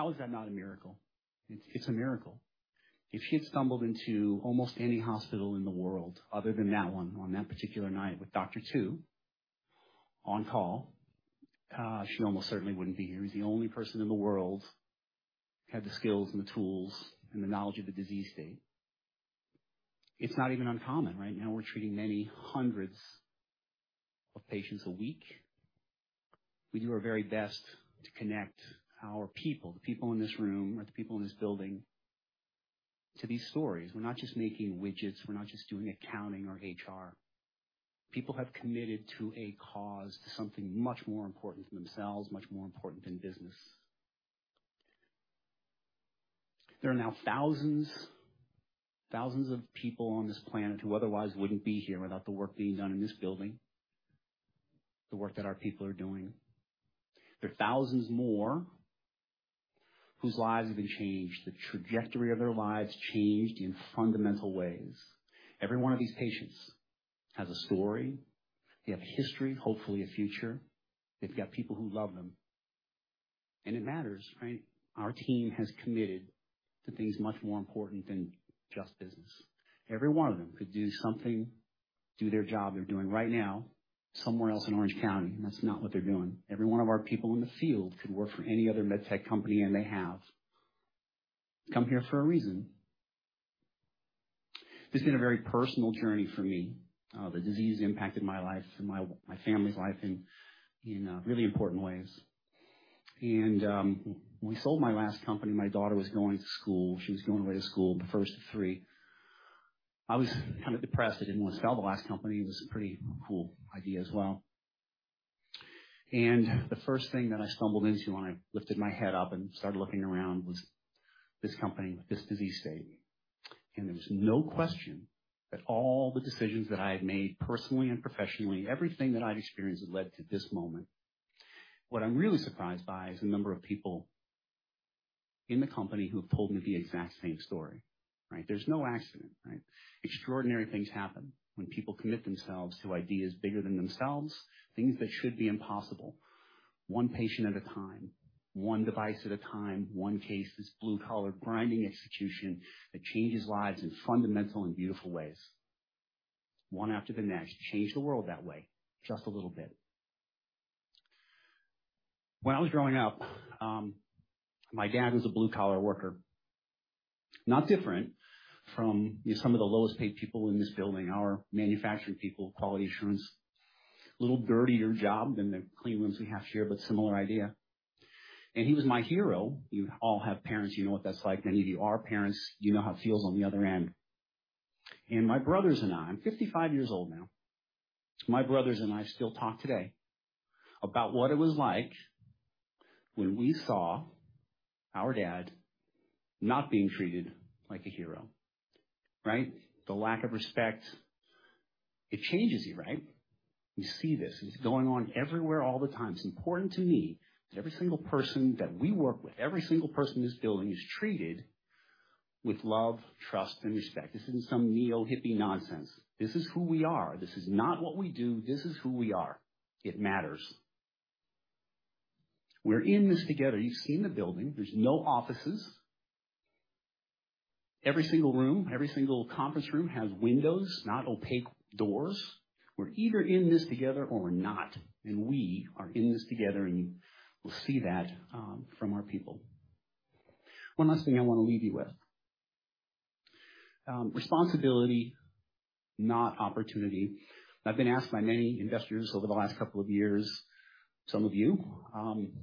How is that not a miracle? It's a miracle. If she had stumbled into almost any hospital in the world other than that one on that particular night with Dr. Tu on call, she almost certainly wouldn't be here. He's the only person in the world who had the skills and the tools and the knowledge of the disease state. It's not even uncommon, right? Now we're treating many hundreds of patients a week. We do our very best to connect our people, the people in this room or the people in this building to these stories. We're not just making widgets. We're not just doing accounting or HR. People have committed to a cause, to something much more important than themselves, much more important than business. There are now thousands of people on this planet who otherwise wouldn't be here without the work being done in this building, the work that our people are doing. There are thousands more whose lives have been changed. The trajectory of their lives changed in fundamental ways. Every one of these patients has a story. They have a history, hopefully a future. They've got people who love them, and it matters, right? Our team has committed to things much more important than just business. Every one of them could do something, do their job they're doing right now somewhere else in Orange County, and that's not what they're doing. Every one of our people in the field could work for any other med tech company, and they have. They come here for a reason. This has been a very personal journey for me. The disease impacted my life and my family's life in really important ways. When we sold my last company, my daughter was going to school. She was going away to school, the first of three. I was kinda depressed. I didn't wanna sell the last company. It was a pretty cool idea as well. The first thing that I stumbled into when I lifted my head up and started looking around was this company with this disease state. There was no question that all the decisions that I had made personally and professionally, everything that I'd experienced, had led to this moment. What I'm really surprised by is the number of people in the company who have told me the exact same story, right? There's no accident, right? Extraordinary things happen when people commit themselves to ideas bigger than themselves, things that should be impossible. One patient at a time, one device at a time, one case that's blue-collar, grinding execution that changes lives in fundamental and beautiful ways. One after the next. Change the world that way, just a little bit. When I was growing up, my dad was a blue-collar worker. Not different from some of the lowest paid people in this building, our manufacturing people, quality assurance. A little dirtier job than the clean rooms we have here, but similar idea. He was my hero. You all have parents. You know what that's like. Many of you are parents. You know how it feels on the other end. My brothers and I- I'm 55 years old now. My brothers and I still talk today about what it was like when we saw our dad not being treated like a hero, right? The lack of respect, it changes you, right? We see this, and it's going on everywhere all the time. It's important to me that every single person that we work with, every single person in this building is treated with love, trust, and respect. This isn't some neo-hippie nonsense. This is who we are. This is not what we do. This is who we are. It matters. We're in this together. You've seen the building. There's no offices. Every single room, every single conference room has windows, not opaque doors. We're either in this together or we're not, and we are in this together, and you will see that, from our people. One last thing I wanna leave you with. Responsibility, not opportunity. I've been asked by many investors over the last couple of years, some of you,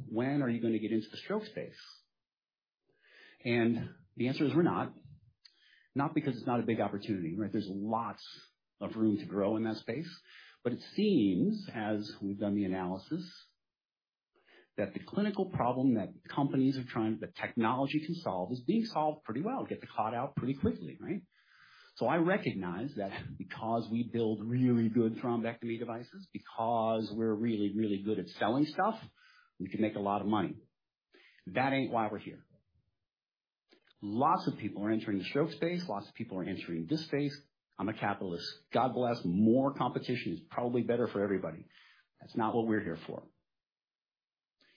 "When are you gonna get into the stroke space?" The answer is we're not. Not because it's not a big opportunity, right? There's lots of room to grow in that space. It seems, as we've done the analysis, that the clinical problem that technology can solve is being solved pretty well. Get the clot out pretty quickly, right? I recognize that because we build really good thrombectomy devices, because we're really, really good at selling stuff, we can make a lot of money. That ain't why we're here. Lots of people are entering the stroke space. Lots of people are entering this space. I'm a capitalist. God bless more competition. It's probably better for everybody. That's not what we're here for.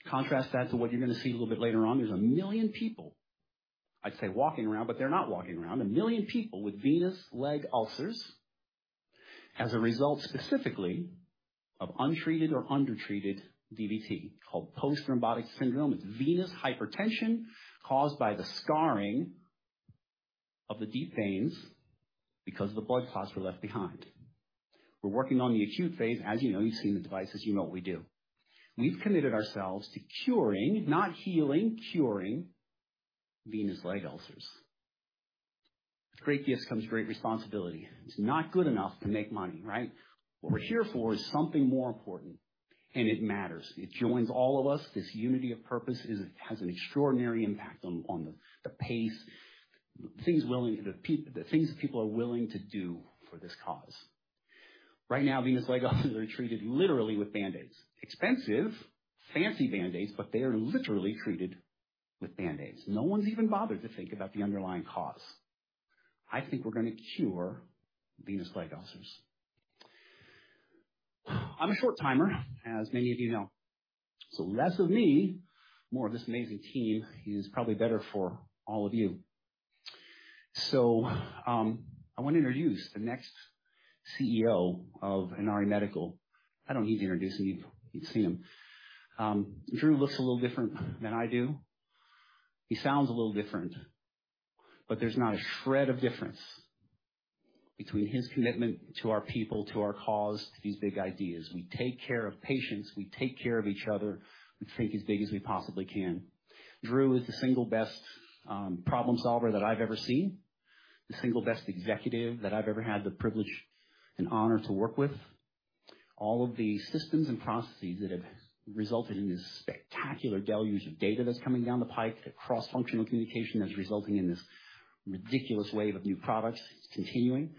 Contrast that to what you're gonna see a little bit later on. There's a million people, I'd say, walking around, but they're not walking around. A million people with venous leg ulcers as a result, specifically of untreated or undertreated DVT called post-thrombotic syndrome. It's venous hypertension caused by the scarring of the deep veins because the blood clots were left behind. We're working on the acute phase. As you know, you've seen the devices. You know what we do. We've committed ourselves to curing, not healing, curing venous leg ulcers. With great gifts comes great responsibility. It's not good enough to make money, right? What we're here for is something more important, and it matters. It joins all of us. This unity of purpose has an extraordinary impact on the pace, the things that people are willing to do for this cause. Right now, venous leg ulcers are treated literally with Band-Aids. Expensive, fancy Band-Aids, but they are literally treated with Band-Aids. No one's even bothered to think about the underlying cause. I think we're gonna cure venous leg ulcers. I'm a short-timer, as many of you know. Less of me, more of this amazing team is probably better for all of you. I want to introduce the next CEO of Inari Medical. I don't need to introduce him. You've seen him. Drew looks a little different than I do. He sounds a little different, but there's not a shred of difference between his commitment to our people, to our cause, to these big ideas. We take care of patients, we take care of each other. We think as big as we possibly can. Drew is the single best problem solver that I've ever seen, the single best executive that I've ever had the privilege and honor to work with. All of the systems and processes that have resulted in this spectacular deluge of data that's coming down the pipe, the cross-functional communication that's resulting in this ridiculous wave of new products continuing,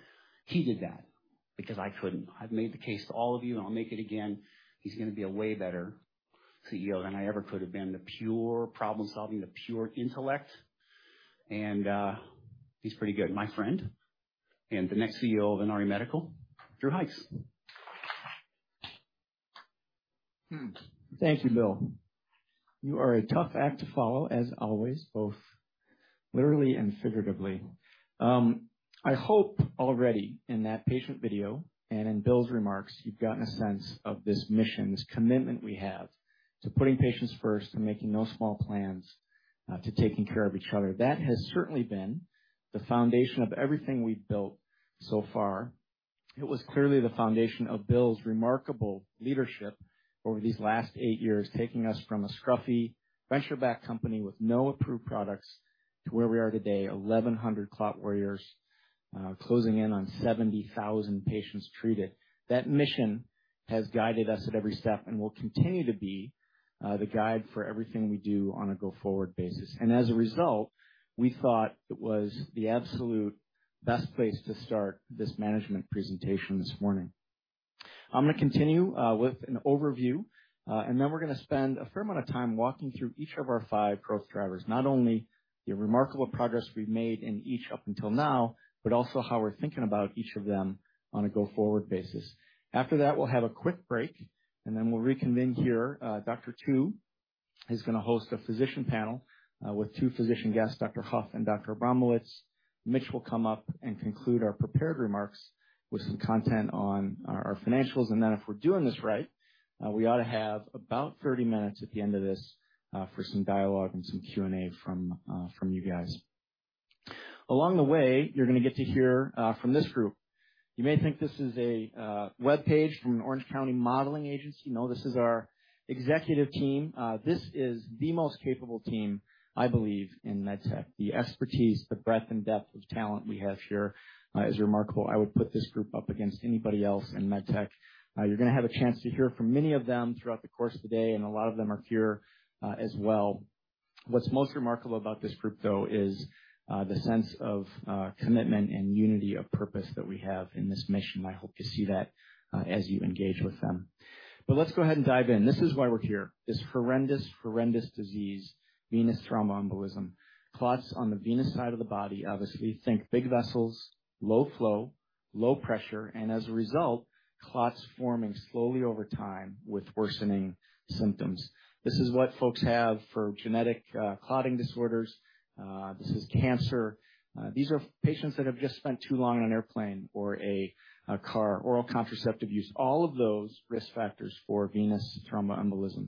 he did that because I couldn't. I've made the case to all of you, and I'll make it again, he's gonna be a way better CEO than I ever could have been. The pure problem-solving, the pure intellect, and he's pretty good. My friend and the next CEO of Inari Medical, Drew Hykes. Thank you, Bill. You are a tough act to follow, as always, both literally and figuratively. I hope already in that patient video and in Bill's remarks, you've gotten a sense of this mission, this commitment we have to putting patients first, to making no small plans, to taking care of each other. That has certainly been the foundation of everything we've built so far. It was clearly the foundation of Bill's remarkable leadership over these last 8 years, taking us from a scruffy venture-backed company with no approved products to where we are today, 1,100 clot warriors, closing in on 70,000 patients treated. That mission has guided us at every step and will continue to be, the guide for everything we do on a go-forward basis. As a result, we thought it was the absolute best place to start this management presentation this morning. I'm gonna continue with an overview, and then we're gonna spend a fair amount of time walking through each of our five growth drivers. Not only the remarkable progress we've made in each up until now, but also how we're thinking about each of them on a go-forward basis. After that, we'll have a quick break, and then we'll reconvene here. Dr. Tu is gonna host a physician panel with two physician guests, Dr. Huff and Dr. Abramowitz. Mitch will come up and conclude our prepared remarks with some content on our financials. Then, if we're doing this right, we ought to have about 30 minutes at the end of this for some dialogue and some Q&A from you guys. Along the way, you're gonna get to hear from this group. You may think this is a webpage from an Orange County modeling agency. No, this is our executive team. This is the most capable team I believe in med tech. The expertise, the breadth and depth of talent we have here is remarkable. I would put this group up against anybody else in med tech. You're gonna have a chance to hear from many of them throughout the course of the day, and a lot of them are here as well. What's most remarkable about this group, though, is the sense of commitment and unity of purpose that we have in this mission. I hope you see that as you engage with them. Let's go ahead and dive in. This is why we're here. This horrendous disease, venous thromboembolism. Clots on the venous side of the body. Obviously, think big vessels, low flow, low pressure, and as a result, clots forming slowly over time with worsening symptoms. This is what folks have for genetic clotting disorders. This is cancer. These are patients that have just spent too long on an airplane or a car. Oral contraceptive use. All of those risk factors for venous thromboembolism.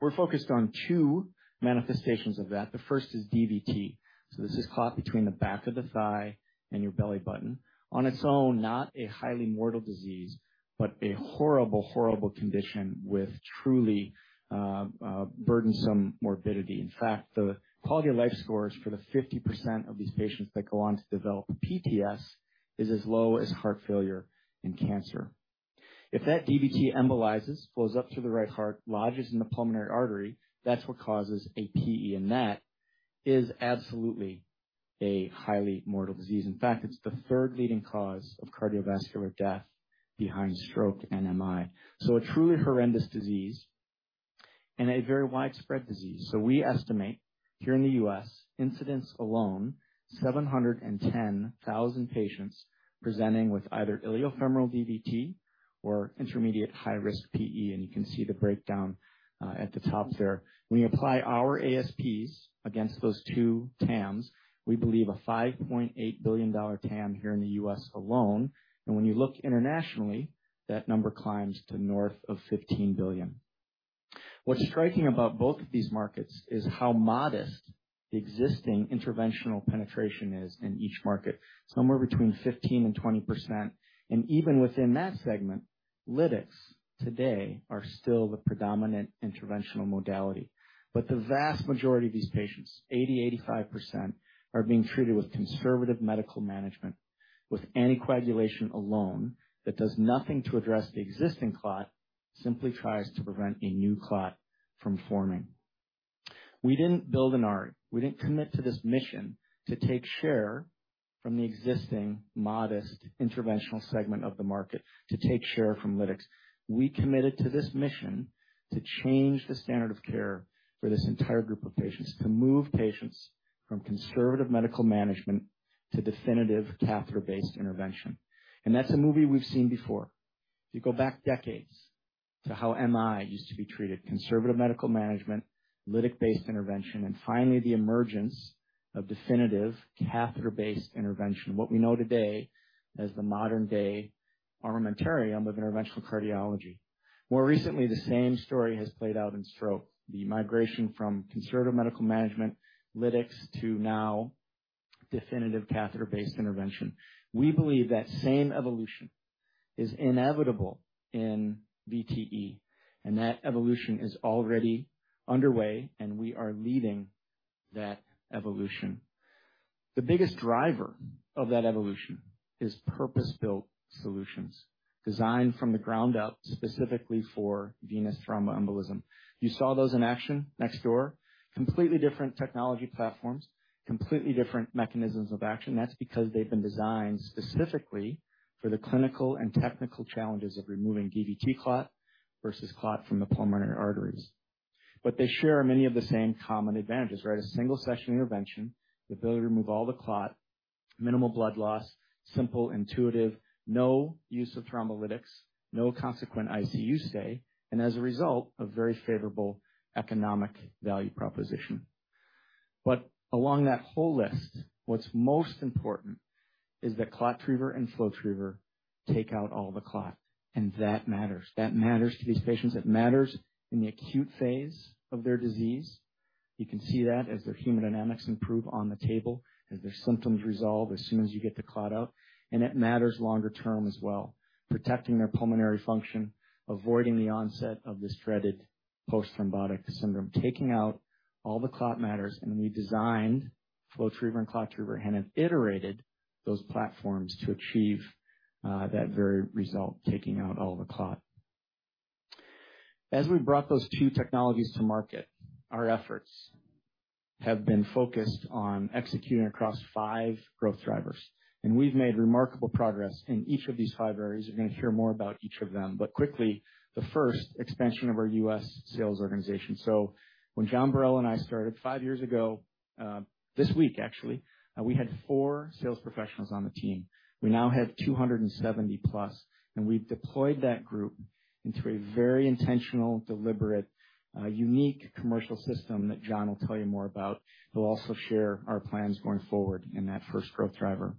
We're focused on two manifestations of that. The first is DVT. So this is a clot between the back of the thigh and your belly button. On its own, not a highly mortal disease, but a horrible condition with truly burdensome morbidity. In fact, the quality of life scores for the 50% of these patients that go on to develop PTS is as low as heart failure and cancer. If that DVT embolizes, flows up through the right heart, lodges in the pulmonary artery, that's what causes a PE, and that is absolutely a highly mortal disease. In fact, it's the third leading cause of cardiovascular death behind stroke and MI. A truly horrendous disease and a very widespread disease. We estimate here in the U.S., incidence alone, 710,000 patients presenting with either iliofemoral DVT or intermediate high-risk PE, and you can see the breakdown at the top there. When you apply our ASPs against those two TAMs, we believe a $5.8 billion TAM here in the U.S. alone. When you look internationally, that number climbs to north of $15 billion. What's striking about both of these markets is how modest the existing interventional penetration is in each market, somewhere between 15%-20%. Even within that segment, lytics today are still the predominant interventional modality. The vast majority of these patients, 80%-85%, are being treated with conservative medical management, with anticoagulation alone that does nothing to address the existing clot, simply tries to prevent a new clot from forming. We didn't build Inari. We didn't commit to this mission to take share from the existing modest interventional segment of the market to take share from lytics. We committed to this mission to change the standard of care for this entire group of patients, to move patients from conservative medical management to definitive catheter-based intervention. That's a movie we've seen before. You go back decades to how MI used to be treated, conservative medical management, lytic-based intervention, and finally the emergence of definitive catheter-based intervention, what we know today as the modern-day armamentarium of interventional cardiology. More recently, the same story has played out in stroke, the migration from conservative medical management, lytics to now definitive catheter-based intervention. We believe that same evolution is inevitable in VTE, and that evolution is already underway, and we are leading that evolution. The biggest driver of that evolution is purpose-built solutions designed from the ground up specifically for venous thromboembolism. You saw those in action next door. Completely different technology platforms, completely different mechanisms of action. That's because they've been designed specifically for the clinical and technical challenges of removing DVT clot versus clot from the pulmonary arteries. They share many of the same common advantages, right? A single session intervention, the ability to remove all the clot, minimal blood loss, simple, intuitive, no use of thrombolytics, no consequent ICU stay, and as a result, a very favorable economic value proposition. Along that whole list, what's most important is that ClotTriever and FlowTriever take out all the clot, and that matters. That matters to these patients. It matters in the acute phase of their disease. You can see that as their hemodynamics improve on the table, as their symptoms resolve as soon as you get the clot out, and it matters longer term as well, protecting their pulmonary function, avoiding the onset of this dreaded post-thrombotic syndrome. Taking out all the clot matters, and we designed FlowTriever and ClotTriever and have iterated those platforms to achieve that very result, taking out all the clot. As we brought those two technologies to market, our efforts have been focused on executing across five growth drivers, and we've made remarkable progress in each of these five areas. You're going to hear more about each of them. Quickly, the first expansion of our U.S. sales organization. When John Borrell and I started 5 years ago, this week, actually, we had four sales professionals on the team. We now have 270+, and we've deployed that group into a very intentional, deliberate, unique commercial system that John will tell you more about. He'll also share our plans going forward in that first growth driver.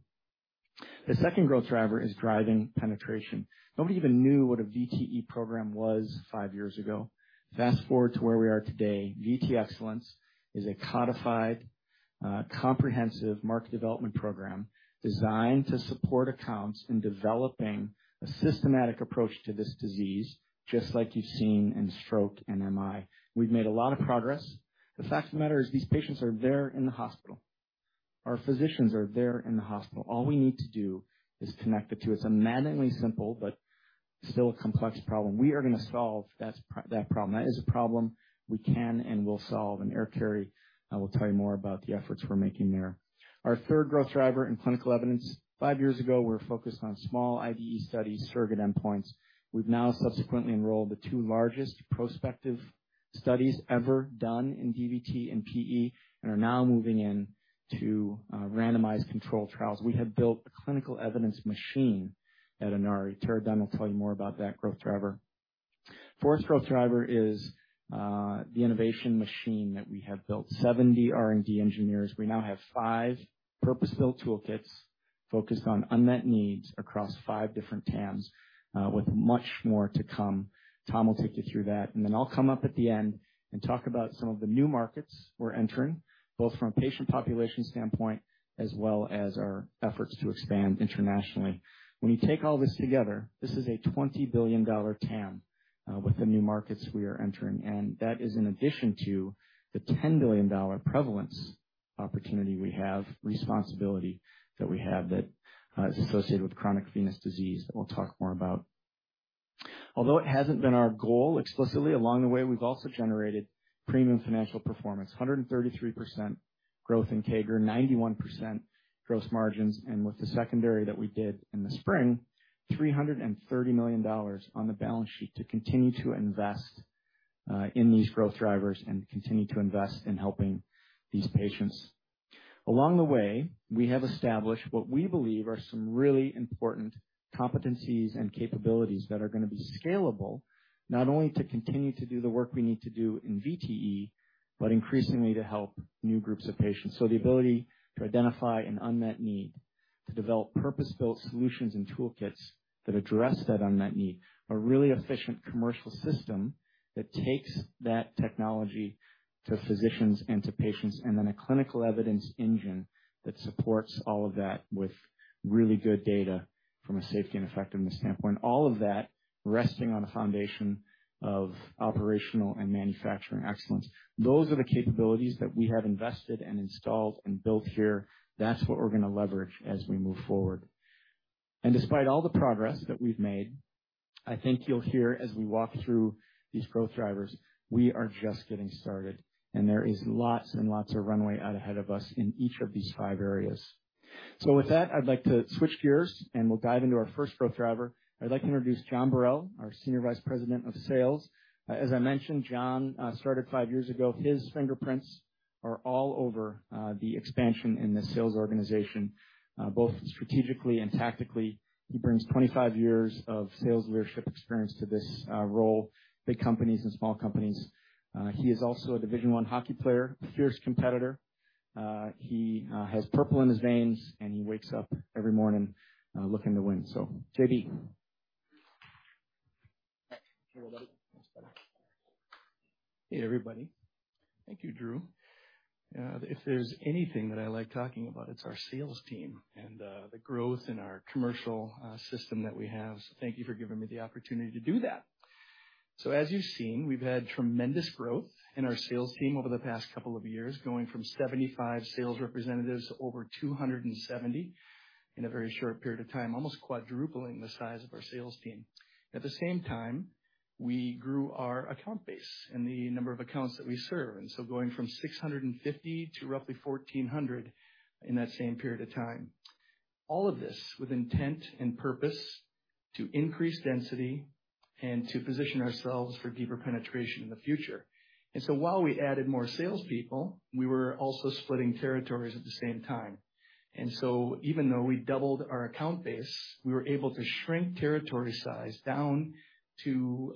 The second growth driver is driving penetration. Nobody even knew what a VTE program was 5 years ago. Fast-forward to where we are today. VTE Excellence is a codified, comprehensive market development program designed to support accounts in developing a systematic approach to this disease, just like you've seen in stroke and MI. We've made a lot of progress. The fact of the matter is these patients are there in the hospital. Our physicians are there in the hospital. All we need to do is connect the two. It's a maddeningly simple but still a complex problem. We are going to solve that problem. That is a problem we can and will solve. Eric Khairy will tell you more about the efforts we're making there. Our third growth driver in clinical evidence. 5 years ago, we were focused on small IDE studies, surrogate endpoints. We've now subsequently enrolled the two largest prospective studies ever done in DVT and PE and are now moving into randomized controlled trials. We have built a clinical evidence machine at Inari. Tara Dunn will tell you more about that growth driver. Fourth growth driver is the innovation machine that we have built. 70 R&D engineers. We now have five purpose-built toolkits focused on unmet needs across five different TAMs, with much more to come. Tom will take you through that, and then I'll come up at the end and talk about some of the new markets we're entering, both from a patient population standpoint as well as our efforts to expand internationally. When you take all this together, this is a $20 billion TAM with the new markets we are entering, and that is in addition to the $10 billion prevalence opportunity we have, responsibility that we have that is associated with chronic venous disease that we'll talk more about. Although it hasn't been our goal explicitly, along the way, we've also generated premium financial performance, 133% growth in CAGR, 91% gross margins, and with the secondary that we did in the spring, $330 million on the balance sheet to continue to invest in these growth drivers and continue to invest in helping these patients. Along the way, we have established what we believe are some really important competencies and capabilities that are gonna be scalable, not only to continue to do the work we need to do in VTE, but increasingly to help new groups of patients. The ability to identify an unmet need, to develop purpose-built solutions and toolkits that address that unmet need, a really efficient commercial system that takes that technology to physicians and to patients, and then a clinical evidence engine that supports all of that with really good data from a safety and effectiveness standpoint. All of that resting on a foundation of operational and manufacturing excellence. Those are the capabilities that we have invested and installed and built here. That's what we're going to leverage as we move forward. Despite all the progress that we've made, I think you'll hear as we walk through these growth drivers, we are just getting started, and there is lots and lots of runway out ahead of us in each of these five areas. With that, I'd like to switch gears, and we'll dive into our first growth driver. I'd like to introduce John Borrell, our Senior Vice President of Sales. As I mentioned, John started 5 years ago. His fingerprints are all over the expansion in the sales organization, both strategically and tactically. He brings 25 years of sales leadership experience to this role, big companies and small companies. He is also a Division I hockey player, a fierce competitor. He has purple in his veins, and he wakes up every morning looking to win. JB? Can you hear that? That's better. Hey, everybody. Thank you, Drew. If there's anything that I like talking about, it's our sales team and the growth in our commercial system that we have. Thank you for giving me the opportunity to do that. As you've seen, we've had tremendous growth in our sales team over the past couple of years, going from 75 sales representatives to over 270 in a very short period of time, almost quadrupling the size of our sales team. At the same time, we grew our account base and the number of accounts that we serve, and so going from 650 to roughly 1,400 in that same period of time. All of this with intent and purpose to increase density and to position ourselves for deeper penetration in the future. While we added more salespeople, we were also splitting territories at the same time. Even though we doubled our account base, we were able to shrink territory size down to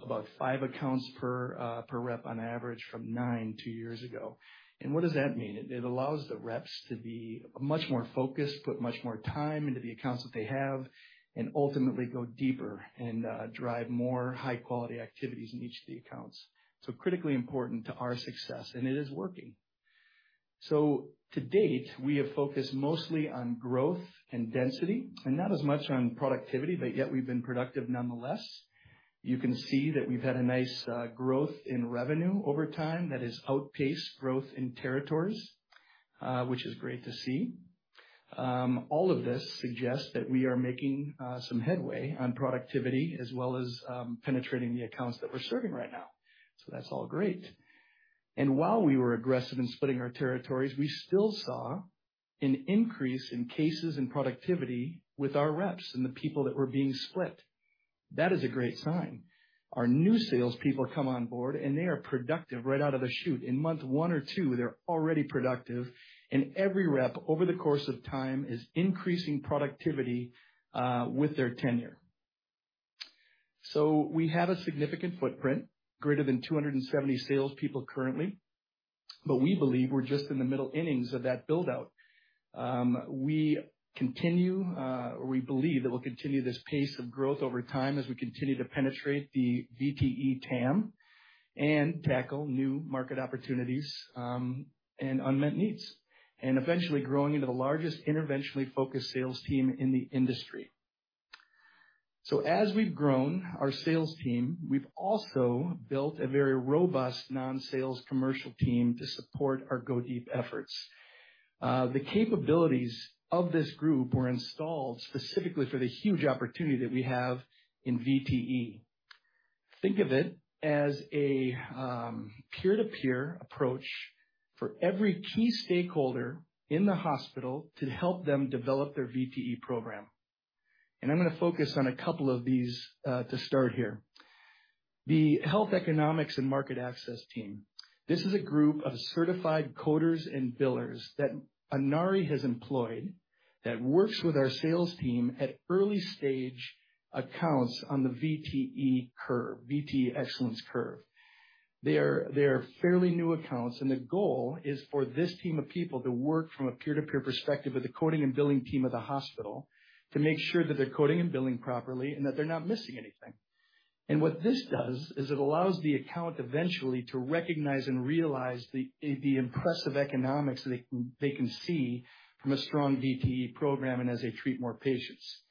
about five accounts per rep on average from nine 2 years ago. What does that mean? It allows the reps to be much more focused, put much more time into the accounts that they have, and ultimately go deeper and drive more high-quality activities in each of the accounts. Critically important to our success, and it is working. To date, we have focused mostly on growth and density and not as much on productivity, but yet we've been productive nonetheless. You can see that we've had a nice growth in revenue over time that has outpaced growth in territories, which is great to see. All of this suggests that we are making some headway on productivity as well as penetrating the accounts that we're serving right now. That's all great. While we were aggressive in splitting our territories, we still saw an increase in cases and productivity with our reps and the people that were being split. That is a great sign. Our new salespeople come on board, and they are productive right out of the chute. In month 1 or 2, they're already productive. Every rep, over the course of time, is increasing productivity with their tenure. We have a significant footprint, greater than 270 salespeople currently, but we believe we're just in the middle innings of that build-out. We continue. We believe that we'll continue this pace of growth over time as we continue to penetrate the VTE TAM and tackle new market opportunities, and unmet needs, and eventually growing into the largest interventionally focused sales team in the industry. As we've grown our sales team, we've also built a very robust non-sales commercial team to support our go deep efforts. The capabilities of this group were installed specifically for the huge opportunity that we have in VTE. Think of it as peer-to-peer approach for every key stakeholder in the hospital to help them develop their VTE program. I'm gonna focus on a couple of these, to start here. The health economics and market access team. This is a group of certified coders and billers that Inari has employed that works with our sales team at early-stage accounts on the VTE curve, VTE Excellence curve. They are fairly new accounts, and the goal is for this team of people to work from a peer-to-peer perspective with the coding and billing team of the hospital to make sure that they're coding and billing properly and that they're not missing anything. What this does is it allows the account eventually to recognize and realize the impressive economics they can see from a strong VTE program and as they treat more patients.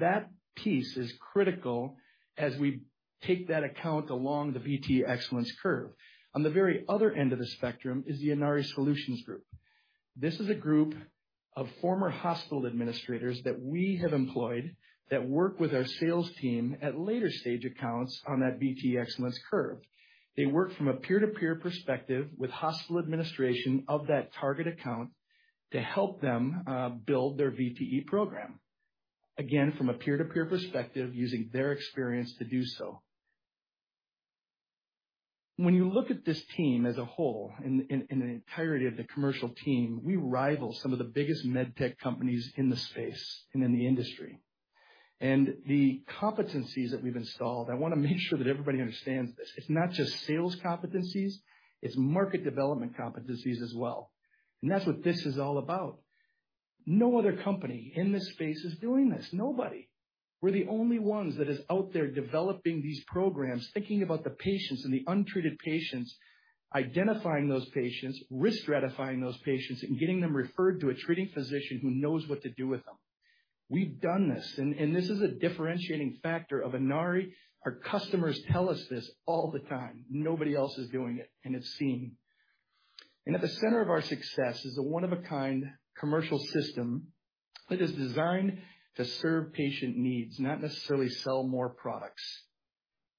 That piece is critical as we take that account along the VTE Excellence curve. On the very other end of the spectrum is the Inari Solutions group. This is a group of former hospital administrators that we have employed that work with our sales team at later stage accounts on that VTE Excellence curve. They work from a peer-to-peer perspective with hospital administration of that target account to help them build their VTE program. Again, from a peer-to-peer perspective, using their experience to do so. When you look at this team as a whole, in the entirety of the commercial team, we rival some of the biggest med tech companies in the space and in the industry. The competencies that we've installed, I wanna make sure that everybody understands this. It's not just sales competencies, it's market development competencies as well. That's what this is all about. No other company in this space is doing this. Nobody. We're the only ones that is out there developing these programs, thinking about the patients and the untreated patients, identifying those patients, risk stratifying those patients, and getting them referred to a treating physician who knows what to do with them. We've done this, and this is a differentiating factor of Inari. Our customers tell us this all the time. Nobody else is doing it, and it's seen. At the center of our success is the one-of-a-kind commercial system that is designed to serve patient needs, not necessarily sell more products.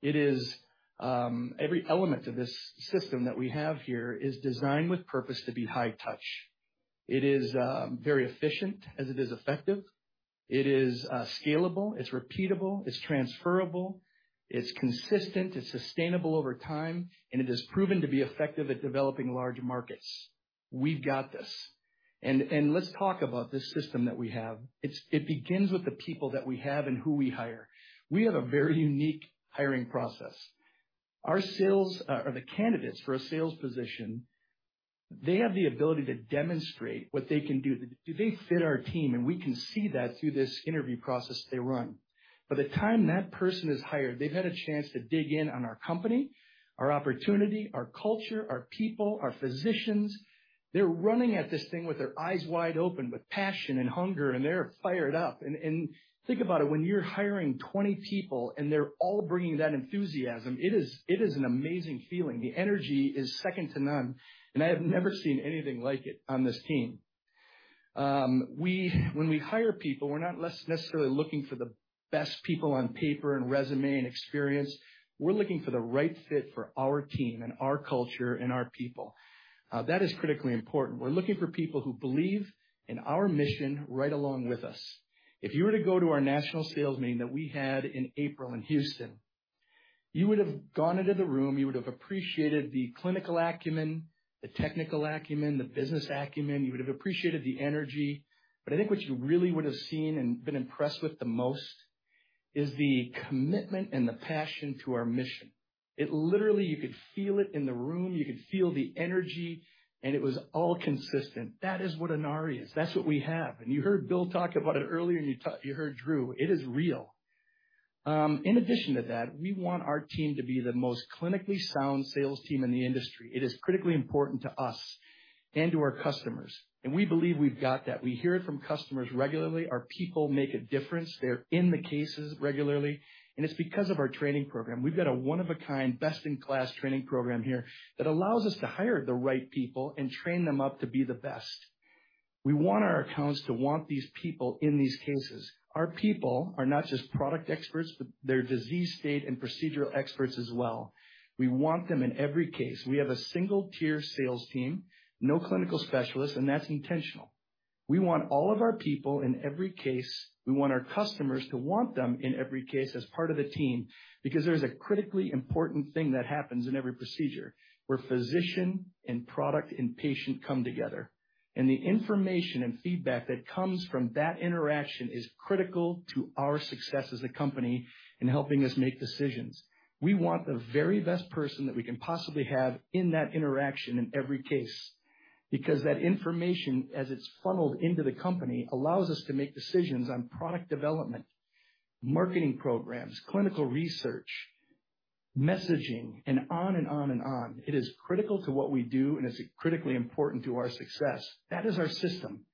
It is every element of this system that we have here is designed with purpose to be high touch. It is very efficient as it is effective. It is scalable, it's repeatable, it's transferable, it's consistent, it's sustainable over time, and it is proven to be effective at developing large markets. We've got this. Let's talk about this system that we have. It begins with the people that we have and who we hire. We have a very unique hiring process. Our sales, the candidates for a sales position, they have the ability to demonstrate what they can do. Do they fit our team? We can see that through this interview process they run. By the time that person is hired, they've had a chance to dig in on our company, our opportunity, our culture, our people, our physicians. They're running at this thing with their eyes wide open, with passion and hunger, and they're fired up. Think about it, when you're hiring 20 people and they're all bringing that enthusiasm, it is an amazing feeling. The energy is second to none, and I have never seen anything like it on this team. When we hire people, we're not necessarily looking for the best people on paper and resume and experience. We're looking for the right fit for our team and our culture and our people. That is critically important. We're looking for people who believe in our mission right along with us. If you were to go to our national sales meeting that we had in April in Houston, you would have gone into the room, you would have appreciated the clinical acumen, the technical acumen, the business acumen. You would have appreciated the energy. I think what you really would have seen and been impressed with the most is the commitment and the passion to our mission. It literally, you could feel it in the room, you could feel the energy, and it was all consistent. That is what Inari is. That's what we have. You heard Bill talk about it earlier, you heard Drew. It is real. In addition to that, we want our team to be the most clinically sound sales team in the industry. It is critically important to us and to our customers, and we believe we've got that. We hear it from customers regularly. Our people make a difference. They're in the cases regularly. It's because of our training program. We've got a one-of-a-kind, best-in-class training program here that allows us to hire the right people and train them up to be the best. We want our accounts to want these people in these cases. Our people are not just product experts, but they're disease state and procedural experts as well. We want them in every case. We have a single-tier sales team, no clinical specialists, and that's intentional. We want all of our people in every case. We want our customers to want them in every case as part of the team because there's a critically important thing that happens in every procedure, where physician and product and patient come together. The information and feedback that comes from that interaction is critical to our success as a company in helping us make decisions. We want the very best person that we can possibly have in that interaction in every case, because that information, as it's funneled into the company, allows us to make decisions on product development, marketing programs, clinical research, messaging, and on and on and on. It is critical to what we do, and it's critically important to our success. That is our system.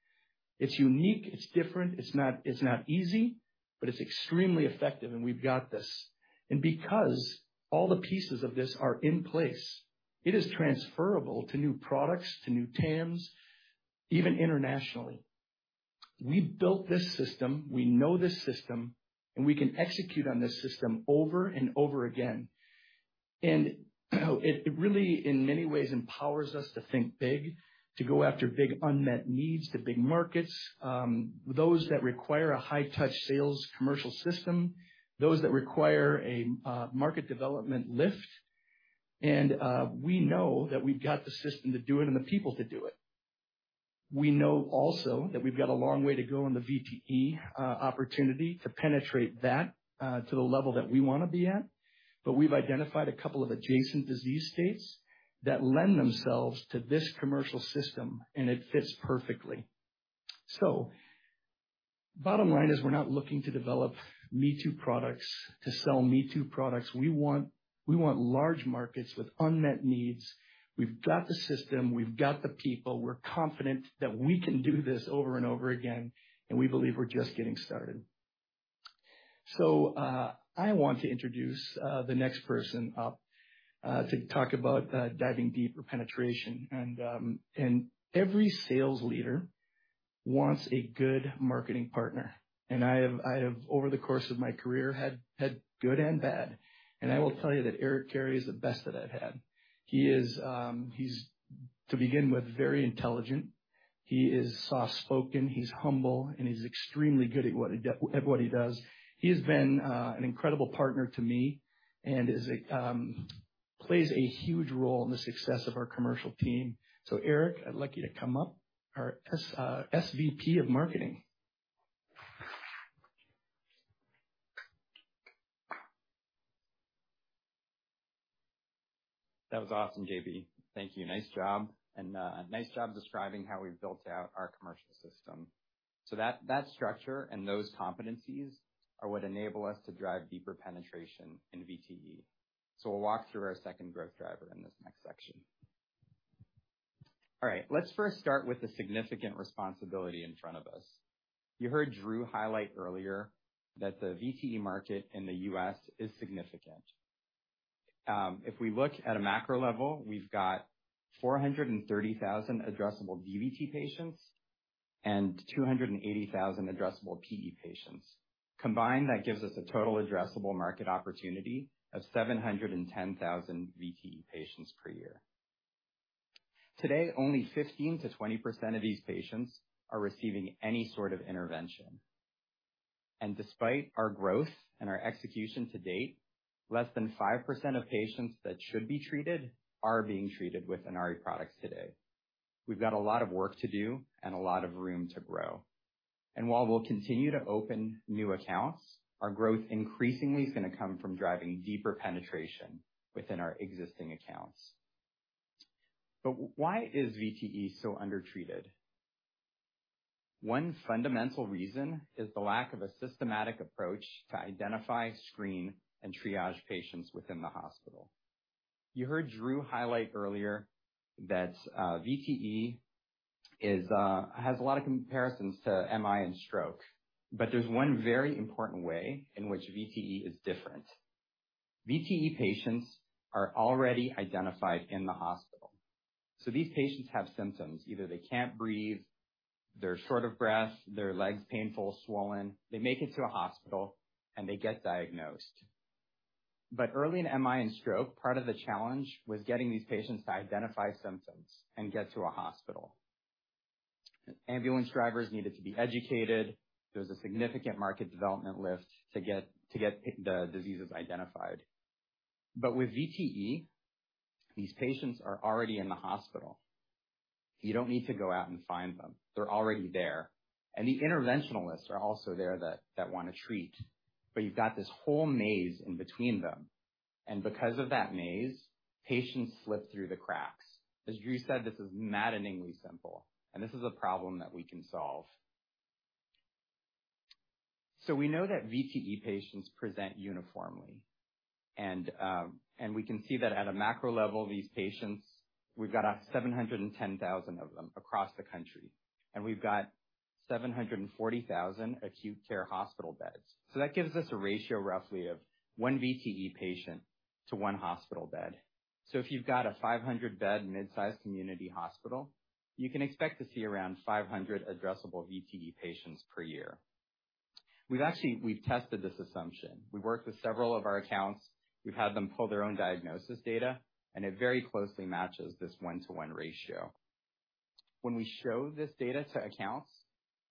It's unique, it's different, it's not easy, but it's extremely effective, and we've got this. Because all the pieces of this are in place, it is transferable to new products, to new TAMs, even internationally. We built this system, we know this system, and we can execute on this system over and over again. It really, in many ways, empowers us to think big, to go after big unmet needs, to big markets, those that require a high-touch sales commercial system, those that require a market development lift. We know that we've got the system to do it and the people to do it. We know also that we've got a long way to go in the VTE opportunity to penetrate that to the level that we wanna be at. We've identified a couple of adjacent disease states that lend themselves to this commercial system, and it fits perfectly. Bottom line is we're not looking to develop me-too products, to sell me-too products. We want large markets with unmet needs. We've got the system, we've got the people. We're confident that we can do this over and over again, and we believe we're just getting started. I want to introduce the next person up to talk about driving deeper penetration. Every sales leader wants a good marketing partner. I have over the course of my career had good and bad. I will tell you that Eric Khairy is the best that I've had. He is. He's, to begin with, very intelligent. He is soft-spoken, he's humble, and he's extremely good at what he does. He has been an incredible partner to me and plays a huge role in the success of our commercial team. Eric, I'd like you to come up. Our SVP of Marketing. That was awesome, JB. Thank you. Nice job. Nice job describing how we've built out our commercial system. That structure and those competencies are what enable us to drive deeper penetration in VTE. We'll walk through our second growth driver in this next section. All right, let's first start with the significant responsibility in front of us. You heard Drew highlight earlier that the VTE market in the U.S. is significant. If we look at a macro level, we've got 430,000 addressable DVT patients and 280,000 addressable PE patients. Combined, that gives us a total addressable market opportunity of 710,000 VTE patients per year. Today, only 15%-20% of these patients are receiving any sort of intervention. Despite our growth and our execution to date, less than 5% of patients that should be treated are being treated with Inari products today. We've got a lot of work to do and a lot of room to grow. While we'll continue to open new accounts, our growth increasingly is going to come from driving deeper penetration within our existing accounts. Why is VTE so undertreated? One fundamental reason is the lack of a systematic approach to identify, screen, and triage patients within the hospital. You heard Drew highlight earlier that VTE has a lot of comparisons to MI and stroke, but there's one very important way in which VTE is different. VTE patients are already identified in the hospital. These patients have symptoms. Either they can't breathe, they're short of breath, their leg's painful, swollen. They make it to a hospital, and they get diagnosed. Early in MI and stroke, part of the challenge was getting these patients to identify symptoms and get to a hospital. Ambulance drivers needed to be educated. There was a significant market development lift to get the diseases identified. With VTE, these patients are already in the hospital. You don't need to go out and find them. They're already there. The interventionalists are also there that want to treat. You've got this whole maze in between them, and because of that maze, patients slip through the cracks. As Drew said, this is maddeningly simple, and this is a problem that we can solve. We know that VTE patients present uniformly. We can see that at a macro level, these patients, we've got 710,000 of them across the country, and we've got 740,000 acute care hospital beds. That gives us a ratio roughly of one VTE patient to one hospital bed. If you've got a 500-bed mid-sized community hospital, you can expect to see around 500 addressable VTE patients per year. We've actually tested this assumption. We've worked with several of our accounts. We've had them pull their own diagnosis data, and it very closely matches this 1:1 ratio. When we show this data to accounts,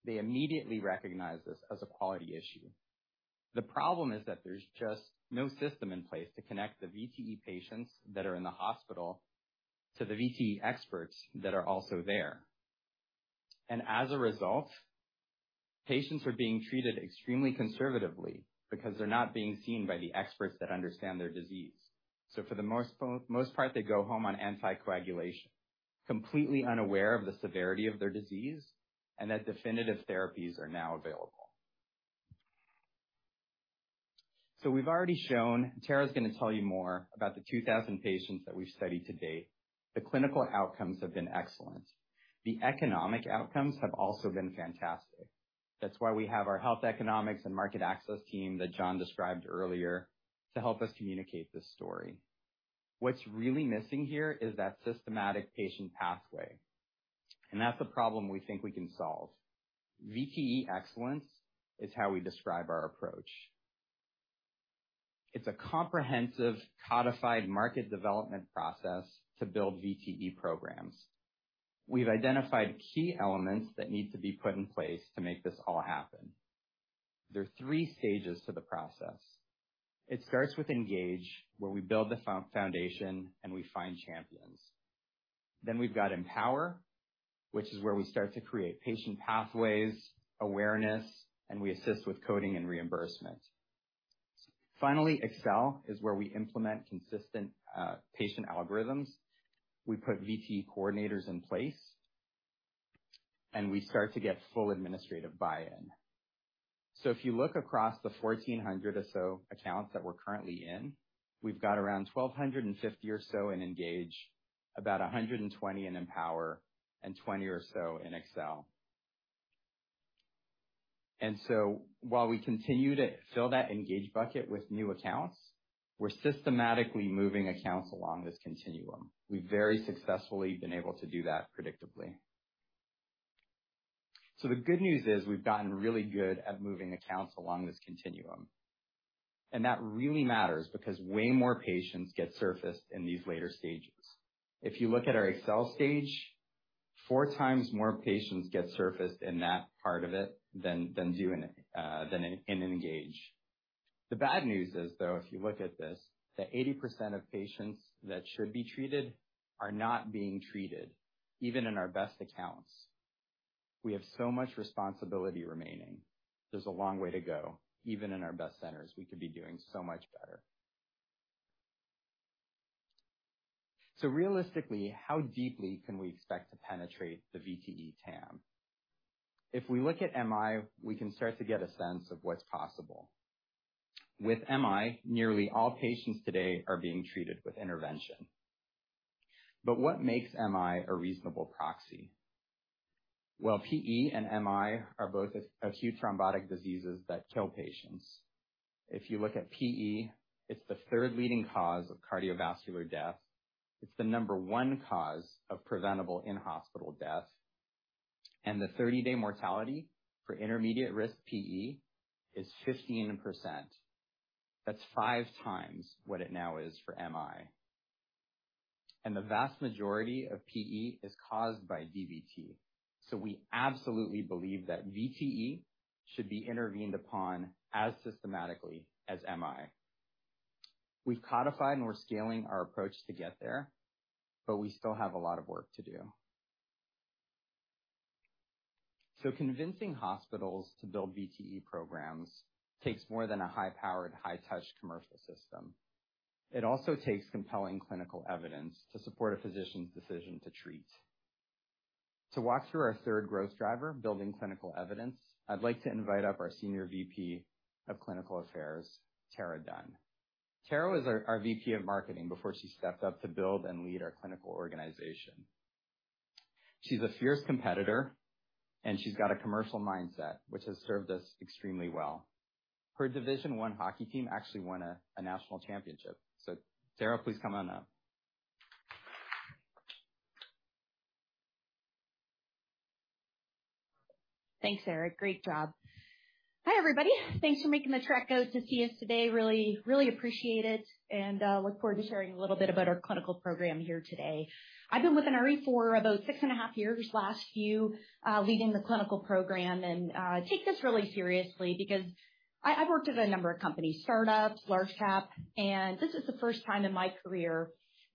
they immediately recognize this as a quality issue. The problem is that there's just no system in place to connect the VTE patients that are in the hospital to the VTE experts that are also there. As a result, patients are being treated extremely conservatively because they're not being seen by the experts that understand their disease. For the most part, they go home on anticoagulation, completely unaware of the severity of their disease and that definitive therapies are now available. We've already shown, Tara's going to tell you more about the 2,000 patients that we've studied to date. The clinical outcomes have been excellent. The economic outcomes have also been fantastic. That's why we have our health economics and market access team that John described earlier to help us communicate this story. What's really missing here is that systematic patient pathway, and that's a problem we think we can solve. VTE Excellence is how we describe our approach. It's a comprehensive, codified market development process to build VTE programs. We've identified key elements that need to be put in place to make this all happen. There are three stages to the process. It starts with ENGAGE, where we build the foundation, and we find champions. We've got EMPOWER, which is where we start to create patient pathways, awareness, and we assist with coding and reimbursement. Finally, EXCEL is where we implement consistent patient algorithms. We put VTE coordinators in place, and we start to get full administrative buy-in. If you look across the 1,400 or so accounts that we're currently in, we've got around 1,250 or so in ENGAGE, about 120 in EMPOWER, and 20 or so in EXCEL. While we continue to fill that ENGAGE bucket with new accounts, we're systematically moving accounts along this continuum. We've very successfully been able to do that predictably. The good news is we've gotten really good at moving accounts along this continuum. That really matters because way more patients get surfaced in these later stages. If you look at our EXCEL stage, 4x more patients get surfaced in that part of it than do in ENGAGE. The bad news is, though, if you look at this, that 80% of patients that should be treated are not being treated, even in our best accounts. We have so much responsibility remaining. There's a long way to go. Even in our best centers, we could be doing so much better. Realistically, how deeply can we expect to penetrate the VTE TAM? If we look at MI, we can start to get a sense of what's possible. With MI, nearly all patients today are being treated with intervention. What makes MI a reasonable proxy? Well, PE and MI are both acute thrombotic diseases that kill patients. If you look at PE, it's the third leading cause of cardiovascular death. It's the number one cause of preventable in-hospital death, and the 30-day mortality for intermediate-risk PE is 15%. That's 5x what it now is for MI. The vast majority of PE is caused by DVT. We absolutely believe that VTE should be intervened upon as systematically as MI. We've codified and we're scaling our approach to get there, but we still have a lot of work to do. Convincing hospitals to build VTE programs takes more than a high-powered, high-touch commercial system. It also takes compelling clinical evidence to support a physician's decision to treat. To walk through our third growth driver, building clinical evidence, I'd like to invite up our Senior VP of Clinical Affairs, Tara Dunn. Tara was our VP of Marketing before she stepped up to build and lead our clinical organization. She's a fierce competitor, and she's got a commercial mindset, which has served us extremely well. Her Division I hockey team actually won a national championship. Tara, please come on up. Thanks, Eric. Great job. Hi, everybody. Thanks for making the trek out to see us today. Really, really appreciate it and look forward to sharing a little bit about our clinical program here today. I've been with Inari for about 6.5 years last June, leading the clinical program, and take this really seriously because I've worked at a number of companies, startups, large cap, and this is the first time in my career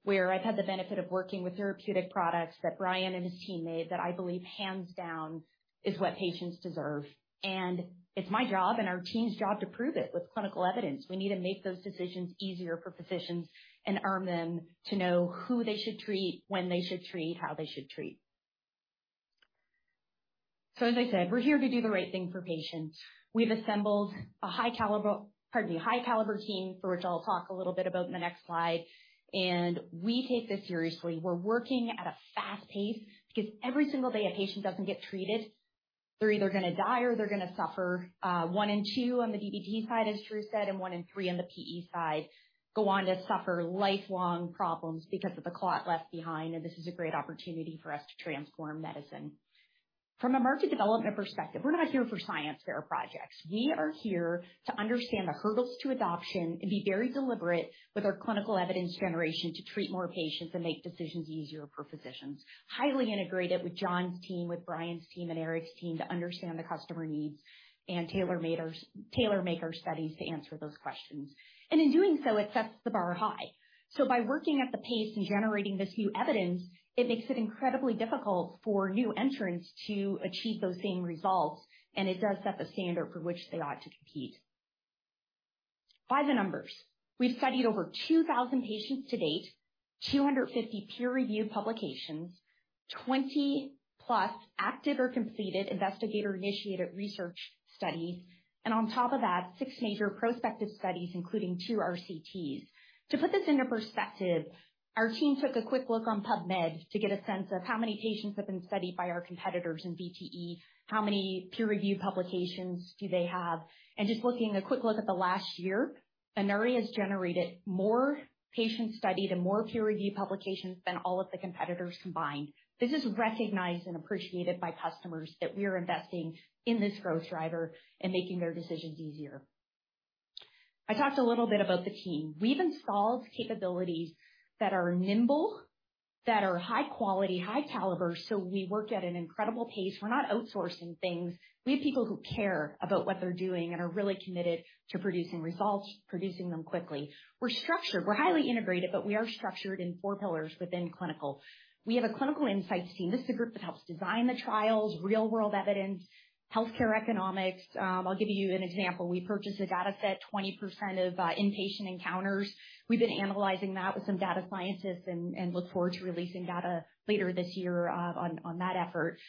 where I've had the benefit of working with therapeutic products that Brian and his team made that I believe hands down is what patients deserve. It's my job and our team's job to prove it with clinical evidence. We need to make those decisions easier for physicians and arm them to know who they should treat, when they should treat, how they should treat. As I said, we're here to do the right thing for patients. We've assembled a high caliber team, for which I'll talk a little bit about in the next slide, and we take this seriously. We're working at a fast pace because every single day a patient doesn't get treated, they're either gonna die or they're gonna suffer. One in two on the DVT side, as Drew said, and one in three on the PE side go on to suffer lifelong problems because of the clot left behind, and this is a great opportunity for us to transform medicine. From a market development perspective, we're not here for science fair projects. We are here to understand the hurdles to adoption and be very deliberate with our clinical evidence generation to treat more patients and make decisions easier for physicians. Highly integrated with John's team, with Brian's team and Eric's team to understand the customer needs and tailor-make our studies to answer those questions. In doing so, it sets the bar high. By working at the pace and generating this new evidence, it makes it incredibly difficult for new entrants to achieve those same results, and it does set the standard for which they ought to compete. By the numbers, we've studied over 2,000 patients to date, 250 peer-reviewed publications, 20+ active or completed investigator-initiated research studies, and on top of that, six major prospective studies, including two RCTs. To put this into perspective, our team took a quick look on PubMed to get a sense of how many patients have been studied by our competitors in VTE, how many peer-reviewed publications do they have? Just taking a quick look at the last year, Inari has generated more patients studied and more peer review publications than all of the competitors combined. This is recognized and appreciated by customers that we are investing in this growth driver and making their decisions easier. I talked a little bit about the team. We've installed capabilities that are nimble, that are high quality, high caliber, so we work at an incredible pace. We're not outsourcing things. We have people who care about what they're doing and are really committed to producing results, producing them quickly. We're structured. We're highly integrated, but we are structured in four pillars within clinical. We have a clinical insights team. This is a group that helps design the trials, real-world evidence, healthcare economics. I'll give you an example. We purchased a dataset, 20% of inpatient encounters. We've been analyzing that with some data scientists and look forward to releasing data later this year, on that effort.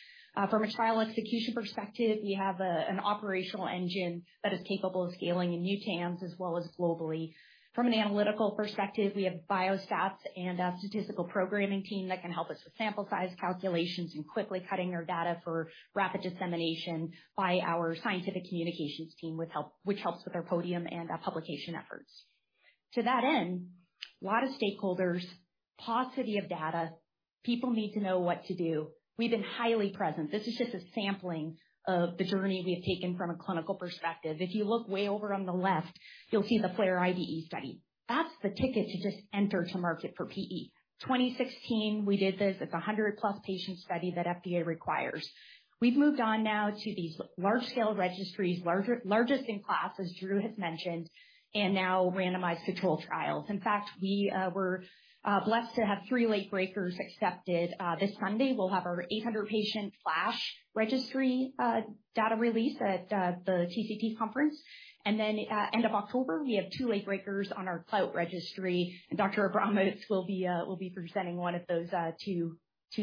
From a trial execution perspective, we have an operational engine that is capable of scaling in new TAMs as well as globally. From an analytical perspective, we have biostats and a statistical programming team that can help us with sample size calculations and quickly cutting our data for rapid dissemination by our scientific communications team with help, which helps with our podium and our publication efforts. To that end, a lot of stakeholders, paucity of data, people need to know what to do. We've been highly present. This is just a sampling of the journey we have taken from a clinical perspective. If you look way over on the left, you'll see the FLARE IDE study. That's the ticket to enter the market for PE. 2016, we did this. It's a 100+ patient study that FDA requires. We've moved on now to these large-scale registries, largest in class, as Drew has mentioned, and now randomized controlled trials. In fact, we were blessed to have three late breakers accepted. This Sunday, we'll have our 800-patient FLASH registry data release at TCT Conference. Then end of October, we have two late breakers on our CLOUT registry, and Dr. Abramowitz will be presenting one of those two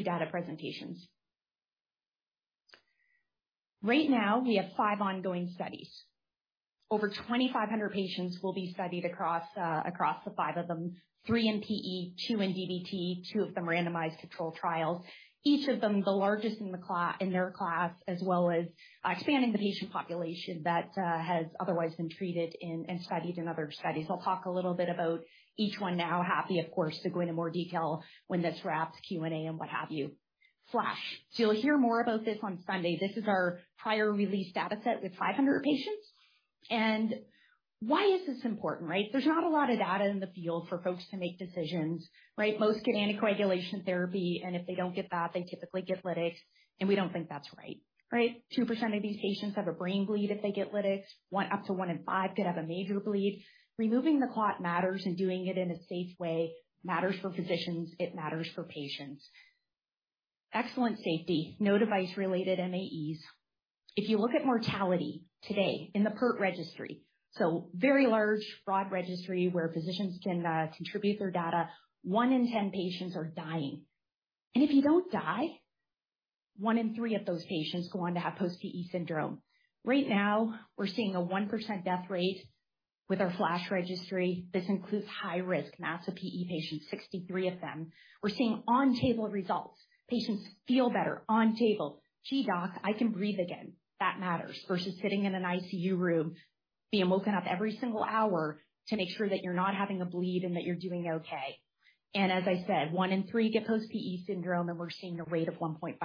data presentations. Right now, we have five ongoing studies. Over 2,500 patients will be studied across the five of them, three in PE, two in DVT, two of them randomized controlled trials. Each of them, the largest in their class, as well as expanding the patient population that has otherwise been treated in and studied in other studies. I'll talk a little bit about each one now. Happy, of course, to go into more detail when this wraps Q&A and what have you. FLASH. You'll hear more about this on Sunday. This is our prior release dataset with 500 patients. Why is this important, right? There's not a lot of data in the field for folks to make decisions, right? Most get anticoagulation therapy, and if they don't get that, they typically get lytics. We don't think that's right, right? 2% of these patients have a brain bleed if they get lytics. Up to one in five could have a major bleed. Removing the clot matters and doing it in a safe way matters for physicians, it matters for patients. Excellent safety. No device related MAEs. If you look at mortality today in the PERT registry, so very large, broad registry where physicians can contribute their data, one in 10 patients are dying. If you don't die, one in three of those patients go on to have post-PE syndrome. Right now, we're seeing a 1% death rate with our FLASH registry. This includes high risk massive PE patients, 63 of them. We're seeing on-table results. Patients feel better on table. "Gee, doc, I can breathe again." That matters. Versus sitting in an ICU room being woken up every single hour to make sure that you're not having a bleed and that you're doing okay. As I said, one in three get post-PE syndrome, and we're seeing a rate of 1.5%.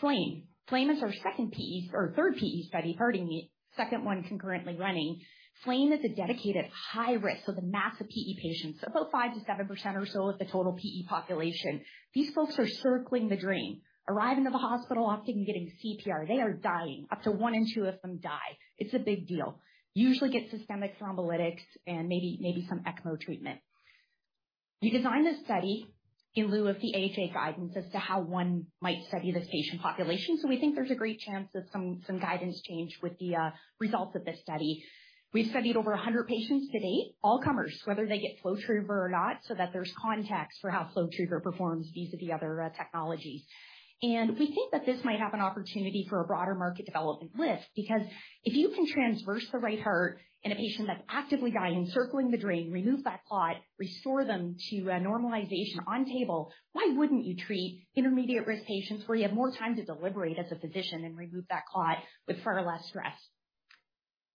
FLAME. FLAME is our second PE or third PE study, pardon me, second one concurrently running. FLAME is a dedicated high risk with massive PE patients, about 5%-7% or so of the total PE population. These folks are circling the drain, arriving to the hospital, often getting CPR. They are dying. Up to one in two of them die. It's a big deal. Usually get systemic thrombolytics and maybe some ECMO treatment. We designed this study in lieu of the AHA guidance as to how one might study this patient population, so we think there's a great chance that some guidance change with the results of this study. We've studied over 100 patients to date, all comers, whether they get FlowTriever or not, so that there's context for how FlowTriever performs vis-à-vis other technologies. We think that this might have an opportunity for a broader market development list because if you can traverse the right heart in a patient that's actively dying, circling the drain, remove that clot, restore them to normalization on table, why wouldn't you treat intermediate risk patients where you have more time to deliberate as a physician and remove that clot with far less stress?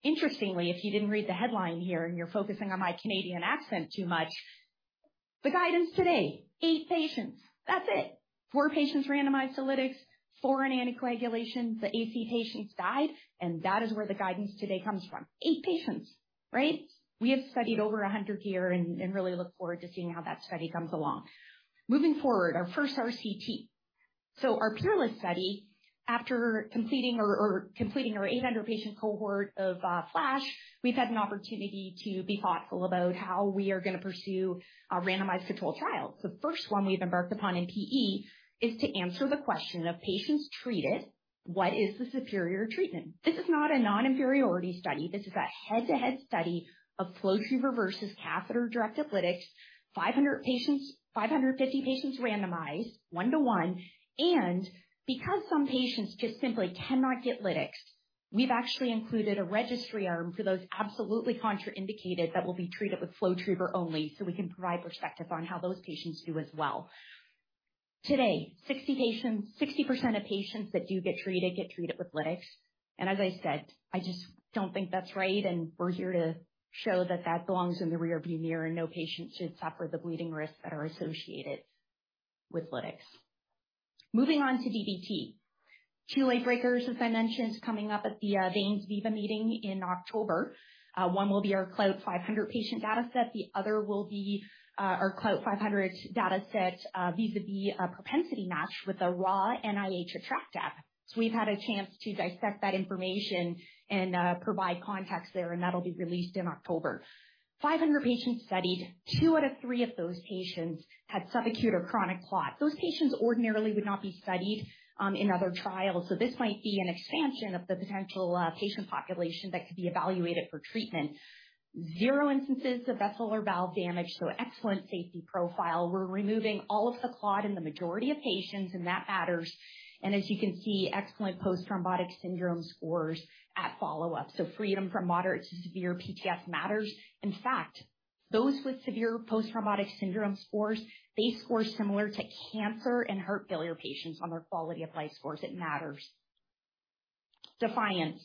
Interestingly, if you didn't read the headline here and you're focusing on my Canadian accent too much, the guidance today, eight patients, that's it. Four patients randomized to lytics, four in anticoagulation. The AC patients died. That is where the guidance today comes from. Eight patients, right? We have studied over 100 here and really look forward to seeing how that study comes along. Moving forward, our first RCT. Our PEERLESS study, after completing our 800-patient cohort of FLASH, we've had an opportunity to be thoughtful about how we are gonna pursue a randomized controlled trial. The first one we've embarked upon in PE is to answer the question of patients treated, what is the superior treatment. This is not a non-inferiority study. This is a head-to-head study of FlowTriever versus catheter-directed lytics. 550 patients randomized 1:1. Because some patients just simply cannot get lytics, we've actually included a registry arm for those absolutely contraindicated that will be treated with FlowTriever only, so we can provide perspective on how those patients do as well. Today, 60% of patients that do get treated get treated with lytics. As I said, I just don't think that's right. We're here to show that that belongs in the rearview mirror and no patient should suffer the bleeding risks that are associated with lytics. Moving on to DVT. Two late breakers, as I mentioned, coming up at The VEINS-VIVA meeting in October. One will be our CLOUT 500 patient dataset. The other will be our CLOUT 500 dataset vis-à-vis a propensity match with a raw NIH ATTRACT data. We've had a chance to dissect that information and provide context there, and that'll be released in October. 500 patients studied. Two out of three of those patients had subacute or chronic clots. Those patients ordinarily would not be studied in other trials. This might be an expansion of the potential, patient population that could be evaluated for treatment. Zero instances of vessel or valve damage, excellent safety profile. We're removing all of the clot in the majority of patients, and that matters. As you can see, excellent post-thrombotic syndrome scores at follow-up. Freedom from moderate to severe PTS matters. In fact, those with severe post-thrombotic syndrome scores, they score similar to cancer and heart failure patients on their quality of life scores. It matters. DEFIANCE,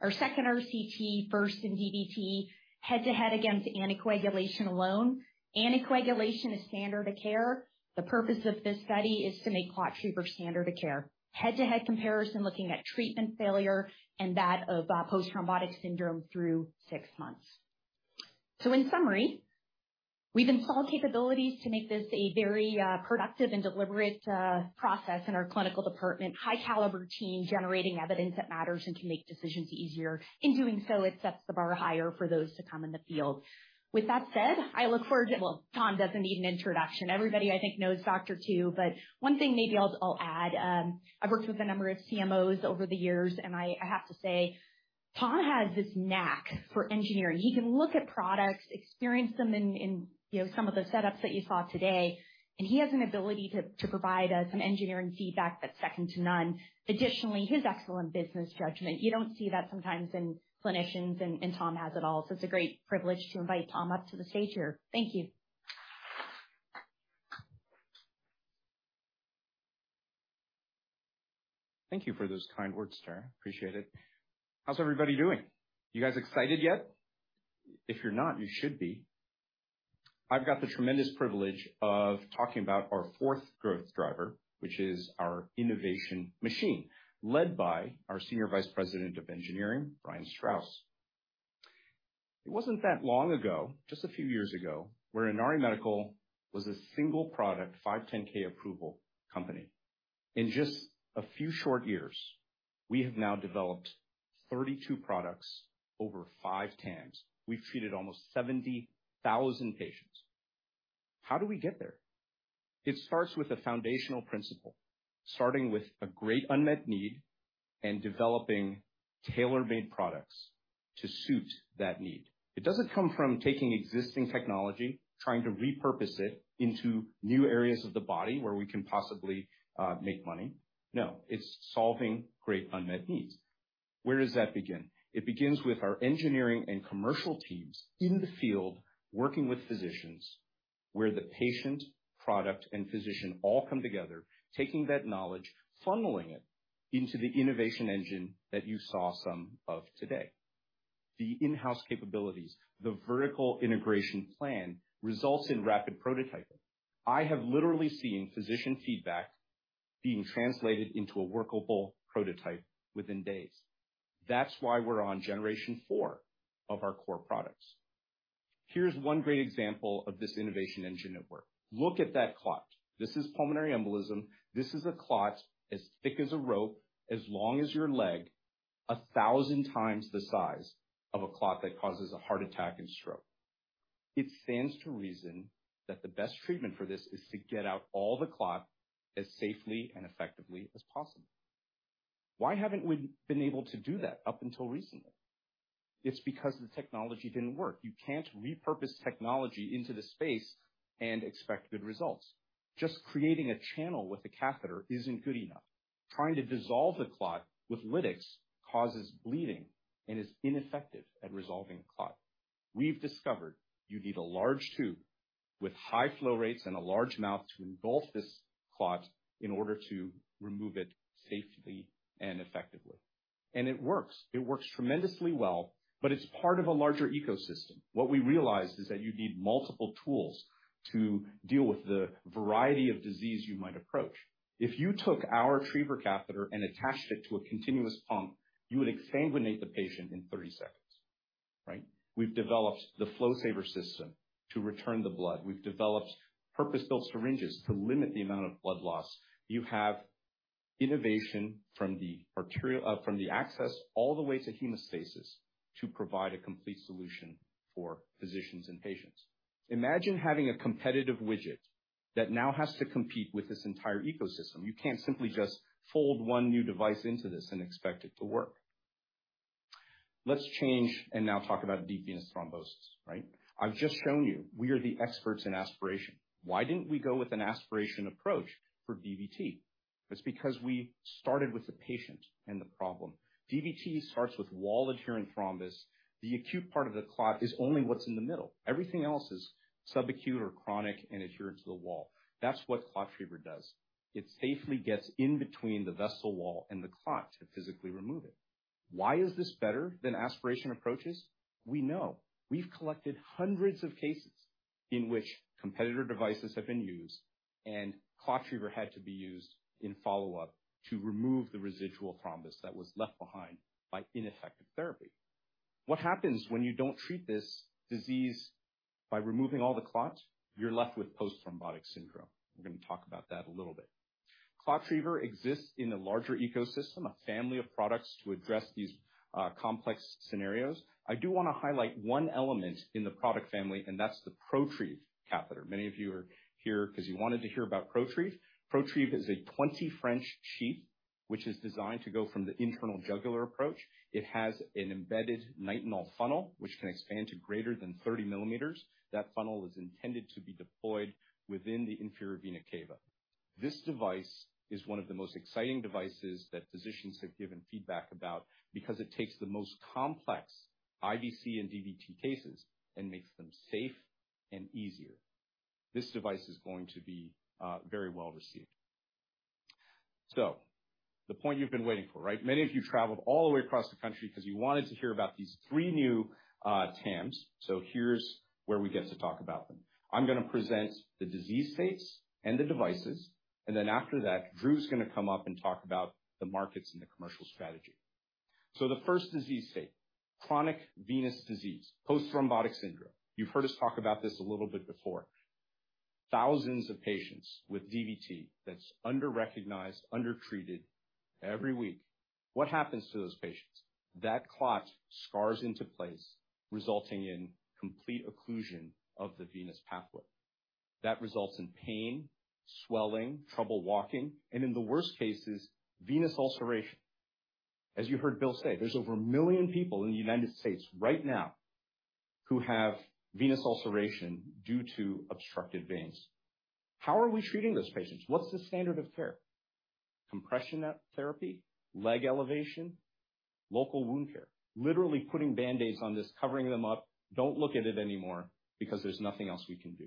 our second RCT, first in DVT, head-to-head against anticoagulation alone. Anticoagulation is standard of care. The purpose of this study is to make ClotTriever standard of care. Head-to-head comparison looking at treatment failure and that of, post-thrombotic syndrome through 6 months. In summary, we've installed capabilities to make this a very productive and deliberate process in our clinical department. High caliber team generating evidence that matters and can make decisions easier. In doing so, it sets the bar higher for those to come in the field. With that said, Well, Tom doesn't need an introduction. Everybody, I think, knows Dr. Tu. But one thing maybe I'll add. I've worked with a number of CMOs over the years, and I have to say. Tom has this knack for engineering. He can look at products, experience them in you know, some of the setups that you saw today, and he has an ability to provide some engineering feedback that's second to none. Additionally, his excellent business judgment. You don't see that sometimes in clinicians and Tom has it all. It's a great privilege to invite Tom up to the stage here. Thank you. Thank you for those kind words, Tara. Appreciate it. How's everybody doing? You guys excited yet? If you're not, you should be. I've got the tremendous privilege of talking about our fourth growth driver, which is our innovation machine, led by our Senior Vice President of Engineering, Brian Strauss. It wasn't that long ago, just a few years ago, where Inari Medical was a single product, 510(k) approval company. In just a few short years, we have now developed 32 products over five TAMs. We've treated almost 70,000 patients. How do we get there? It starts with a foundational principle, starting with a great unmet need and developing tailor-made products to suit that need. It doesn't come from taking existing technology, trying to repurpose it into new areas of the body where we can possibly make money. No, it's solving great unmet needs. Where does that begin? It begins with our engineering and commercial teams in the field working with physicians, where the patient, product, and physician all come together, taking that knowledge, funneling it into the innovation engine that you saw some of today. The in-house capabilities, the vertical integration plan, results in rapid prototyping. I have literally seen physician feedback being translated into a workable prototype within days. That's why we're on generation four of our core products. Here's one great example of this innovation engine at work. Look at that clot. This is pulmonary embolism. This is a clot as thick as a rope, as long as your leg, 1,000x the size of a clot that causes a heart attack and stroke. It stands to reason that the best treatment for this is to get out all the clot as safely and effectively as possible. Why haven't we been able to do that up until recently? It's because the technology didn't work. You can't repurpose technology into the space and expect good results. Just creating a channel with a catheter isn't good enough. Trying to dissolve the clot with lytics causes bleeding and is ineffective at resolving a clot. We've discovered you need a large tube with high flow rates and a large mouth to engulf this clot in order to remove it safely and effectively. It works. It works tremendously well, but it's part of a larger ecosystem. What we realized is that you need multiple tools to deal with the variety of disease you might approach. If you took our Triever catheter and attached it to a continuous pump, you would exsanguinate the patient in 30 seconds, right? We've developed the FlowSaver system to return the blood. We've developed purpose-built syringes to limit the amount of blood loss. You have innovation from the access all the way to hemostasis to provide a complete solution for physicians and patients. Imagine having a competitive widget that now has to compete with this entire ecosystem. You can't simply just fold one new device into this and expect it to work. Let's change and now talk about deep venous thrombosis, right? I've just shown you we are the experts in aspiration. Why didn't we go with an aspiration approach for DVT? It's because we started with the patient and the problem. DVT starts with wall-adherent thrombus. The acute part of the clot is only what's in the middle. Everything else is subacute or chronic and adherent to the wall. That's what ClotTriever does. It safely gets in between the vessel wall and the clot to physically remove it. Why is this better than aspiration approaches? We know. We've collected hundreds of cases in which competitor devices have been used, and ClotTriever had to be used in follow-up to remove the residual thrombus that was left behind by ineffective therapy. What happens when you don't treat this disease by removing all the clots? You're left with post-thrombotic syndrome. We're gonna talk about that a little bit. ClotTriever exists in a larger ecosystem, a family of products, to address these complex scenarios. I do wanna highlight one element in the product family, and that's the ProTrieve catheter. Many of you are here 'cause you wanted to hear about ProTrieve. ProTrieve is a 20 French sheath which is designed to go from the internal jugular approach. It has an embedded nitinol funnel, which can expand to greater than 30 mm. That funnel is intended to be deployed within the inferior vena cava. This device is one of the most exciting devices that physicians have given feedback about because it takes the most complex IVC and DVT cases and makes them safe and easier. This device is going to be very well-received. The point you've been waiting for, right? Many of you traveled all the way across the country 'cause you wanted to hear about these three new TAMs. Here's where we get to talk about them. I'm gonna present the disease states and the devices, and then after that, Drew's gonna come up and talk about the markets and the commercial strategy. The first disease state, chronic venous disease, post-thrombotic syndrome. You've heard us talk about this a little bit before. Thousands of patients with DVT that's under-recognized, under-treated every week. What happens to those patients? That clot scars into place, resulting in complete occlusion of the venous pathway. That results in pain, swelling, trouble walking, and in the worst cases, venous ulceration. As you heard Bill say, there's over 1 million people in the United States right now who have venous ulceration due to obstructed veins. How are we treating those patients? What's the standard of care? Compression therapy, leg elevation, local wound care. Literally putting Band-Aids on this, covering them up, don't look at it anymore because there's nothing else we can do.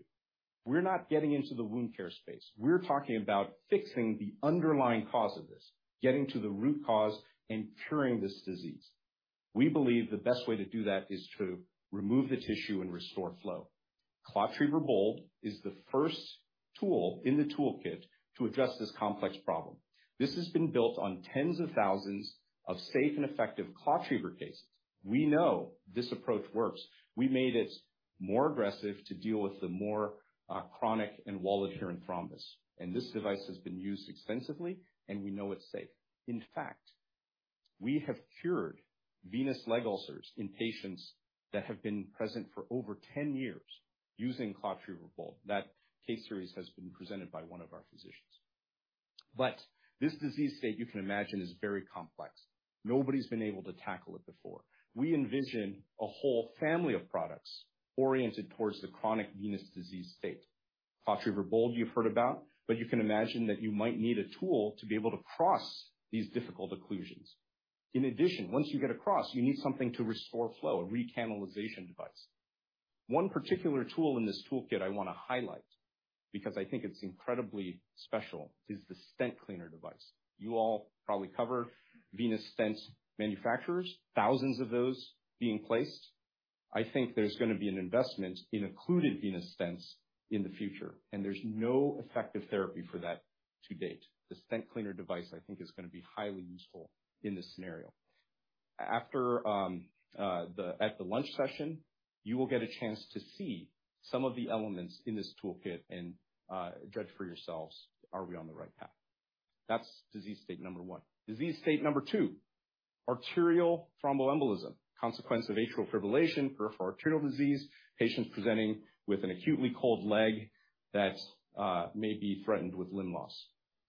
We're not getting into the wound care space. We're talking about fixing the underlying cause of this, getting to the root cause and curing this disease. We believe the best way to do that is to remove the tissue and restore flow. ClotTriever BOLD is the first tool in the toolkit to address this complex problem. This has been built on tens of thousands of safe and effective ClotTriever cases. We know this approach works. We made it more aggressive to deal with the more chronic and wall-adherent thrombus. This device has been used extensively, and we know it's safe. In fact, we have cured venous leg ulcers in patients that have been present for over 10 years using ClotTriever BOLD. That case series has been presented by one of our physicians. This disease state, you can imagine, is very complex. Nobody's been able to tackle it before. We envision a whole family of products oriented towards the chronic venous disease state. ClotTriever BOLD, you've heard about, but you can imagine that you might need a tool to be able to cross these difficult occlusions. In addition, once you get across, you need something to restore flow, a recanalization device. One particular tool in this toolkit I wanna highlight, because I think it's incredibly special, is the stent cleaner device. You all probably cover venous stent manufacturers, thousands of those being placed. I think there's gonna be an investment in occluded venous stents in the future, and there's no effective therapy for that to date. The stent cleaner device, I think, is gonna be highly useful in this scenario. At the lunch session, you will get a chance to see some of the elements in this toolkit and, judge for yourselves, are we on the right path? That's disease state number one. Disease state number two, arterial thromboembolism, consequence of atrial fibrillation, peripheral arterial disease, patients presenting with an acutely cold leg that, may be threatened with limb loss.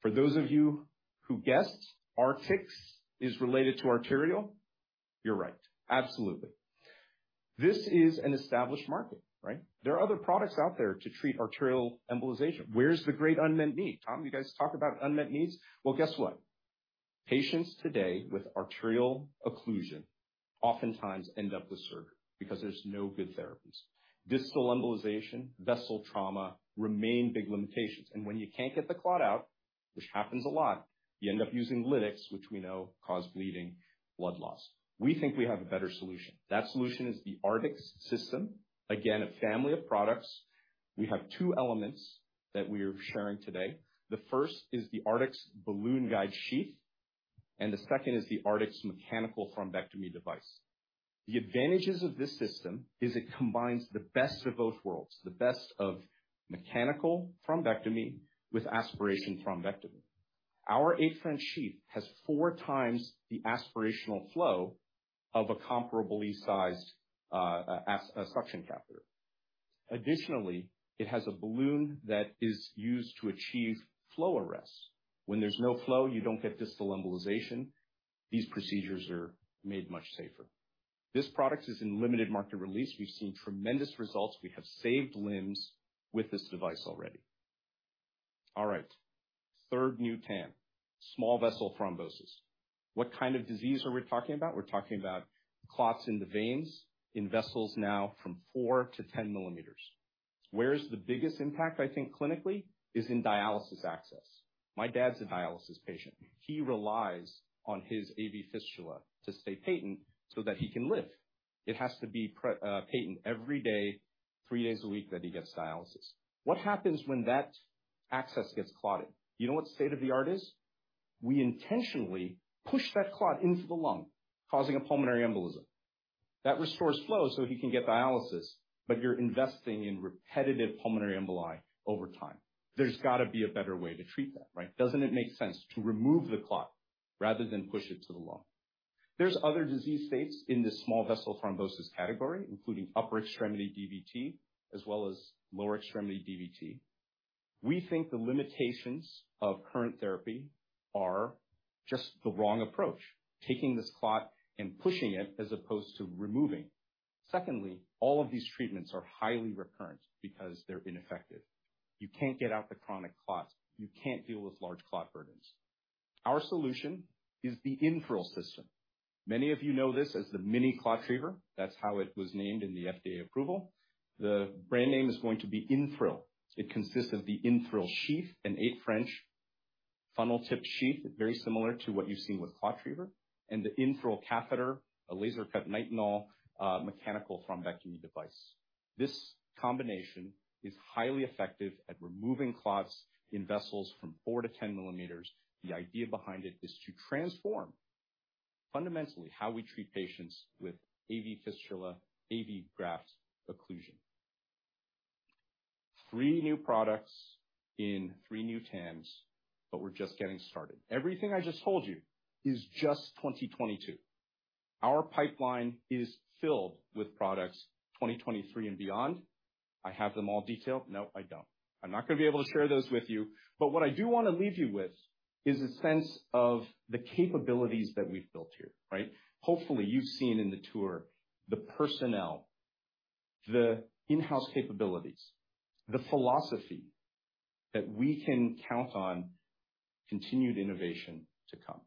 For those of you who guessed Artix is related to arterial, you're right. Absolutely. This is an established market, right? There are other products out there to treat arterial embolization. Where's the great unmet need? Tom, you guys talk about unmet needs. Well, guess what? Patients today with arterial occlusion oftentimes end up with surgery because there's no good therapies. Distal embolization, vessel trauma remain big limitations. When you can't get the clot out, which happens a lot, you end up using lytics, which we know cause bleeding, blood loss. We think we have a better solution. That solution is the Artix system. Again, a family of products. We have two elements that we are sharing today. The first is the Artix balloon guide sheath, and the second is the Artix mechanical thrombectomy device. The advantages of this system is it combines the best of both worlds, the best of mechanical thrombectomy with aspiration thrombectomy. Our 8 French sheath has 4x the aspiration flow of a comparably sized suction catheter. Additionally, it has a balloon that is used to achieve flow arrest. When there's no flow, you don't get distal embolization. These procedures are made much safer. This product is in limited market release. We've seen tremendous results. We have saved limbs with this device already. All right, third new TAM, small vessel thrombosis. What kind of disease are we talking about? We're talking about clots in the veins, in vessels now from 4 mm-10 mm. Where is the biggest impact, I think, clinically? Is in dialysis access. My dad's a dialysis patient. He relies on his AV fistula to stay patent so that he can live. It has to be patent every day, 3 days a week that he gets dialysis. What happens when that access gets clotted? You know what state of the art is? We intentionally push that clot into the lung, causing a pulmonary embolism. That restores flow so he can get dialysis, but you're investing in repetitive pulmonary emboli over time. There's got to be a better way to treat that, right? Doesn't it make sense to remove the clot rather than push it to the lung? There's other disease states in this small vessel thrombosis category, including upper extremity DVT as well as lower extremity DVT. We think the limitations of current therapy are just the wrong approach, taking this clot and pushing it as opposed to removing. Secondly, all of these treatments are highly recurrent because they're ineffective. You can't get out the chronic clots. You can't deal with large clot burdens. Our solution is the InThrill system. Many of you know this as the mini ClotTriever. That's how it was named in the FDA approval. The brand name is going to be InThrill. It consists of the InThrill sheath, an 8 French funnel tip sheath, very similar to what you've seen with ClotTriever, and the InThrill catheter, a laser cut nitinol mechanical thrombectomy device. This combination is highly effective at removing clots in vessels from 4 mm-10 mm. The idea behind it is to transform fundamentally how we treat patients with AV fistula, AV graft occlusion. Three new products in three new TAMs, but we're just getting started. Everything I just told you is just 2022. Our pipeline is filled with products 2023 and beyond. I have them all detailed. No, I don't. I'm not going to be able to share those with you, but what I do want to leave you with is a sense of the capabilities that we've built here, right? Hopefully, you've seen in the tour the personnel, the in-house capabilities, the philosophy that we can count on continued innovation to come.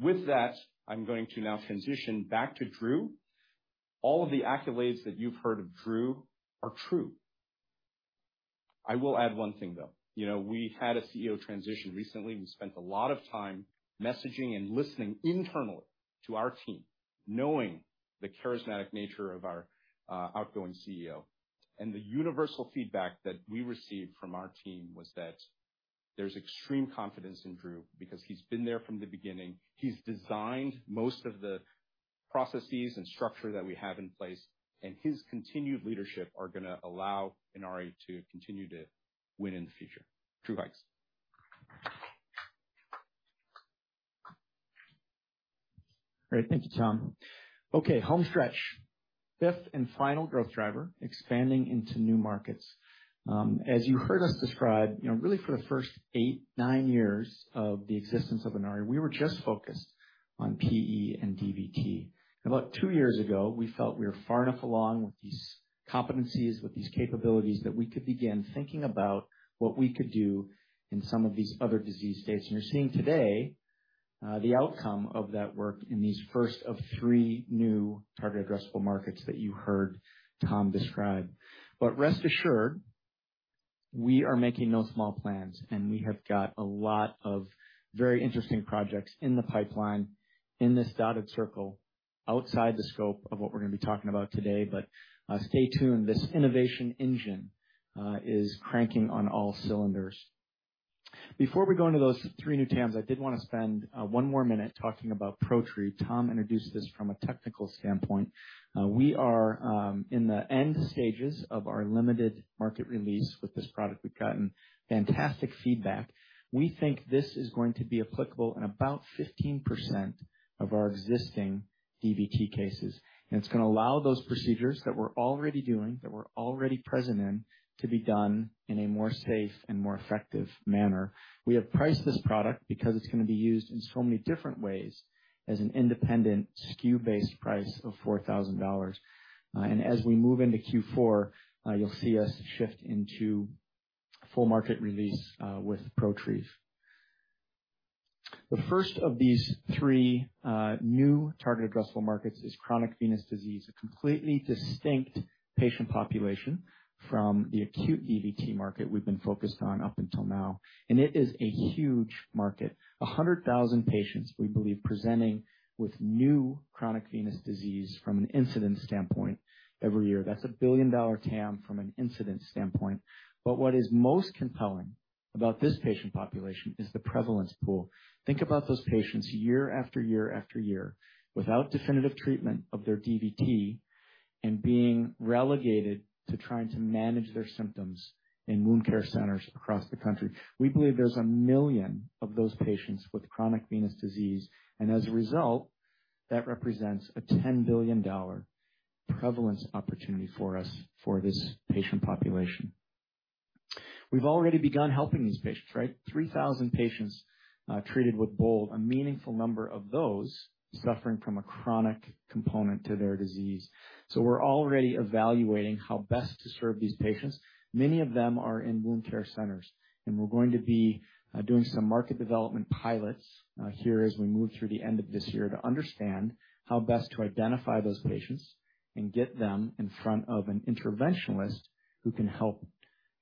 With that, I'm going to now transition back to Drew. All of the accolades that you've heard of Drew are true. I will add one thing, though. You know, we had a CEO transition recently. We spent a lot of time messaging and listening internally to our team, knowing the charismatic nature of our outgoing CEO. The universal feedback that we received from our team was that there's extreme confidence in Drew because he's been there from the beginning. He's designed most of the processes and structure that we have in place, and his continued leadership are going to allow Inari to continue to win in the future. Drew Hykes. Great. Thank you, Tom. Okay, home stretch. Fifth and final growth driver, expanding into new markets. As you heard us describe, you know, really for the first 8, 9 years of the existence of Inari, we were just focused on PE and DVT. About 2 years ago, we felt we were far enough along with these competencies, with these capabilities that we could begin thinking about what we could do in some of these other disease states. You're seeing today the outcome of that work in these first of three new target addressable markets that you heard Tom describe. Rest assured, we are making no small plans, and we have got a lot of very interesting projects in the pipeline in this dotted circle outside the scope of what we're going to be talking about today. Stay tuned. This innovation engine is cranking on all cylinders. Before we go into those three new TAMs, I did want to spend one more minute talking about ProTrieve. Tom introduced this from a technical standpoint. We are in the end stages of our limited market release with this product. We've gotten fantastic feedback. We think this is going to be applicable in about 15% of our existing DVT cases, and it's going to allow those procedures that we're already doing, that we're already present in, to be done in a more safe and more effective manner. We have priced this product because it's going to be used in so many different ways as an independent SKU-based price of $4,000. As we move into Q4, you'll see us shift into full market release with ProTrieve. The first of these three new target addressable markets is chronic venous disease, a completely distinct patient population from the acute DVT market we've been focused on up until now. It is a huge market. 100,000 patients, we believe, presenting with new chronic venous disease from an incident standpoint every year. That's a $1 billion TAM from an incident standpoint. What is most compelling about this patient population is the prevalence pool. Think about those patients year after year after year without definitive treatment of their DVT and being relegated to trying to manage their symptoms in wound care centers across the country. We believe there's a million of those patients with chronic venous disease, and as a result, that represents a $10 billion prevalence opportunity for us for this patient population. We've already begun helping these patients, right? 3,000 patients treated with BOLD, a meaningful number of those suffering from a chronic component to their disease. We're already evaluating how best to serve these patients. Many of them are in wound care centers, and we're going to be doing some market development pilots here as we move through the end of this year to understand how best to identify those patients and get them in front of an interventionalist who can help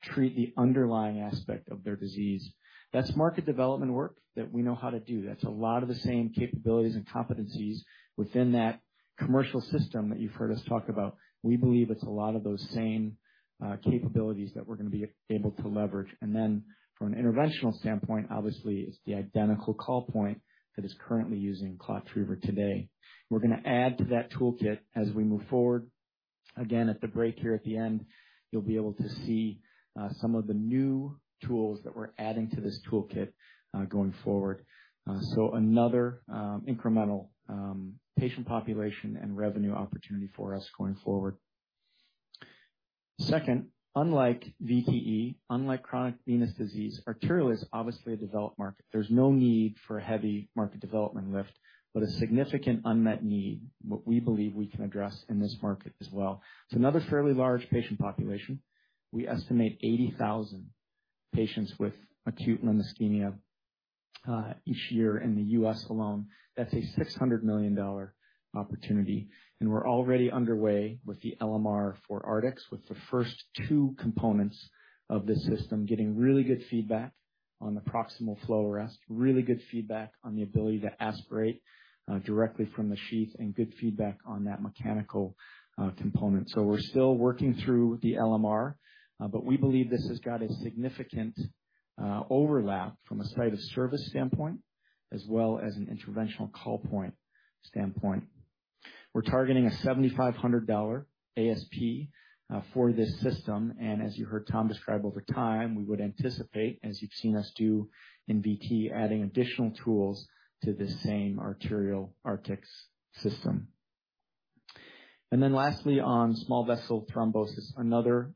treat the underlying aspect of their disease. That's market development work that we know how to do. That's a lot of the same capabilities and competencies within that commercial system that you've heard us talk about. We believe it's a lot of those same capabilities that we're going to be able to leverage. From an interventional standpoint, obviously, it's the identical call point that is currently using ClotTriever today. We're going to add to that toolkit as we move forward. Again, at the break here at the end, you'll be able to see some of the new tools that we're adding to this toolkit going forward. So another incremental patient population and revenue opportunity for us going forward. Second, unlike VTE, unlike chronic venous disease, arterial is obviously a developed market. There's no need for a heavy market development lift, but a significant unmet need, what we believe we can address in this market as well. It's another fairly large patient population. We estimate 80,000 patients with acute limb ischemia each year in the U.S. alone. That's a $600 million opportunity. We're already underway with the LMR for Artix, with the first two components of the system getting really good feedback on the proximal flow rest, really good feedback on the ability to aspirate directly from the sheath, and good feedback on that mechanical component. We're still working through the LMR, but we believe this has got a significant overlap from a site of service standpoint as well as an interventional call point standpoint. We're targeting a $7,500 ASP for this system. As you heard Tom describe over time, we would anticipate, as you've seen us do in VT, adding additional tools to the same arterial Artix system. Then lastly, on small vessel thrombosis, another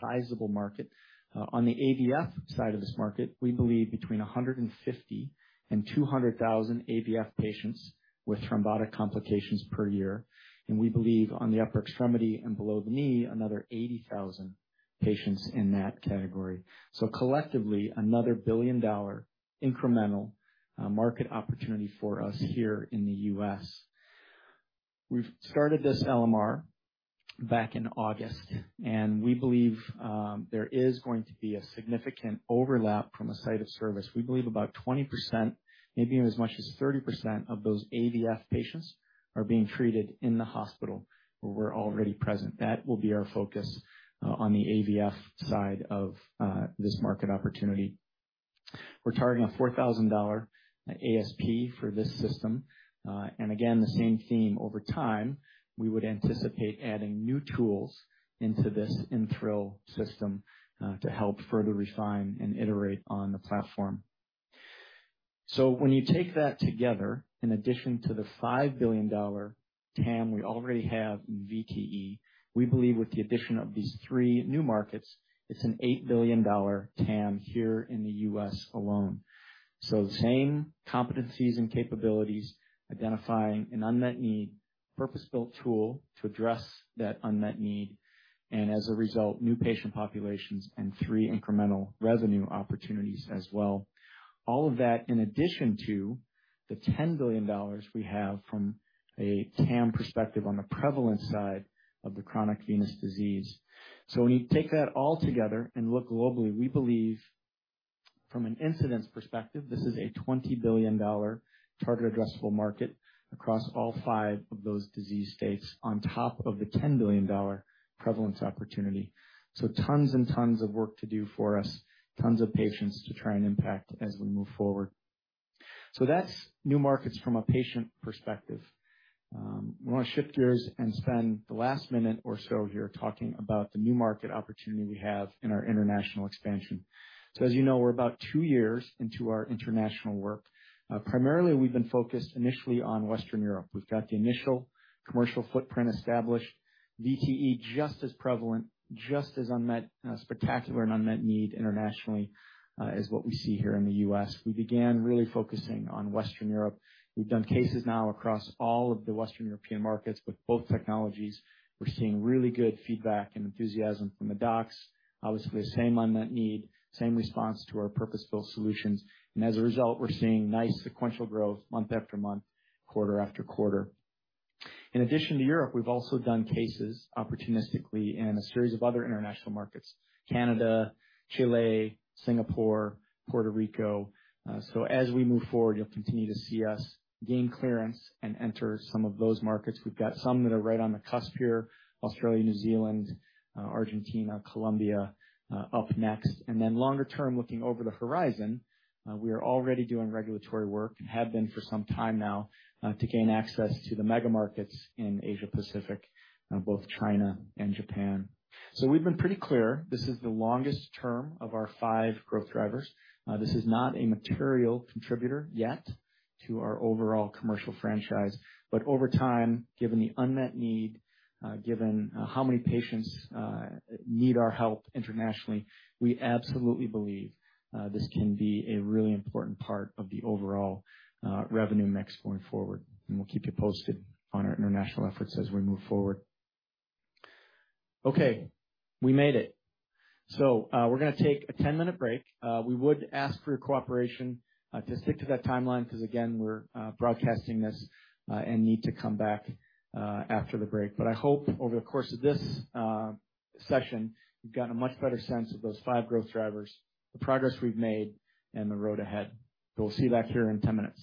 sizable market. On the AVF side of this market, we believe between 150,000 and 200,000 AVF patients with thrombotic complications per year. We believe on the upper extremity and below the knee, another 80,000 patients in that category. Collectively, another billion-dollar incremental market opportunity for us here in the U.S. We've started this LMR back in August, and we believe there is going to be a significant overlap from a site of service. We believe about 20%, maybe as much as 30% of those AVF patients are being treated in the hospital, where we're already present. That will be our focus on the AVF side of this market opportunity. We're targeting a $4,000 ASP for this system. Again, the same theme over time, we would anticipate adding new tools into this InThrill system, to help further refine and iterate on the platform. When you take that together, in addition to the $5 billion TAM we already have in VTE, we believe with the addition of these three new markets, it's an $8 billion TAM here in the U.S. alone. The same competencies and capabilities, identifying an unmet need, purpose-built tool to address that unmet need, and as a result, new patient populations and three incremental revenue opportunities as well. All of that in addition to the $10 billion we have from a TAM perspective on the prevalent side of the chronic venous disease. When you take that all together and look globally, we believe from an incidence perspective, this is a $20 billion target addressable market across all five of those disease states on top of the $10 billion prevalence opportunity. Tons and tons of work to do for us, tons of patients to try and impact as we move forward. That's new markets from a patient perspective. I wanna shift gears and spend the last minute or so here talking about the new market opportunity we have in our international expansion. As you know, we're about 2 years into our international work. Primarily, we've been focused initially on Western Europe. We've got the initial commercial footprint established. VTE, just as prevalent, just as unmet, spectacular and unmet need internationally, as what we see here in the U.S. We began really focusing on Western Europe. We've done cases now across all of the Western European markets with both technologies. We're seeing really good feedback and enthusiasm from the docs. Obviously, the same unmet need, same response to our purpose-built solutions. As a result, we're seeing nice sequential growth month after month, quarter after quarter. In addition to Europe, we've also done cases opportunistically in a series of other international markets, Canada, Chile, Singapore, Puerto Rico. So as we move forward, you'll continue to see us gain clearance and enter some of those markets. We've got some that are right on the cusp here, Australia, New Zealand, Argentina, Colombia, up next. Then longer term, looking over the horizon, we are already doing regulatory work, have been for some time now, to gain access to the mega markets in Asia Pacific, both China and Japan. We've been pretty clear, this is the longest term of our five growth drivers. This is not a material contributor yet to our overall commercial franchise. Over time, given the unmet need, given how many patients need our help internationally, we absolutely believe this can be a really important part of the overall revenue mix going forward. We'll keep you posted on our international efforts as we move forward. Okay, we made it. We're gonna take a 10-minute break. We would ask for your cooperation to stick to that timeline because again, we're broadcasting this and need to come back after the break. I hope over the course of this session, you've gotten a much better sense of those five growth drivers, the progress we've made and the road ahead. We'll see you back here in 10 minutes.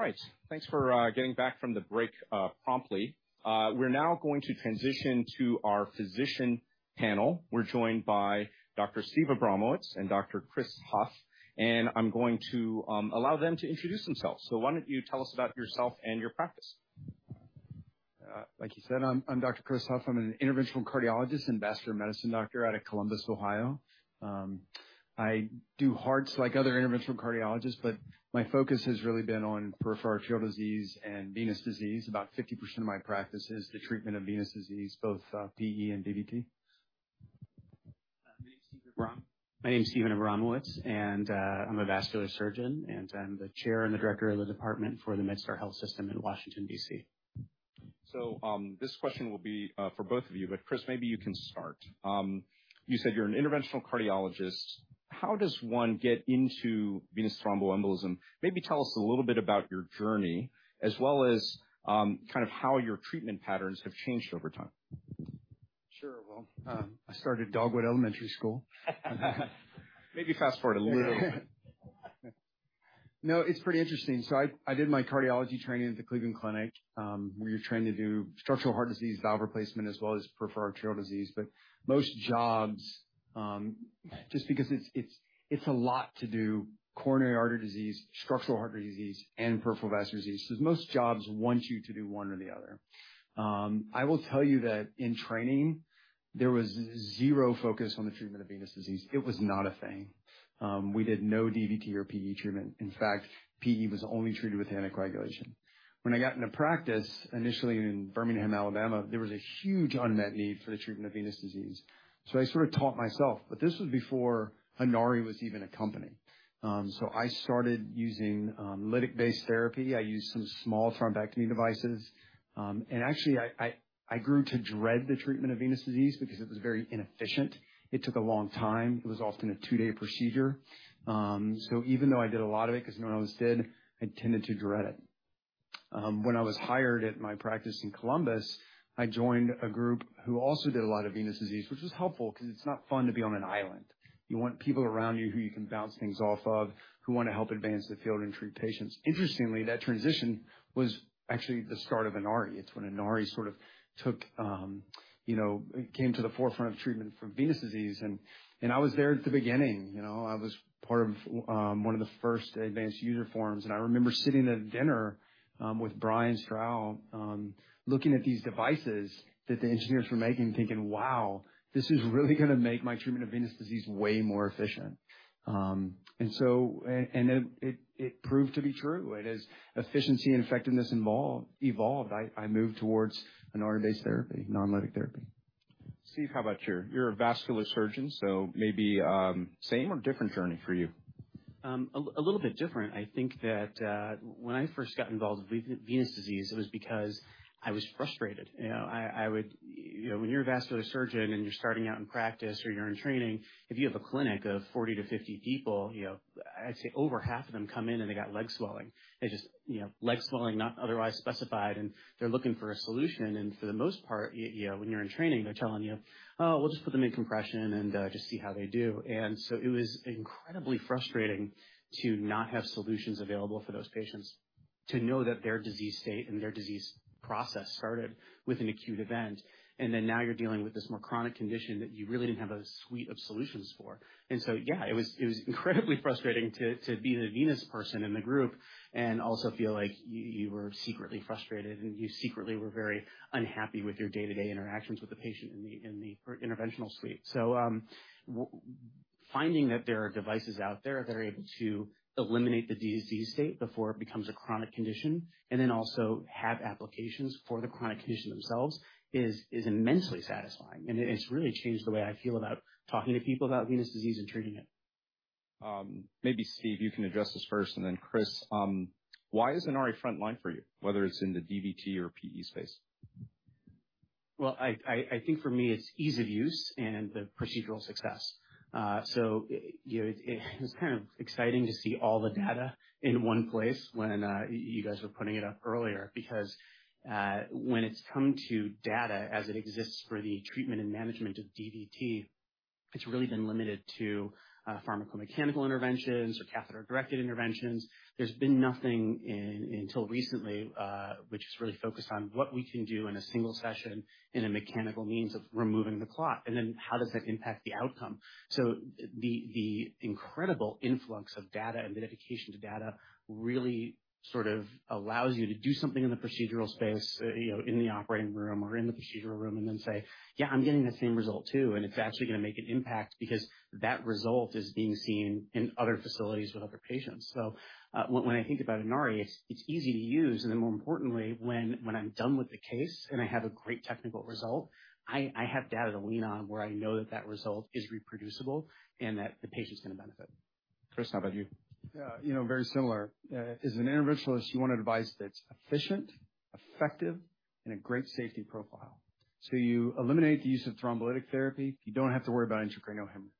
All right. Thanks for getting back from the break promptly. We're now going to transition to our physician panel. We're joined by Dr. Steven Abramowitz and Dr. Chris Huff, and I'm going to allow them to introduce themselves. Why don't you tell us about yourself and your practice? Like you said, I'm Dr. Chris Huff. I'm an interventional cardiologist and vascular medicine doctor out of Columbus, Ohio. I do hearts like other interventional cardiologists, but my focus has really been on peripheral arterial disease and venous disease. About 50% of my practice is the treatment of venous disease, both PE and DVT. My name is Steven Abramowitz, and I'm a vascular surgeon, and I'm the chair and the director of the department for the MedStar Health System in Washington, D.C. This question will be for both of you, but Chris, maybe you can start. You said you're an interventional cardiologist. How does one get into venous thromboembolism? Maybe tell us a little bit about your journey as well as kind of how your treatment patterns have changed over time. Sure. Well, I started Dogwood Elementary School. Maybe fast-forward a little bit. No, it's pretty interesting. I did my cardiology training at the Cleveland Clinic, where you're trained to do structural heart disease, valve replacement, as well as peripheral arterial disease. Most jobs, just because it's a lot to do coronary artery disease, structural heart disease, and peripheral vascular disease. 'Cause most jobs want you to do one or the other. I will tell you that in training, there was zero focus on the treatment of venous disease. It was not a thing. We did no DVT or PE treatment. In fact, PE was only treated with anticoagulation. When I got into practice, initially in Birmingham, Alabama, there was a huge unmet need for the treatment of venous disease. I sort of taught myself, but this was before Inari was even a company. I started using lytic-based therapy. I used some small thrombectomy devices. Actually, I grew to dread the treatment of venous disease because it was very inefficient. It took a long time. It was often a 2-day procedure. Even though I did a lot of it, 'cause no one else did, I tended to dread it. When I was hired at my practice in Columbus, I joined a group who also did a lot of venous disease, which was helpful because it's not fun to be on an island. You want people around you who you can bounce things off of, who want to help advance the field and treat patients. Interestingly, that transition was actually the start of Inari. It's when Inari sort of took, you know, came to the forefront of treatment for venous disease. I was there at the beginning, you know. I was part of one of the first advanced user forums. I remember sitting at dinner with Brian Strauss, looking at these devices that the engineers were making, thinking, "Wow, this is really gonna make my treatment of venous disease way more efficient." It proved to be true. It is efficiency and effectiveness evolved. I moved towards an Inari-based therapy, non-lytic therapy. Steve, how about you? You're a vascular surgeon, so maybe, same or different journey for you? A little bit different. I think that when I first got involved with venous disease, it was because I was frustrated. You know, I would. You know, when you're a vascular surgeon and you're starting out in practice or you're in training, if you have a clinic of 40-50 people, you know, I'd say over half of them come in, and they got leg swelling. They just, you know, leg swelling not otherwise specified, and they're looking for a solution. For the most part, you know, when you're in training, they're telling you, "Oh, we'll just put them in compression and just see how they do." It was incredibly frustrating to not have solutions available for those patients to know that their disease state and their disease process started with an acute event. Now you're dealing with this more chronic condition that you really didn't have a suite of solutions for. Yeah, it was incredibly frustrating to be the venous person in the group and also feel like you were secretly frustrated, and you secretly were very unhappy with your day-to-day interactions with the patient in the interventional suite. Finding that there are devices out there that are able to eliminate the disease state before it becomes a chronic condition and then also have applications for the chronic condition themselves is immensely satisfying. It's really changed the way I feel about talking to people about venous disease and treating it. Maybe, Steven, you can address this first, and then Chris. Why is Inari frontline for you, whether it's in the DVT or PE space? Well, I think for me it's ease of use and the procedural success. So it was kind of exciting to see all the data in one place when you guys were putting it up earlier because when it's come to data as it exists for the treatment and management of DVT, it's really been limited to pharmacomechanical interventions or catheter-directed interventions. There's been nothing until recently which is really focused on what we can do in a single session in a mechanical means of removing the clot. Then how does that impact the outcome? The incredible influx of data and validation of data really sort of allows you to do something in the procedural space, you know, in the operating room or in the procedural room, and then say, "Yeah, I'm getting that same result too." It's actually gonna make an impact because that result is being seen in other facilities with other patients. When I think about Inari, it's easy to use. Then more importantly, when I'm done with the case and I have a great technical result, I have data to lean on where I know that that result is reproducible and that the patient's gonna benefit. Chris, how about you? Yeah. You know, very similar. As an interventionalist, you want a device that's efficient, effective, and a great safety profile. You eliminate the use of thrombolytic therapy. You don't have to worry about intracranial hemorrhage.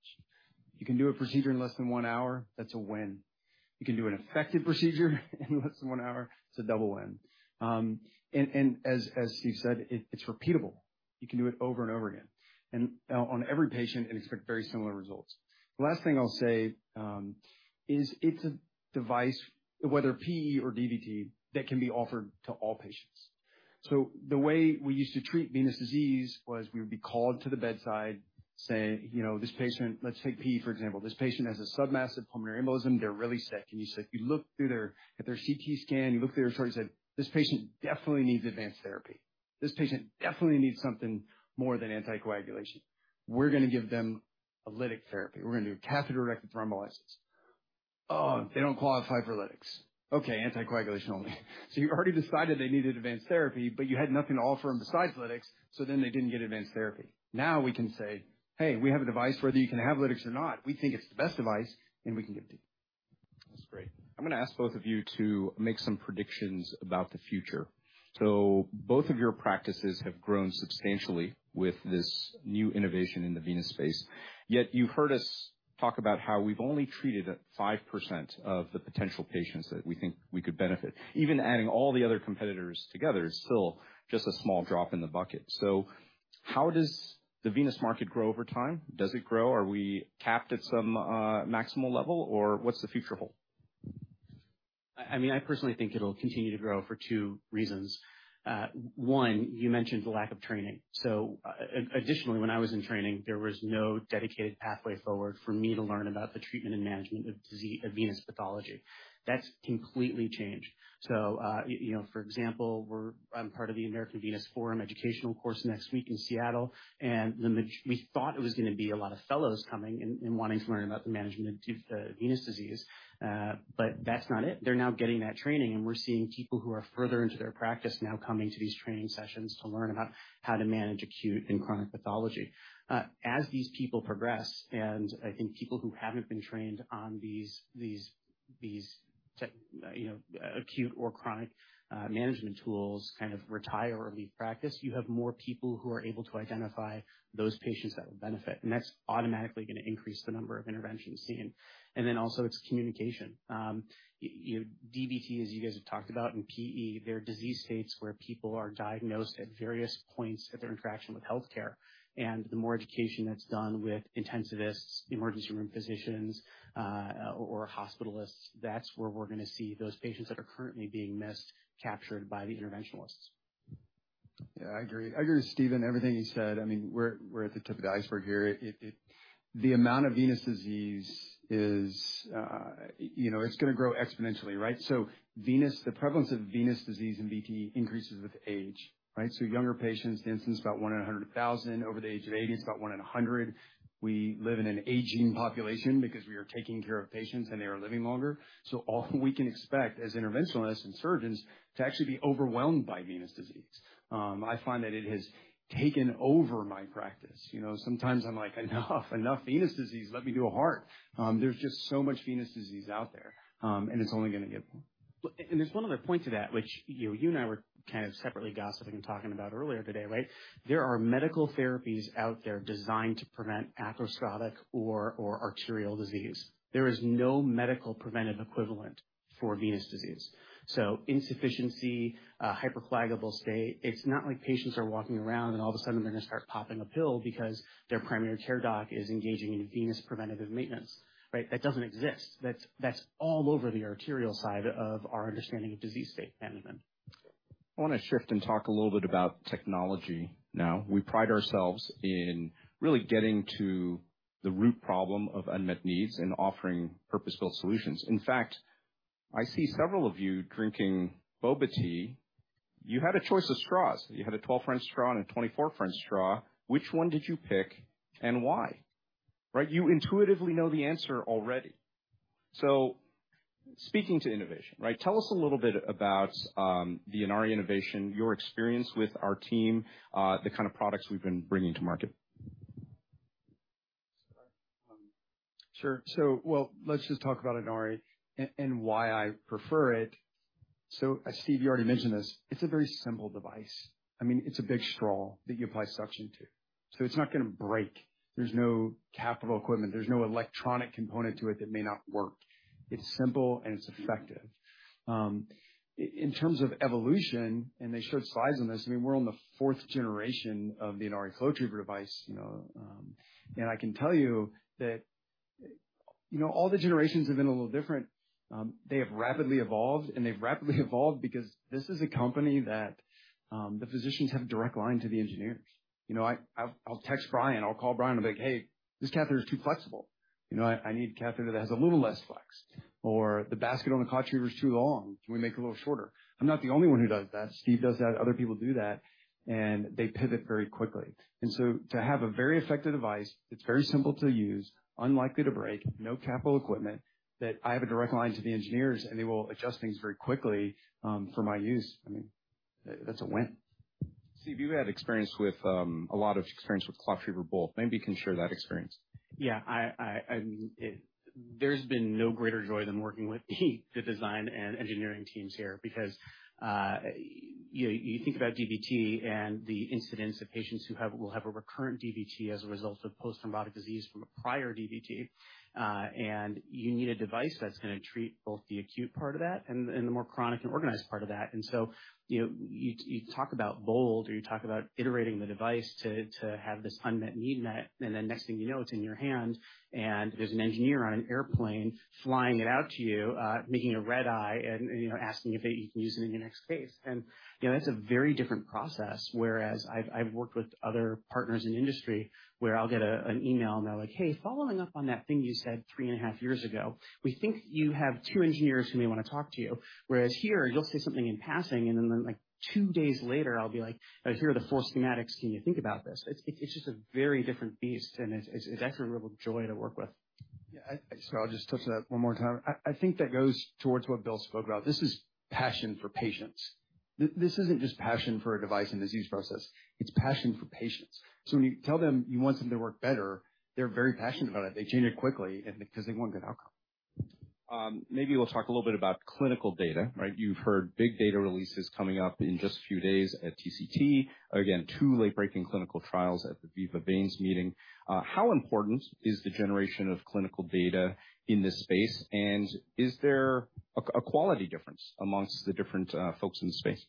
You can do a procedure in less than 1 hour. That's a win. You can do an effective procedure in less than 1 hour. It's a double win. And as Steven said, it's repeatable. You can do it over and over again and on every patient and expect very similar results. The last thing I'll say is it's a device, whether PE or DVT, that can be offered to all patients. The way we used to treat venous disease was we would be called to the bedside, say, you know, this patient, let's take PE for example. This patient has a submassive pulmonary embolism. They're really sick. You say, if you look at their CT scan, you look through their story, you said, "This patient definitely needs advanced therapy. This patient definitely needs something more than anticoagulation. We're gonna give them a lytic therapy. We're gonna do a catheter-directed thrombolysis." Oh, they don't qualify for lytics. Okay, anticoagulation only. You already decided they needed advanced therapy, but you had nothing to offer them besides lytics, so then they didn't get advanced therapy. Now we can say, "Hey, we have a device whether you can have lytics or not. We think it's the best device, and we can give it to you." That's great. I'm gonna ask both of you to make some predictions about the future. Both of your practices have grown substantially with this new innovation in the venous space. Yet you've heard us talk about how we've only treated 5% of the potential patients that we think we could benefit. Even adding all the other competitors together, it's still just a small drop in the bucket. How does the venous market grow over time? Does it grow? Are we capped at some maximal level or what's the future hold? I mean, I personally think it'll continue to grow for two reasons. One, you mentioned the lack of training. Additionally, when I was in training, there was no dedicated pathway forward for me to learn about the treatment and management of venous pathology. That's completely changed. You know, for example, I'm part of the American Venous Forum educational course next week in Seattle. We thought it was gonna be a lot of fellows coming and wanting to learn about the management of venous disease, but that's not it. They're now getting that training, and we're seeing people who are further into their practice now coming to these training sessions to learn about how to manage acute and chronic pathology. As these people progress, and I think people who haven't been trained on these you know, acute or chronic management tools kind of retire or leave practice, you have more people who are able to identify those patients that will benefit. That's automatically gonna increase the number of interventions seen. It's communication. You know, DVT, as you guys have talked about, and PE, they're disease states where people are diagnosed at various points of their interaction with healthcare. The more education that's done with intensivists, emergency room physicians, or hospitalists, that's where we're gonna see those patients that are currently being missed captured by the interventionalists. Yeah, I agree. I agree with Steven, everything he said. I mean, we're at the tip of the iceberg here. The amount of venous disease is, you know, it's gonna grow exponentially, right? The prevalence of venous disease in VTE increases with age, right? Younger patients, the incidence is about 1 in 100,000. Over the age of 80, it's about 1 in 100. We live in an aging population because we are taking care of patients, and they are living longer. All we can expect as interventionalists and surgeons to actually be overwhelmed by venous disease. I find that it has taken over my practice. You know, sometimes I'm like, "Enough. Enough venous disease. Let me do a heart." There's just so much venous disease out there. It's only gonna get more. There's one other point to that which, you and I were kind of separately gossiping and talking about earlier today, right? There are medical therapies out there designed to prevent atherosclerotic or arterial disease. There is no medical preventive equivalent for venous disease. So insufficiency, hypercoagulable state, it's not like patients are walking around, and all of a sudden, they're gonna start popping a pill because their primary care doc is engaging in venous preventative maintenance, right? That doesn't exist. That's all over the arterial side of our understanding of disease state management. I wanna shift and talk a little bit about technology now. We pride ourselves in really getting to the root problem of unmet needs and offering purpose-built solutions. In fact, I see several of you drinking boba tea. You had a choice of straws. You had a 12 French straw and a 24 French straw. Which one did you pick and why, right? You intuitively know the answer already. Speaking to innovation, right? Tell us a little bit about the Inari innovation, your experience with our team, the kind of products we've been bringing to market. Sure. Well, let's just talk about Inari and why I prefer it. As Steve, you already mentioned this, it's a very simple device. I mean, it's a big straw that you apply suction to, so it's not gonna break. There's no capital equipment. There's no electronic component to it that may not work. It's simple, and it's effective. In terms of evolution, and they showed slides on this, I mean, we're on the fourth generation of the Inari ClotTriever device, you know, and I can tell you that, you know, all the generations have been a little different. They have rapidly evolved, and they've rapidly evolved because this is a company that the physicians have a direct line to the engineers. You know, I'll text Brian. I'll call Brian. I'll be like, "Hey, this catheter is too flexible." You know, "I need a catheter that has a little less flex," or, "The basket on the ClotTriever is too long. Can we make it a little shorter?" I'm not the only one who does that. Steve does that. Other people do that, and they pivot very quickly. To have a very effective device that's very simple to use, unlikely to break, no capital equipment, that I have a direct line to the engineers, and they will adjust things very quickly, for my use, I mean, that's a win. Steven, you have a lot of experience with ClotTriever BOLD. Maybe you can share that experience. Yeah. There's been no greater joy than working with the design and engineering teams here because you think about DVT and the incidence of patients who will have a recurrent DVT as a result of post-thrombotic disease from a prior DVT, and you need a device that's gonna treat both the acute part of that and the more chronic and organized part of that. You know, you talk about BOLD, or you talk about iterating the device to have this unmet need met, and then next thing you know, it's in your hand, and there's an engineer on an airplane flying it out to you, making a red-eye and you know, asking if you can use it in your next case. You know, that's a very different process, whereas I've worked with other partners in the industry where I'll get an email, and they're like, "Hey, following up on that thing you said 3.5 years ago, we think you have two engineers who may wanna talk to you." Whereas here, you'll say something in passing, and then, like, 2 days later, I'll be like, "Here are the four schematics. Can you think about this?" It's just a very different beast, and it's actually a real joy to work with. Yeah. I'll just touch on that one more time. I think that goes towards what Bill spoke about. This is passion for patients. This isn't just passion for a device in disease process. It's passion for patients. When you tell them you want something to work better, they're very passionate about it. They change it quickly and because they want a good outcome. Maybe we'll talk a little bit about clinical data, right? You've heard big data releases coming up in just a few days at TCT. Again, two late-breaking clinical trials at The VEINS-VIVA meeting. How important is the generation of clinical data in this space? Is there a quality difference amongst the different folks in the space?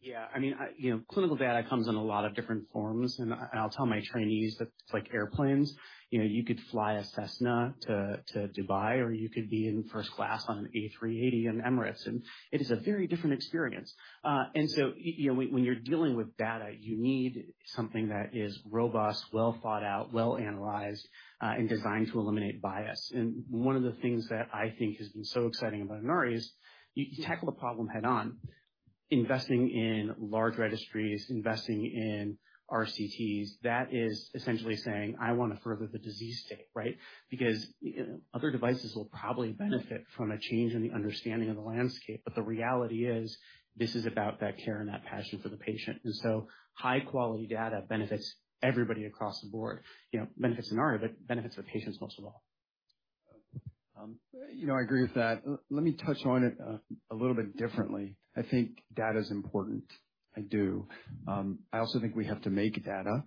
Yeah, I mean, you know, clinical data comes in a lot of different forms, and I'll tell my trainees that it's like airplanes. You know, you could fly a Cessna to Dubai, or you could be in first class on an A380 on Emirates, and it is a very different experience. You know, when you're dealing with data, you need something that is robust, well thought out, well analyzed, and designed to eliminate bias. One of the things that I think has been so exciting about Inari is you tackle the problem head-on. Investing in large registries, investing in RCTs, that is essentially saying, "I wanna further the disease state," right? Because other devices will probably benefit from a change in the understanding of the landscape. The reality is this is about that care and that passion for the patient. High-quality data benefits everybody across the board. You know, benefits Inari, but benefits the patients most of all. You know, I agree with that. Let me touch on it a little bit differently. I think data is important. I do. I also think we have to make data.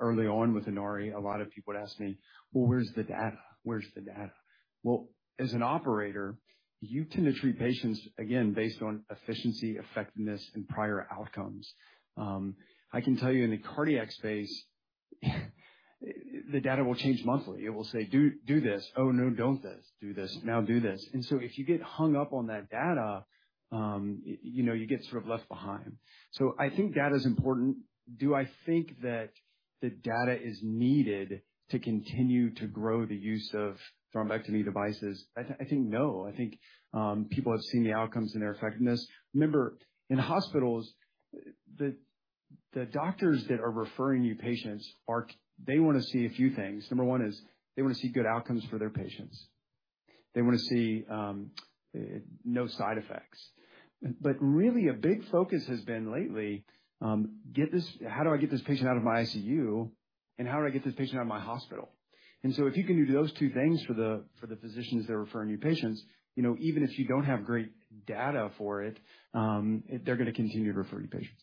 Early on with Inari, a lot of people would ask me, "Well, where's the data? Where's the data?" Well, as an operator, you tend to treat patients, again, based on efficiency, effectiveness, and prior outcomes. I can tell you in the cardiac space. The data will change monthly. It will say, "Do this. Oh no, don't this. Do this now. Do this." And so if you get hung up on that data, you know, you get sort of left behind. I think data is important. Do I think that the data is needed to continue to grow the use of thrombectomy devices? I think no. I think people have seen the outcomes and their effectiveness. Remember, in hospitals, the doctors that are referring you patients are. They wanna see a few things. Number one is they wanna see good outcomes for their patients. They wanna see no side effects. But really a big focus has been lately, get this, how do I get this patient out of my ICU and how do I get this patient out of my hospital? If you can do those two things for the physicians that are referring you patients, you know, even if you don't have great data for it, they're gonna continue to refer you patients.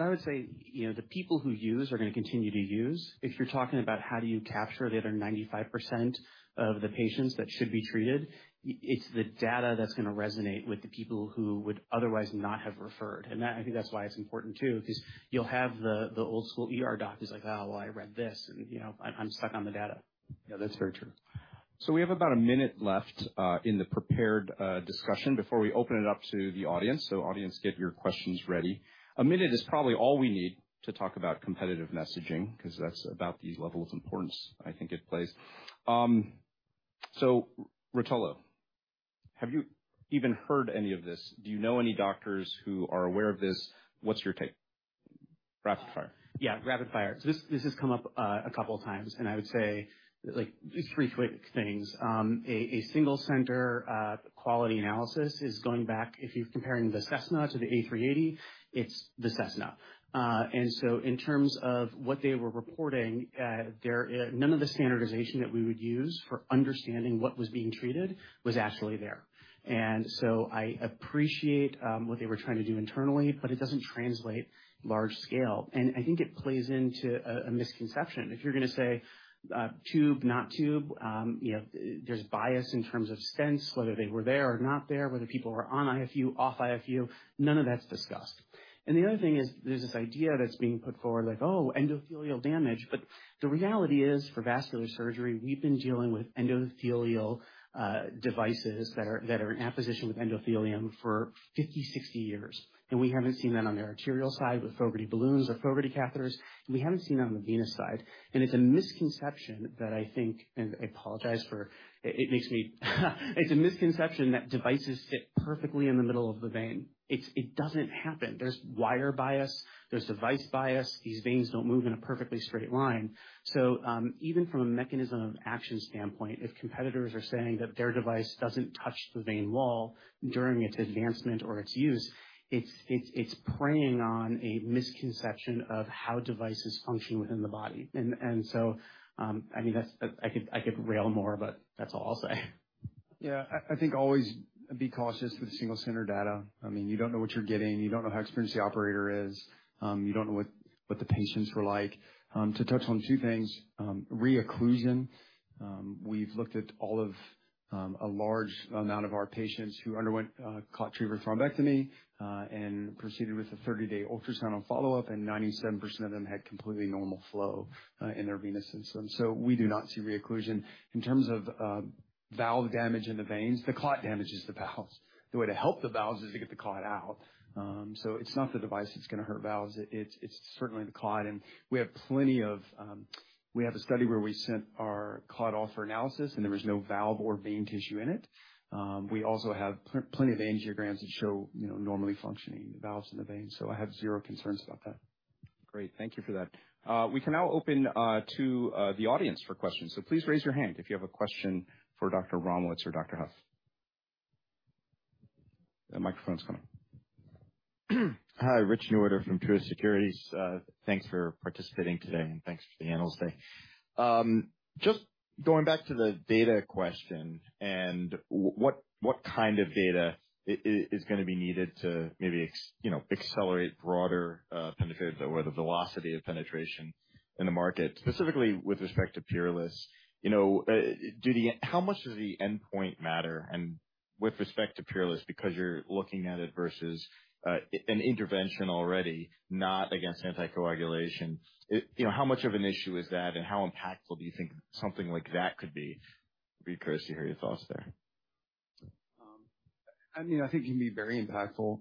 I would say, you know, the people who use are gonna continue to use. If you're talking about how do you capture the other 95% of the patients that should be treated, it's the data that's gonna resonate with the people who would otherwise not have referred. That I think that's why it's important too, because you'll have the old school ER doctors like, "Oh, well, I read this," and, you know, "I'm stuck on the data." Yeah, that's very true. We have about a minute left in the prepared discussion before we open it up to the audience. Audience, get your questions ready. A minute is probably all we need to talk about competitive messaging, 'cause that's about the level of importance I think it plays. Rotolo, have you even heard any of this? Do you know any doctors who are aware of this? What's your take? Rapid fire. Yeah, rapid fire. This has come up a couple of times, and I would say like just three quick things. A single center quality analysis is going back. If you're comparing the Cessna to the A380, it's the Cessna. In terms of what they were reporting, there none of the standardization that we would use for understanding what was being treated was actually there. I appreciate what they were trying to do internally, but it doesn't translate large scale, and I think it plays into a misconception. If you're gonna say tube, not tube, you know, there's bias in terms of stents, whether they were there or not there, whether people were on IFU, off IFU, none of that's discussed. The other thing is there's this idea that's being put forward like, oh, endothelial damage. But the reality is, for vascular surgery, we've been dealing with endothelial devices that are in apposition with endothelium for 50, 60 years, and we haven't seen that on the arterial side with Fogarty balloons or Fogarty catheters, and we haven't seen it on the venous side. It's a misconception that devices fit perfectly in the middle of the vein. It doesn't happen. There's wire bias. There's device bias. These veins don't move in a perfectly straight line. Even from a mechanism of action standpoint, if competitors are saying that their device doesn't touch the vein wall during its advancement or its use, it's preying on a misconception of how devices function within the body. I mean, that's. I could rail more, but that's all I'll say. Yeah. I think always be cautious with single center data. I mean, you don't know what you're getting. You don't know how experienced the operator is. You don't know what the patients were like. To touch on two things, reocclusion, we've looked at all of a large amount of our patients who underwent a ClotTriever thrombectomy, and proceeded with a 30-day ultrasound on follow-up, and 97% of them had completely normal flow in their venous system. So we do not see reocclusion. In terms of valve damage in the veins, the clot damages the valves. The way to help the valves is to get the clot out. So it's not the device that's gonna hurt valves. It's certainly the clot. We have plenty of. We have a study where we sent our clot off for analysis and there was no valve or vein tissue in it. We also have plenty of angiograms that show, you know, normally functioning valves in the vein. I have zero concerns about that. Great. Thank you for that. We can now open to the audience for questions. Please raise your hand if you have a question for Dr. Abramowitz or Dr. Huff. The microphone's coming. Hi. Rich Newitter from Truist Securities. Thanks for participating today, and thanks for the analyst day. Just going back to the data question and what kind of data is gonna be needed to maybe you know, accelerate broader penetration or the velocity of penetration in the market, specifically with respect to PEERLESS. You know, how much does the endpoint matter and with respect to PEERLESS because you're looking at it versus an intervention already, not against anticoagulation. You know, how much of an issue is that, and how impactful do you think something like that could be? I'd be curious to hear your thoughts there. I mean, I think it can be very impactful.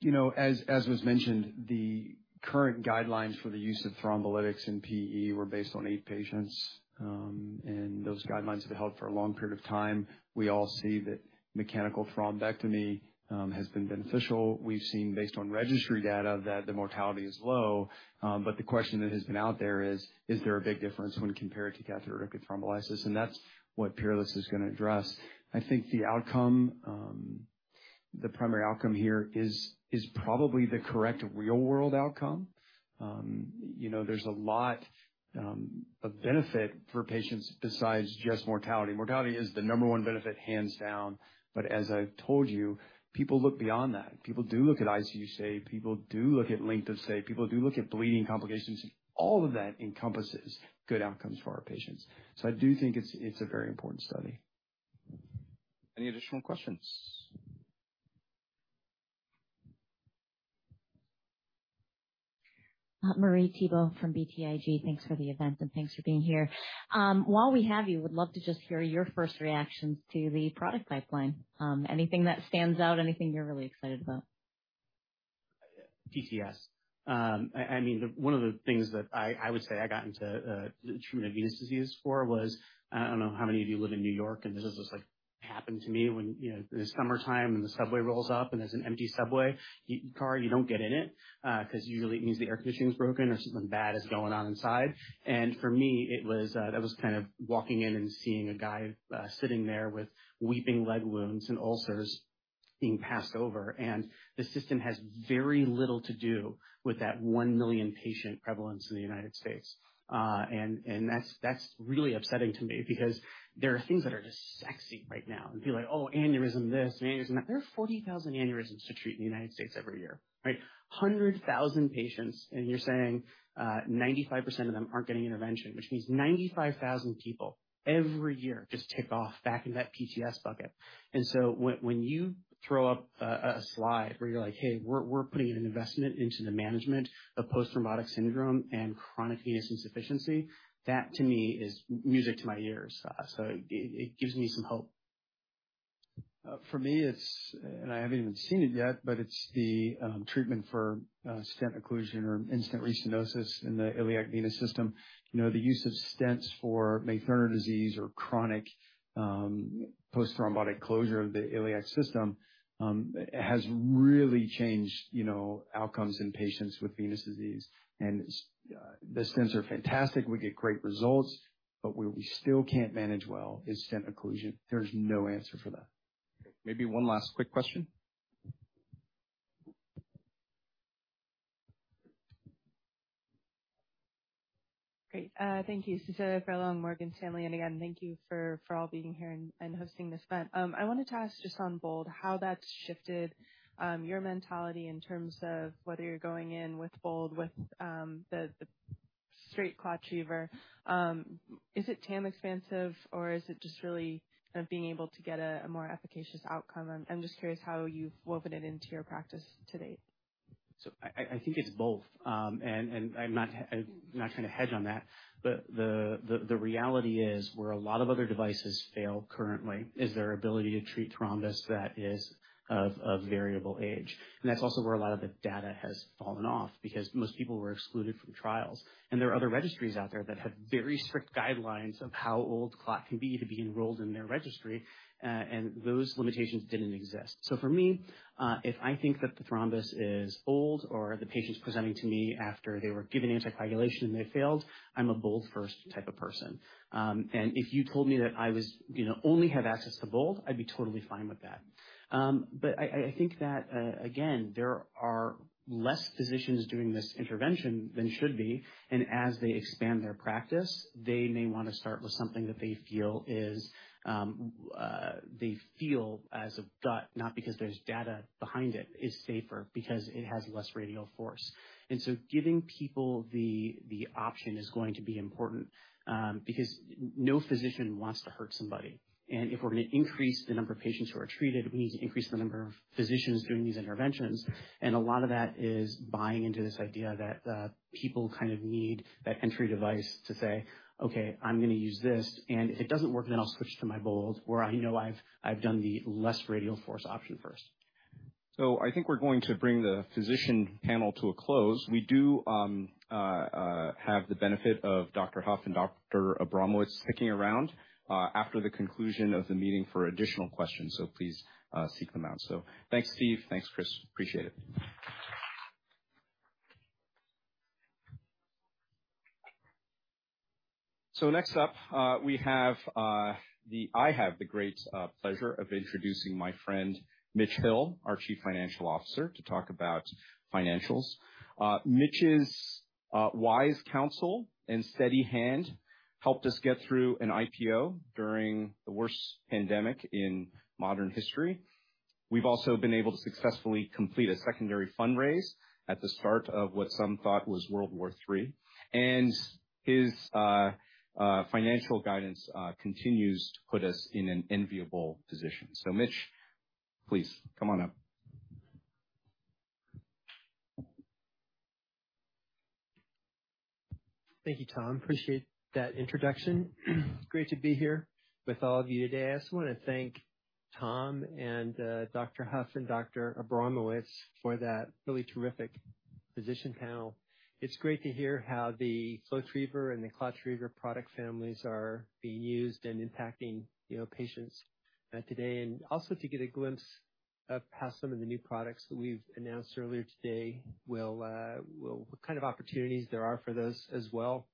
You know, as was mentioned, the current guidelines for the use of thrombolytics in PE were based on eight patients, and those guidelines have held for a long period of time. We all see that mechanical thrombectomy has been beneficial. We've seen based on registry data that the mortality is low. The question that has been out there is there a big difference when compared to catheter-directed thrombolysis? That's what PEERLESS is gonna address. I think the outcome, the primary outcome here is probably the correct real-world outcome. You know, there's a lot of benefit for patients besides just mortality. Mortality is the number one benefit, hands down. As I've told you, people look beyond that. People do look at ICU stay. People do look at length of stay. People do look at bleeding complications. All of that encompasses good outcomes for our patients. I do think it's a very important study. Any additional questions? Marie Thibault from BTIG. Thanks for the event and thanks for being here. While we have you, would love to just hear your first reactions to the product pipeline. Anything that stands out? Anything you're really excited about? PTS. One of the things that I would say I got into the treatment of venous disease for was, I don't know how many of you live in New York, and this is just like happened to me when, you know, it is summertime, and the subway rolls up, and there's an empty subway car, you don't get in it 'cause usually it means the air conditioning is broken or something bad is going on inside. For me, it was kind of walking in and seeing a guy sitting there with weeping leg wounds and ulcers being passed over. The system has very little to do with that 1 million patient prevalence in the United States. That's really upsetting to me because there are things that are just sexy right now and be like, "Oh, aneurysm this, aneurysm that." There are 40,000 aneurysms to treat in the United States every year, right? 100,000 patients, and you're saying 95% of them aren't getting intervention, which means 95,000 people every year just tick off back into that PTS bucket. When you throw up a slide where you're like, "Hey, we're putting an investment into the management of post-thrombotic syndrome and chronic venous insufficiency," that to me is music to my ears. So it gives me some hope. For me, it's. I haven't even seen it yet, but it's the treatment for stent occlusion or in-stent restenosis in the iliac venous system. You know, the use of stents for May-Thurner disease or chronic post-thrombotic closure of the iliac system has really changed, you know, outcomes in patients with venous disease. The stents are fantastic. We get great results, but where we still can't manage well is stent occlusion. There's no answer for that. Maybe one last quick question. Great. Thank you. Cecilia Furlong, Morgan Stanley, and again, thank you for all being here and hosting this event. I wanted to ask just on BOLD, how that's shifted your mentality in terms of whether you're going in with BOLD, with the straight ClotTriever. Is it TAM expansive or is it just really kind of being able to get a more efficacious outcome? I'm just curious how you've woven it into your practice to date. I think it's both, and I'm not trying to hedge on that. The reality is, where a lot of other devices fail currently is their ability to treat thrombus that is of variable age. That's also where a lot of the data has fallen off because most people were excluded from trials. There are other registries out there that have very strict guidelines of how old clot can be to be enrolled in their registry, and those limitations didn't exist. For me, if I think that the thrombus is old or the patient's presenting to me after they were given anticoagulation and they failed, I'm a BOLD first type of person. If you told me that I was, you know, only had access to BOLD, I'd be totally fine with that. I think that, again, there are less physicians doing this intervention than should be, and as they expand their practice, they may wanna start with something that they feel it's a gut, not because there's data behind it, is safer because it has less radial force. Giving people the option is going to be important, because no physician wants to hurt somebody. If we're gonna increase the number of patients who are treated, we need to increase the number of physicians doing these interventions. A lot of that is buying into this idea that people kind of need that entry device to say, "Okay, I'm gonna use this, and if it doesn't work, then I'll switch to my BOLD where I know I've done the less radial force option first." I think we're going to bring the physician panel to a close. We do have the benefit of Dr. Huff and Dr. Abramowitz sticking around after the conclusion of the meeting for additional questions. Please seek them out. Thanks, Steve. Thanks, Chris. Appreciate it. Next up, I have the great pleasure of introducing my friend Mitch Hill, our Chief Financial Officer, to talk about financials. Mitch's wise counsel and steady hand helped us get through an IPO during the worst pandemic in modern history. We've also been able to successfully complete a secondary fundraise at the start of what some thought was World War III. His financial guidance continues to put us in an enviable position. Mitch, please come on up. Thank you, Tom. Appreciate that introduction. Great to be here with all of you today. I just wanna thank Tom and Dr. Huff and Dr. Abramowitz for that really terrific physician panel. It's great to hear how the FlowTriever and the ClotTriever product families are being used and impacting, you know, patients today, and also to get a glimpse past some of the new products that we've announced earlier today and what kind of opportunities there are for those as well.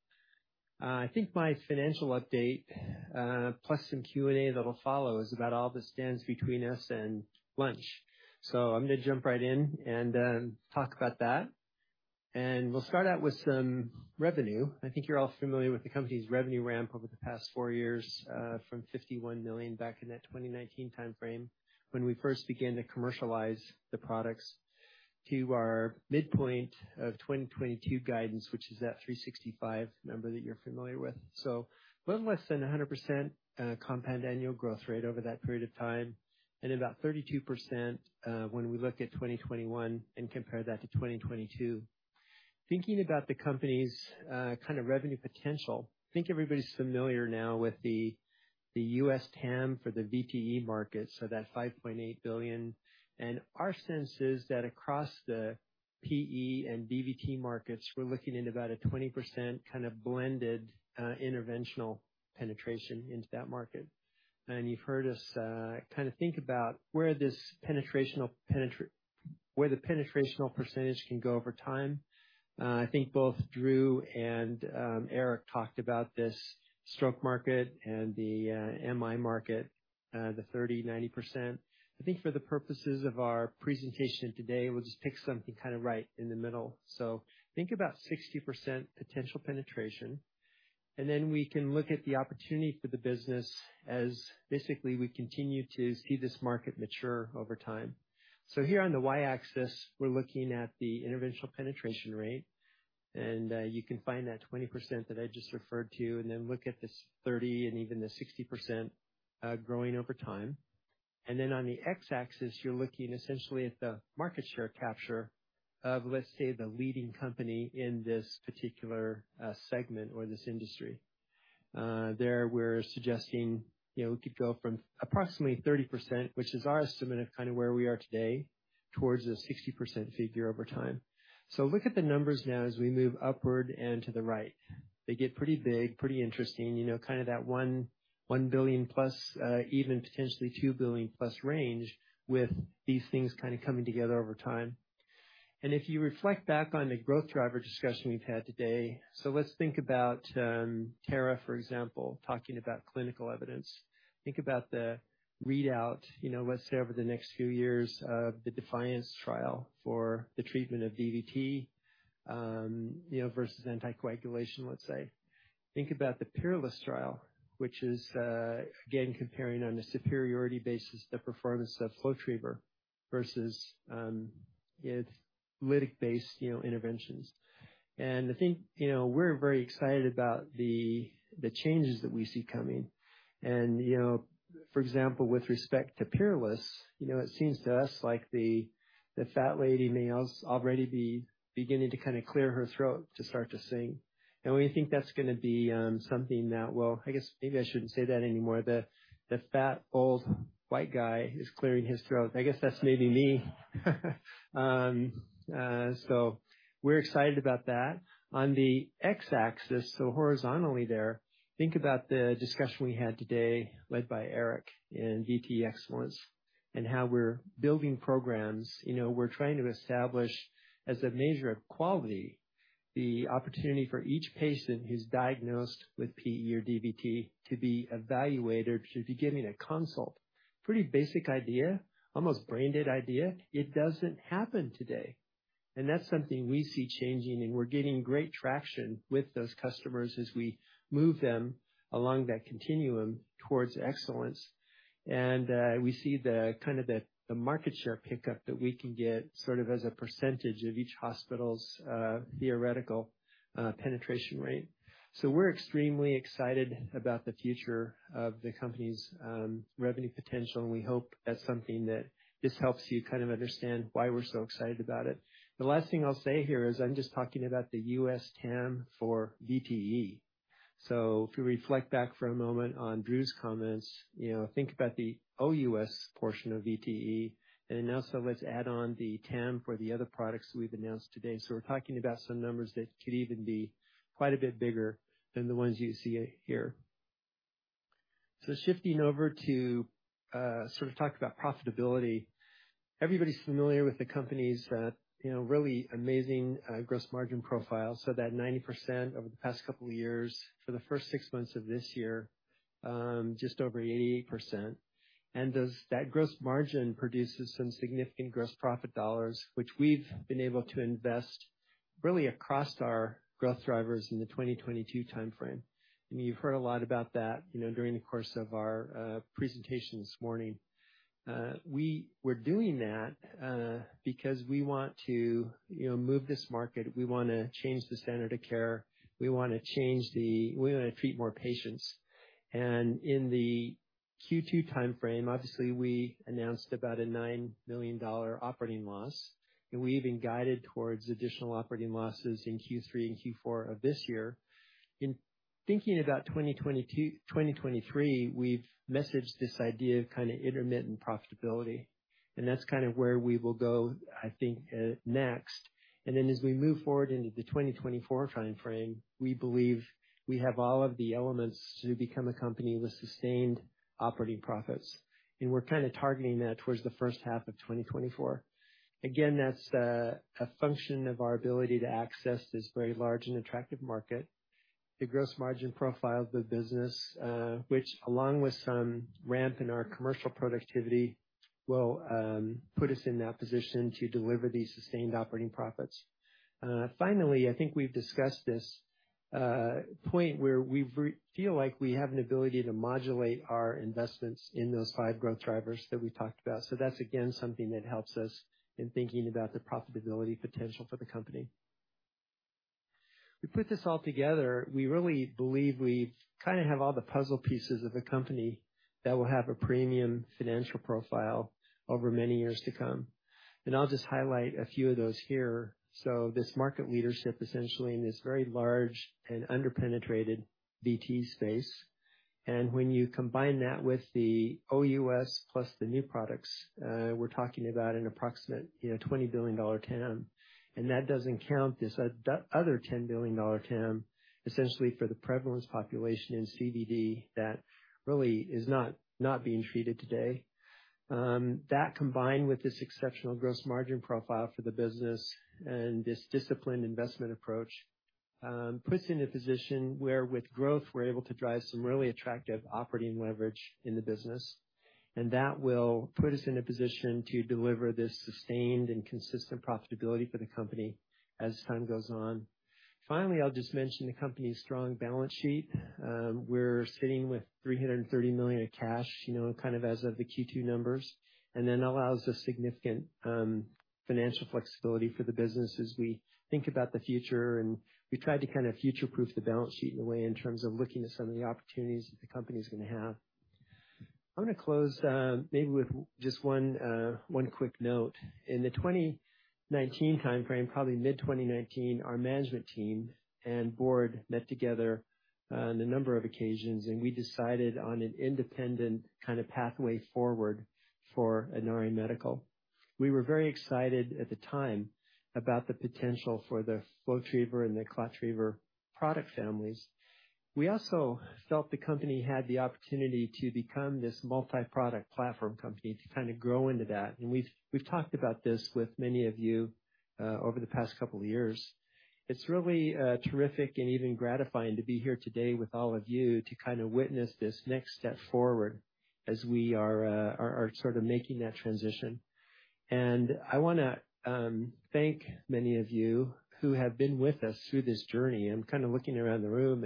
I think my financial update plus some Q&A that'll follow is about all that stands between us and lunch. So I'm gonna jump right in and talk about that. We'll start out with some revenue. I think you're all familiar with the company's revenue ramp over the past 4 years, from $51 million back in that 2019 timeframe when we first began to commercialize the products to our midpoint of 2022 guidance, which is that 365 number that you're familiar with. A little less than 100%, compound annual growth rate over that period of time, and about 32%, when we looked at 2021 and compared that to 2022. Thinking about the company's, kind of revenue potential, I think everybody's familiar now with the U.S. TAM for the VTE market, so that $5.8 billion. Our sense is that across the PE and DVT markets, we're looking at about a 20% kind of blended, interventional penetration into that market. You've heard us kind of think about where this penetration percentage can go over time. I think both Drew and Eric talked about this stroke market and the MI market, the 30%, 90%. I think for the purposes of our presentation today, we'll just pick something kind of right in the middle. Think about 60% potential penetration, and then we can look at the opportunity for the business as basically we continue to see this market mature over time. Here on the Y-axis, we're looking at the interventional penetration rate, and you can find that 20% that I just referred to, and then look at this 30% and even the 60% growing over time. On the X-axis, you're looking essentially at the market share capture of, let's say, the leading company in this particular segment or this industry. There we're suggesting, you know, it could go from approximately 30%, which is our estimate of kind of where we are today, towards a 60% figure over time. Look at the numbers now as we move upward and to the right. They get pretty big, pretty interesting, you know, kind of that $1+ billion, even potentially $2+ billion range with these things kind of coming together over time. If you reflect back on the growth driver discussion we've had today, so let's think about Tara, for example, talking about clinical evidence. Think about the readout, you know, let's say, over the next few years of the DEFIANCE trial for the treatment of DVT, you know, versus anticoagulation, let's say. Think about the PEERLESS trial, which is again, comparing on a superiority basis the performance of FlowTriever versus its lytic-based, you know, interventions. I think, you know, we're very excited about the changes that we see coming. You know, for example, with respect to PEERLESS, you know, it seems to us like the fat lady may already be beginning to kind of clear her throat to start to sing. We think that's gonna be something that, well, I guess maybe I shouldn't say that anymore. The fat, bald white guy is clearing his throat. I guess that's maybe me. We're excited about that. On the X-axis, so horizontally there, think about the discussion we had today led by Eric in VTE Excellence and how we're building programs. You know, we're trying to establish as a measure of quality the opportunity for each patient who's diagnosed with PE or DVT to be evaluated, to be given a consult. Pretty basic idea, almost brain dead idea. It doesn't happen today. That's something we see changing, and we're getting great traction with those customers as we move them along that continuum towards excellence. We see the kind of market share pickup that we can get sort of as a percentage of each hospital's theoretical penetration rate. We're extremely excited about the future of the company's revenue potential, and we hope that's something that just helps you kind of understand why we're so excited about it. The last thing I'll say here is I'm just talking about the U.S. TAM for VTE. If you reflect back for a moment on Drew's comments, you know, think about the OUS portion of VTE, and also let's add on the TAM for the other products we've announced today. We're talking about some numbers that could even be quite a bit bigger than the ones you see here. Shifting over to sort of talk about profitability. Everybody's familiar with the company's you know, really amazing gross margin profile. That 90% over the past couple of years. For the first 6 months of this year, just over 88%. As that gross margin produces some significant gross profit dollars, which we've been able to invest really across our growth drivers in the 2022 timeframe. You've heard a lot about that, you know, during the course of our presentation this morning. We were doing that because we want to, you know, move this market. We wanna change the standard of care. We wanna treat more patients. In the Q2 timeframe, obviously, we announced about a $9 million operating loss, and we even guided towards additional operating losses in Q3 and Q4 of this year. In thinking about 2023, we've messaged this idea of kinda intermittent profitability, and that's kind of where we will go, I think, next. Then as we move forward into the 2024 timeframe, we believe we have all of the elements to become a company with sustained operating profits, and we're kinda targeting that towards the first half of 2024. Again, that's a function of our ability to access this very large and attractive market. The gross margin profile of the business, which along with some ramp in our commercial productivity, will put us in that position to deliver these sustained operating profits. Finally, I think we've discussed this point where we really feel like we have an ability to modulate our investments in those five growth drivers that we talked about. That's again something that helps us in thinking about the profitability potential for the company. We put this all together. We really believe we kinda have all the puzzle pieces of a company that will have a premium financial profile over many years to come. I'll just highlight a few of those here. This market leadership, essentially, in this very large and under-penetrated VT space. When you combine that with the OUS plus the new products, we're talking about an approximate, you know, $20 billion TAM. That doesn't count this other $10 billion TAM, essentially, for the prevalence population in CVD that really is not being treated today. That combined with this exceptional gross margin profile for the business and this disciplined investment approach puts in a position where with growth, we're able to drive some really attractive operating leverage in the business. That will put us in a position to deliver this sustained and consistent profitability for the company as time goes on. Finally, I'll just mention the company's strong balance sheet. We're sitting with $330 million of cash, you know, kind of as of the Q2 numbers, and then allows us significant financial flexibility for the business as we think about the future. We tried to kind of future-proof the balance sheet in a way in terms of looking at some of the opportunities that the company is gonna have. I'm gonna close, maybe with just one quick note. In the 2019 timeframe, probably mid-2019, our management team and board met together on a number of occasions, and we decided on an independent kind of pathway forward for Inari Medical. We were very excited at the time about the potential for the FlowTriever and the ClotTriever product families. We also felt the company had the opportunity to become this multi-product platform company to kind of grow into that. We've talked about this with many of you over the past couple of years. It's really terrific and even gratifying to be here today with all of you to kinda witness this next step forward as we are sorta making that transition. I wanna thank many of you who have been with us through this journey. I'm kinda looking around the room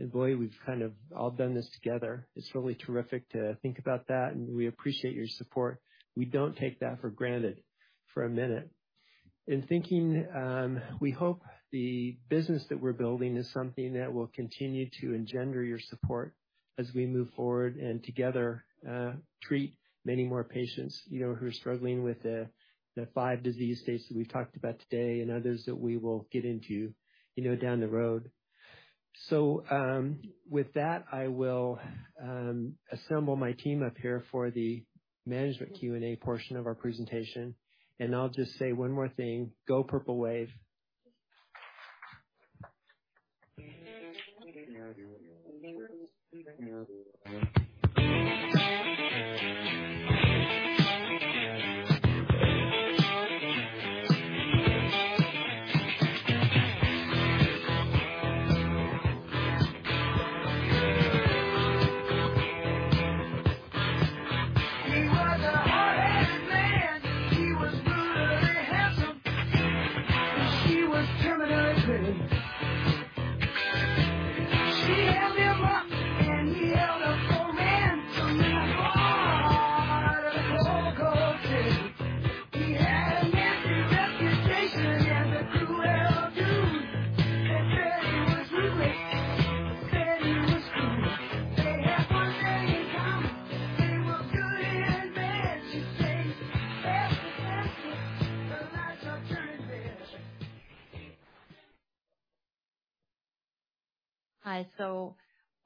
and boy, we've kind of all done this together. It's really terrific to think about that, and we appreciate your support. We don't take that for granted for a minute. In thinking, we hope the business that we're building is something that will continue to engender your support as we move forward and together treat many more patients, you know, who are struggling with the five disease states that we've talked about today and others that we will get into, you know, down the road. With that, I will assemble my team up here for the management Q&A portion of our presentation. I'll just say one more thing. Go Purple Wave.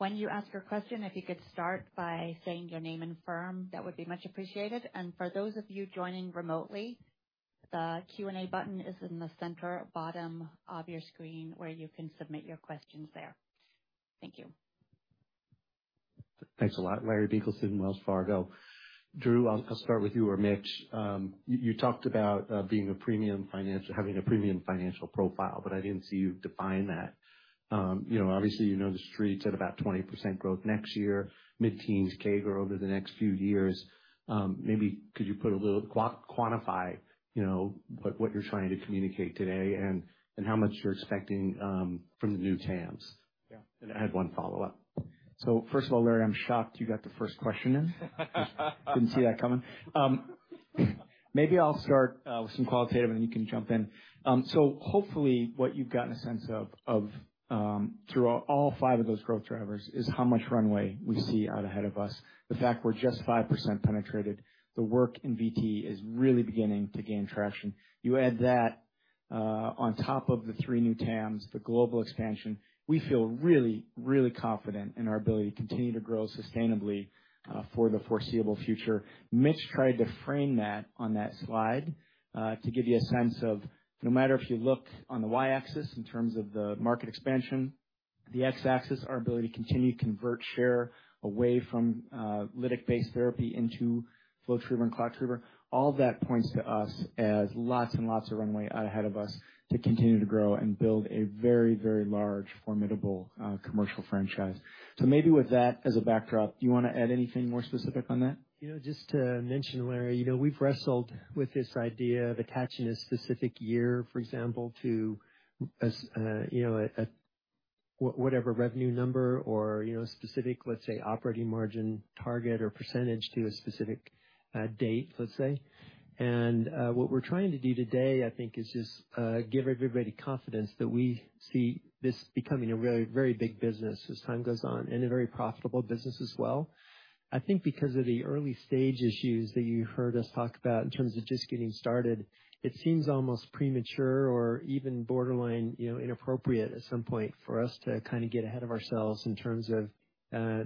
Hi. When you ask your question, if you could start by saying your name and firm, that would be much appreciated. For those of you joining remotely, the Q&A button is in the center bottom of your screen, where you can submit your questions there. Thank you. Thanks a lot. Larry Biegelsen, Wells Fargo. Drew, I'll start with you or Mitch. You talked about having a premium financial profile, but I didn't see you define that. You know, obviously, you know the Street's at about 20% growth next year, mid-teens CAGR over the next few years. Maybe could you quantify, you know, what you're trying to communicate today and how much you're expecting from the new TAMs? Yeah. I had one follow-up. First of all, Larry, I'm shocked you got the first question in. Didn't see that coming. Maybe I'll start with some qualitative, and you can jump in. Hopefully, what you've gotten a sense of through all five of those growth drivers is how much runway we see out ahead of us. The fact we're just 5% penetrated, the work in VTE is really beginning to gain traction. You add that on top of the three new TAMs, the global expansion, we feel really, really confident in our ability to continue to grow sustainably for the foreseeable future. Mitch tried to frame that on that slide to give you a sense of no matter if you look on the Y-axis in terms of the market expansion, the X-axis, our ability to continue to convert share away from lytic-based therapy into FlowTriever and ClotTriever. All that points to us as lots and lots of runway out ahead of us to continue to grow and build a very, very large, formidable commercial franchise. Maybe with that as a backdrop, do you wanna add anything more specific on that? You know, just to mention, Larry, you know, we've wrestled with this idea of attaching a specific year, for example, to, say, whatever revenue number or, you know, specific, let's say, operating margin target or percentage to a specific date, let's say. What we're trying to do today, I think, is just give everybody confidence that we see this becoming a very, very big business as time goes on, and a very profitable business as well. I think because of the early-stage issues that you heard us talk about in terms of just getting started, it seems almost premature or even borderline, you know, inappropriate at some point for us to kind of get ahead of ourselves in terms of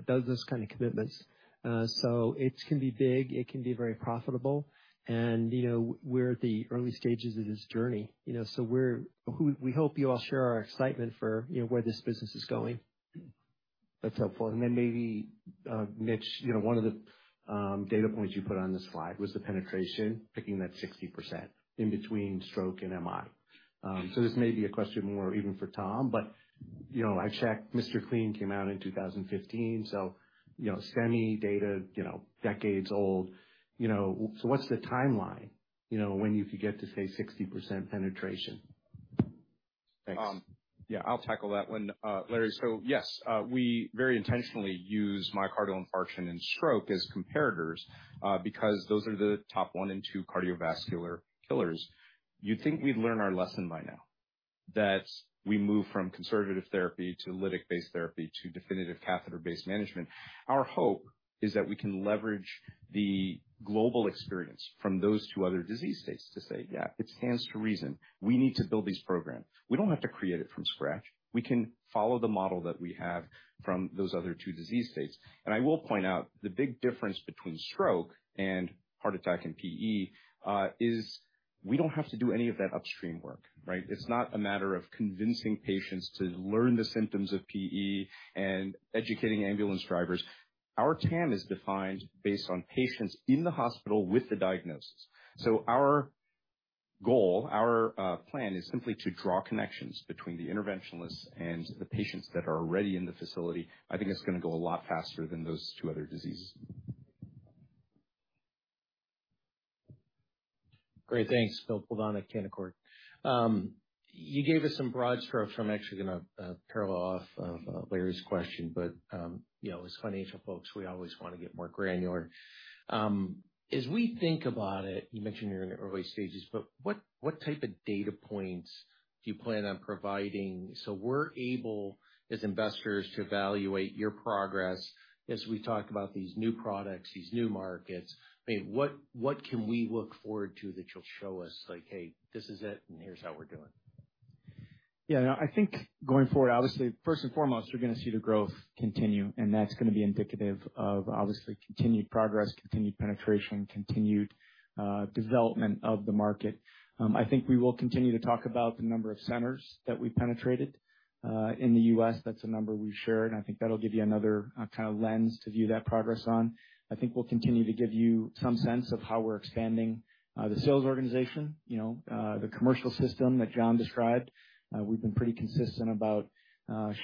those kind of commitments. It can be big, it can be very profitable. You know, we're at the early stages of this journey, you know. We hope you all share our excitement for, you know, where this business is going. That's helpful. Then maybe, Mitch, you know, one of the data points you put on the slide was the penetration, pegging that 60% in between stroke and MI. This may be a question more for Tom, but, you know, I checked, MR CLEAN came out in 2015, so, you know, some data, you know, decades old, you know. What's the timeline, you know, when you could get to, say, 60% penetration? Thanks. Yeah, I'll tackle that one, Larry. Yes, we very intentionally use myocardial infarction and stroke as comparators, because those are the top one and two cardiovascular killers. You'd think we'd learn our lesson by now, that we move from conservative therapy to lytic-based therapy to definitive catheter-based management. Our hope is that we can leverage the global experience from those two other disease states to say, "Yeah, it stands to reason. We need to build these programs." We don't have to create it from scratch. We can follow the model that we have from those other two disease states. I will point out the big difference between stroke and heart attack and PE is we don't have to do any of that upstream work, right? It's not a matter of convincing patients to learn the symptoms of PE and educating ambulance drivers. Our TAM is defined based on patients in the hospital with the diagnosis. Our goal, our plan is simply to draw connections between the interventionalists and the patients that are already in the facility. I think it's gonna go a lot faster than those two other diseases. Great. Thanks. Bill Plovanic at Canaccord. You gave us some broad strokes. I'm actually gonna parallel off of Larry's question, but you know, as financial folks, we always wanna get more granular. As we think about it, you mentioned you're in the early stages, but what type of data points do you plan on providing so we're able, as investors, to evaluate your progress as we talk about these new products, these new markets? I mean, what can we look forward to that you'll show us like, "Hey, this is it, and here's how we're doing?" Yeah, no. I think going forward, obviously, first and foremost, you're gonna see the growth continue, and that's gonna be indicative of, obviously, continued progress, continued penetration, continued development of the market. I think we will continue to talk about the number of centers that we penetrated in the U.S. That's a number we've shared. I think that'll give you another kind of lens to view that progress on. I think we'll continue to give you some sense of how we're expanding the sales organization. You know, the commercial system that John described, we've been pretty consistent about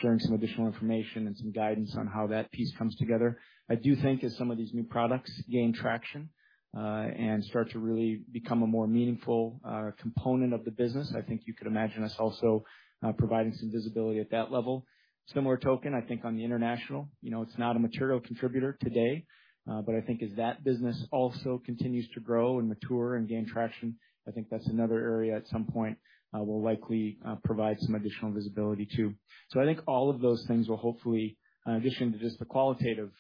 sharing some additional information and some guidance on how that piece comes together. I do think as some of these new products gain traction, and start to really become a more meaningful component of the business, I think you could imagine us also providing some visibility at that level. By the same token, I think on the international, you know, it's not a material contributor today, but I think as that business also continues to grow and mature and gain traction, I think that's another area at some point we'll likely provide some additional visibility too. I think all of those things will hopefully, in addition to just the qualitative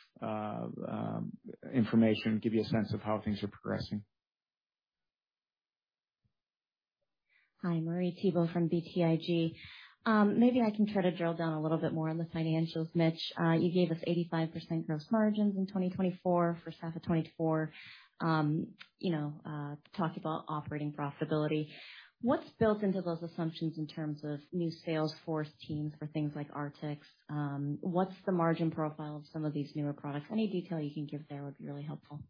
information, give you a sense of how things are progressing. Hi. Marie Thibault from BTIG. Maybe I can try to drill down a little bit more on the financials, Mitch. You gave us 85% gross margins in 2024 for half of 2024. You know, talked about operating profitability. What's built into those assumptions in terms of new sales force teams for things like Artix? What's the margin profile of some of these newer products? Any detail you can give there would be really helpful.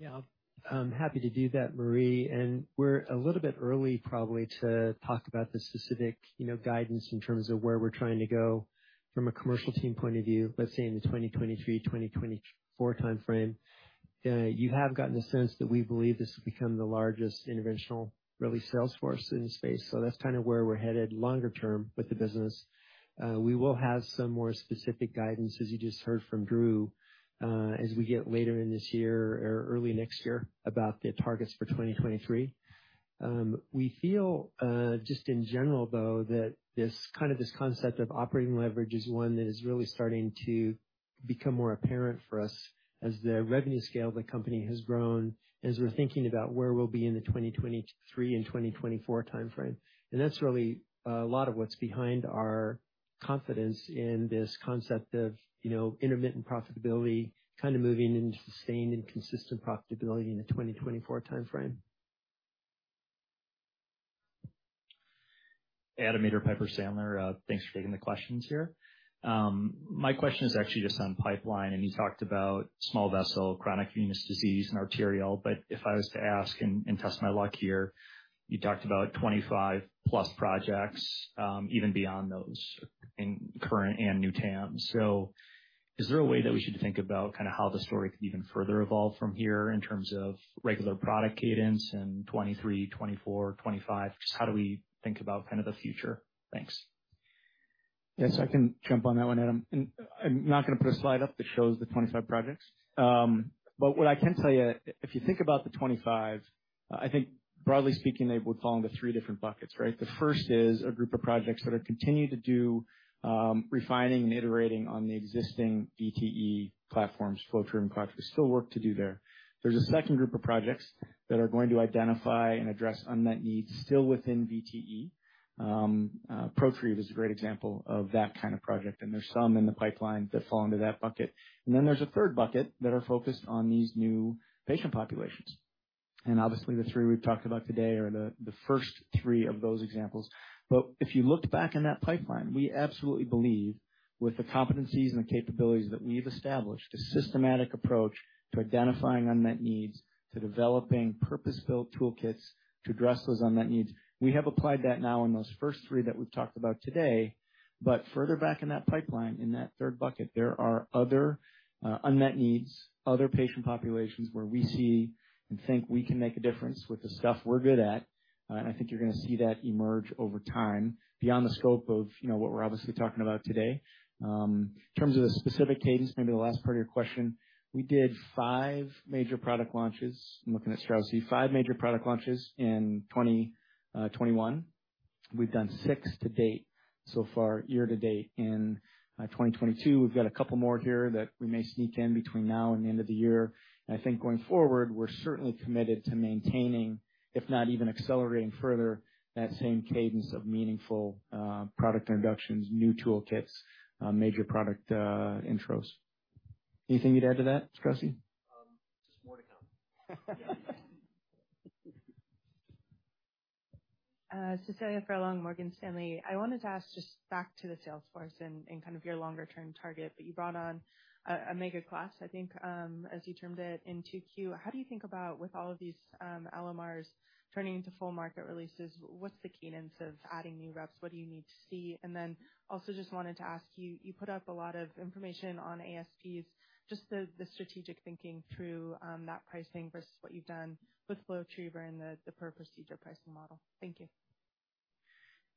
Yeah. I'm happy to do that, Marie. We're a little bit early probably to talk about the specific, you know, guidance in terms of where we're trying to go from a commercial team point of view, let's say in the 2023, 2024 timeframe. You have gotten a sense that we believe this will become the largest interventional, really, sales force in the space. That's kind of where we're headed longer term with the business. We will have some more specific guidance, as you just heard from Drew, as we get later in this year or early next year about the targets for 2023. We feel, just in general, though, that this, kind of this concept of operating leverage is one that is really starting to become more apparent for us as the revenue scale of the company has grown, as we're thinking about where we'll be in the 2023 and 2024 timeframe. That's really a lot of what's behind our confidence in this concept of, you know, intermittent profitability kind of moving into sustained and consistent profitability in the 2024 timeframe. Adam Maeder, Piper Sandler. Thanks for taking the questions here. My question is actually just on pipeline, and you talked about small vessel chronic venous disease and arterial. But if I was to ask and test my luck here, you talked about 25+ projects, even beyond those in current and new TAMs. Is there a way that we should think about kind of how the story could even further evolve from here in terms of regular product cadence in 2023, 2024, 2025? Just how do we think about kind of the future? Thanks. Yes, I can jump on that one, Adam. I'm not gonna put a slide up that shows the 25 projects. But what I can tell you, if you think about the 25, I think broadly speaking, they would fall into three different buckets, right? The first is a group of projects that are continuing to do refining and iterating on the existing VTE platforms, FlowTriever products. There's still work to do there. There's a second group of projects that are going to identify and address unmet needs still within VTE. ProTrieve is a great example of that kind of project, and there's some in the pipeline that fall into that bucket. Then there's a third bucket that are focused on these new patient populations. Obviously, the three we've talked about today are the first three of those examples. If you looked back in that pipeline, we absolutely believe with the competencies and the capabilities that we've established, a systematic approach to identifying unmet needs, to developing purpose-built toolkits to address those unmet needs. We have applied that now in those first three that we've talked about today. Further back in that pipeline, in that third bucket, there are other unmet needs, other patient populations where we see and think we can make a difference with the stuff we're good at. And I think you're gonna see that emerge over time beyond the scope of, you know, what we're obviously talking about today. In terms of the specific cadence, maybe the last part of your question, we did five major product launches. I'm looking at Strauss. Five major product launches in 2021. We've done six to date so far year to date in 2022. We've got a couple more here that we may sneak in between now and the end of the year. I think going forward, we're certainly committed to maintaining, if not even accelerating further, that same cadence of meaningful product introductions, new toolkits, major product intros. Anything you'd add to that, Strauss? Just more to come. Yeah. Cecilia Furlong, Morgan Stanley. I wanted to ask just back to the sales force and kind of your longer term target, but you brought on a mega class, I think, as you termed it in 2Q. How do you think about with all of these LMRs turning into full market releases, what's the cadence of adding new reps? What do you need to see? And then also just wanted to ask you put up a lot of information on ASPs, just the strategic thinking through that pricing versus what you've done with FlowTriever and the per procedure pricing model. Thank you.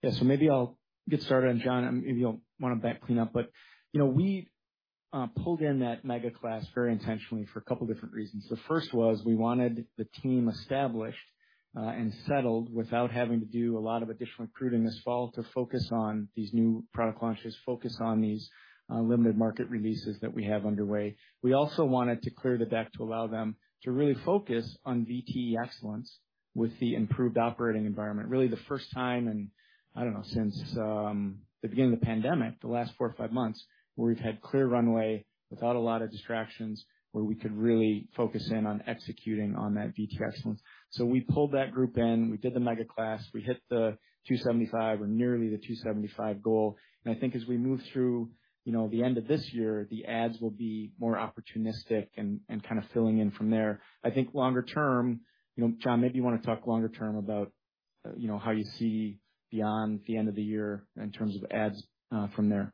Yeah. Maybe I'll get started. John, maybe you'll wanna back me up. You know, we pulled in that mega class very intentionally for a couple different reasons. The first was we wanted the team established and settled without having to do a lot of additional recruiting this fall to focus on these new product launches, focus on these limited market releases that we have underway. We also wanted to clear the deck to allow them to really focus on VTE Excellence with the improved operating environment. Really the first time in, I don't know, since the beginning of the pandemic, the last 4 or 5 months, where we've had clear runway without a lot of distractions, where we could really focus in on executing on that VTE Excellence. We pulled that group in, we did the mega class. We hit the $275 or nearly the $275 goal. I think as we move through, you know, the end of this year, the ads will be more opportunistic and kind of filling in from there. I think longer term, you know, John, maybe you wanna talk longer term about, you know, how you see beyond the end of the year in terms of ads, from there.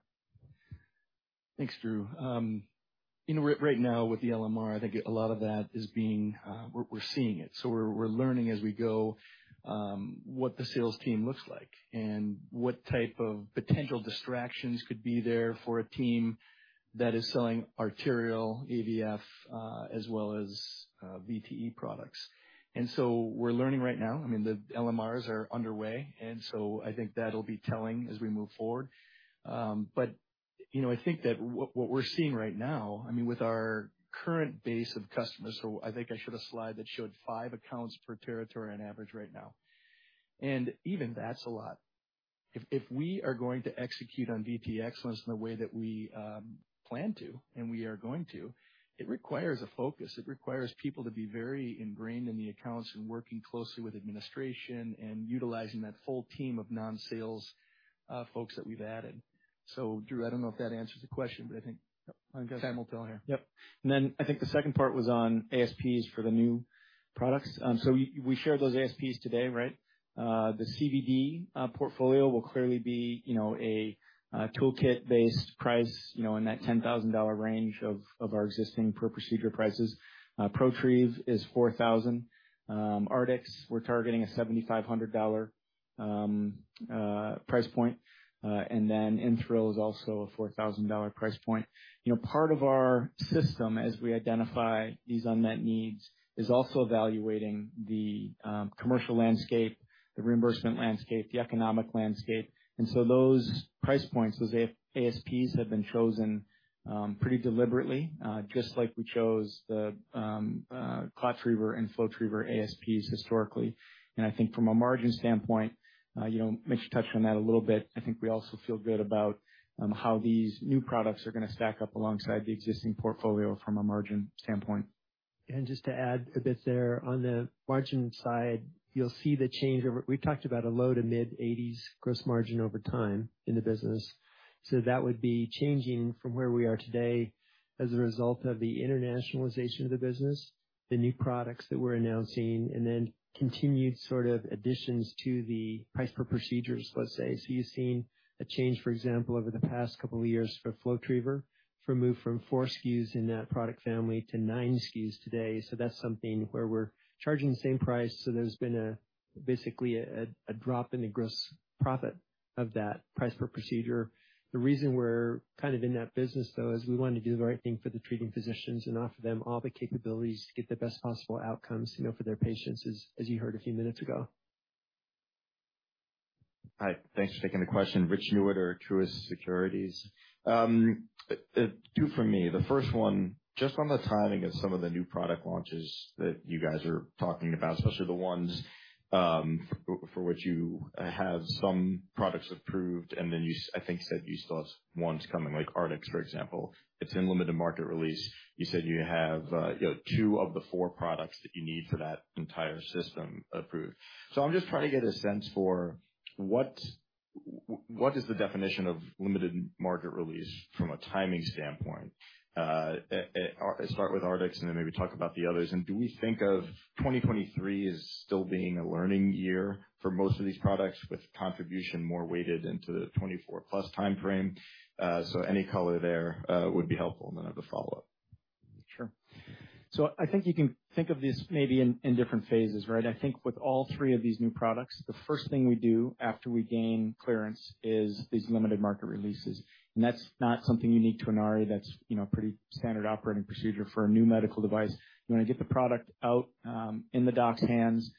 Thanks, Drew. You know, right now with the LMR, I think a lot of that. We're seeing it. We're learning as we go what the sales team looks like and what type of potential distractions could be there for a team that is selling arterial AVF as well as VTE products. We're learning right now. I mean, the LMRs are underway, and so I think that'll be telling as we move forward. You know, I think that what we're seeing right now, I mean, with our current base of customers. I think I showed a slide that showed five accounts per territory on average right now. Even that's a lot. If we are going to execute on VTE Excellence in the way that we plan to, and we are going to, it requires a focus. It requires people to be very ingrained in the accounts and working closely with administration and utilizing that full team of non-sales folks that we've added. Drew, I don't know if that answers the question, but I think- Yep.... time will tell here. Yep. I think the second part was on ASPs for the new products. We shared those ASPs today, right? The CVD portfolio will clearly be, you know, a toolkit-based price, you know, in that $10,000 range of our existing per procedure prices. ProTrieve is $4,000. Artix, we're targeting a $7,500 price point. InThrill is also a $4,000 price point. You know, part of our system as we identify these unmet needs is also evaluating the commercial landscape, the reimbursement landscape, the economic landscape. Those price points, those ASPs, have been chosen pretty deliberately, just like we chose the ClotTriever and FlowTriever ASPs historically. I think from a margin standpoint, you know, Mitch touched on that a little bit. I think we also feel good about how these new products are gonna stack up alongside the existing portfolio from a margin standpoint. Just to add a bit there on the margin side, you'll see the change over. We talked about a low- to mid-80s% gross margin over time in the business. That would be changing from where we are today as a result of the internationalization of the business. The new products that we're announcing and then continued sort of additions to the price per procedures, let's say. You've seen a change, for example, over the past couple of years for FlowTriever, from four SKUs in that product family to nine SKUs today. That's something where we're charging the same price. There's been basically a drop in the gross profit of that price per procedure. The reason we're kind of in that business though, is we wanna do the right thing for the treating physicians and offer them all the capabilities to get the best possible outcomes, you know, for their patients as you heard a few minutes ago. Hi, thanks for taking the question. Rich Newitter, Truist Securities. Two from me. The first one, just on the timing of some of the new product launches that you guys are talking about, especially the ones for which you have some products approved, and then you, I think, said you saw ones coming, like Artix, for example. It's in limited market release. You said you have, you know, two of the four products that you need for that entire system approved. So I'm just trying to get a sense for what is the definition of limited market release from a timing standpoint? Start with Artix, and then maybe talk about the others. Do we think of 2023 as still being a learning year for most of these products with contribution more weighted into the 2024+ timeframe? Any color there would be helpful. Then I have a follow-up. Sure. I think you can think of this maybe in different phases, right? I think with all three of these new products, the first thing we do after we gain clearance is these limited market releases. That's not something unique to Inari. That's, you know, pretty standard operating procedure for a new medical device. You wanna get the product out, in the doc's hands,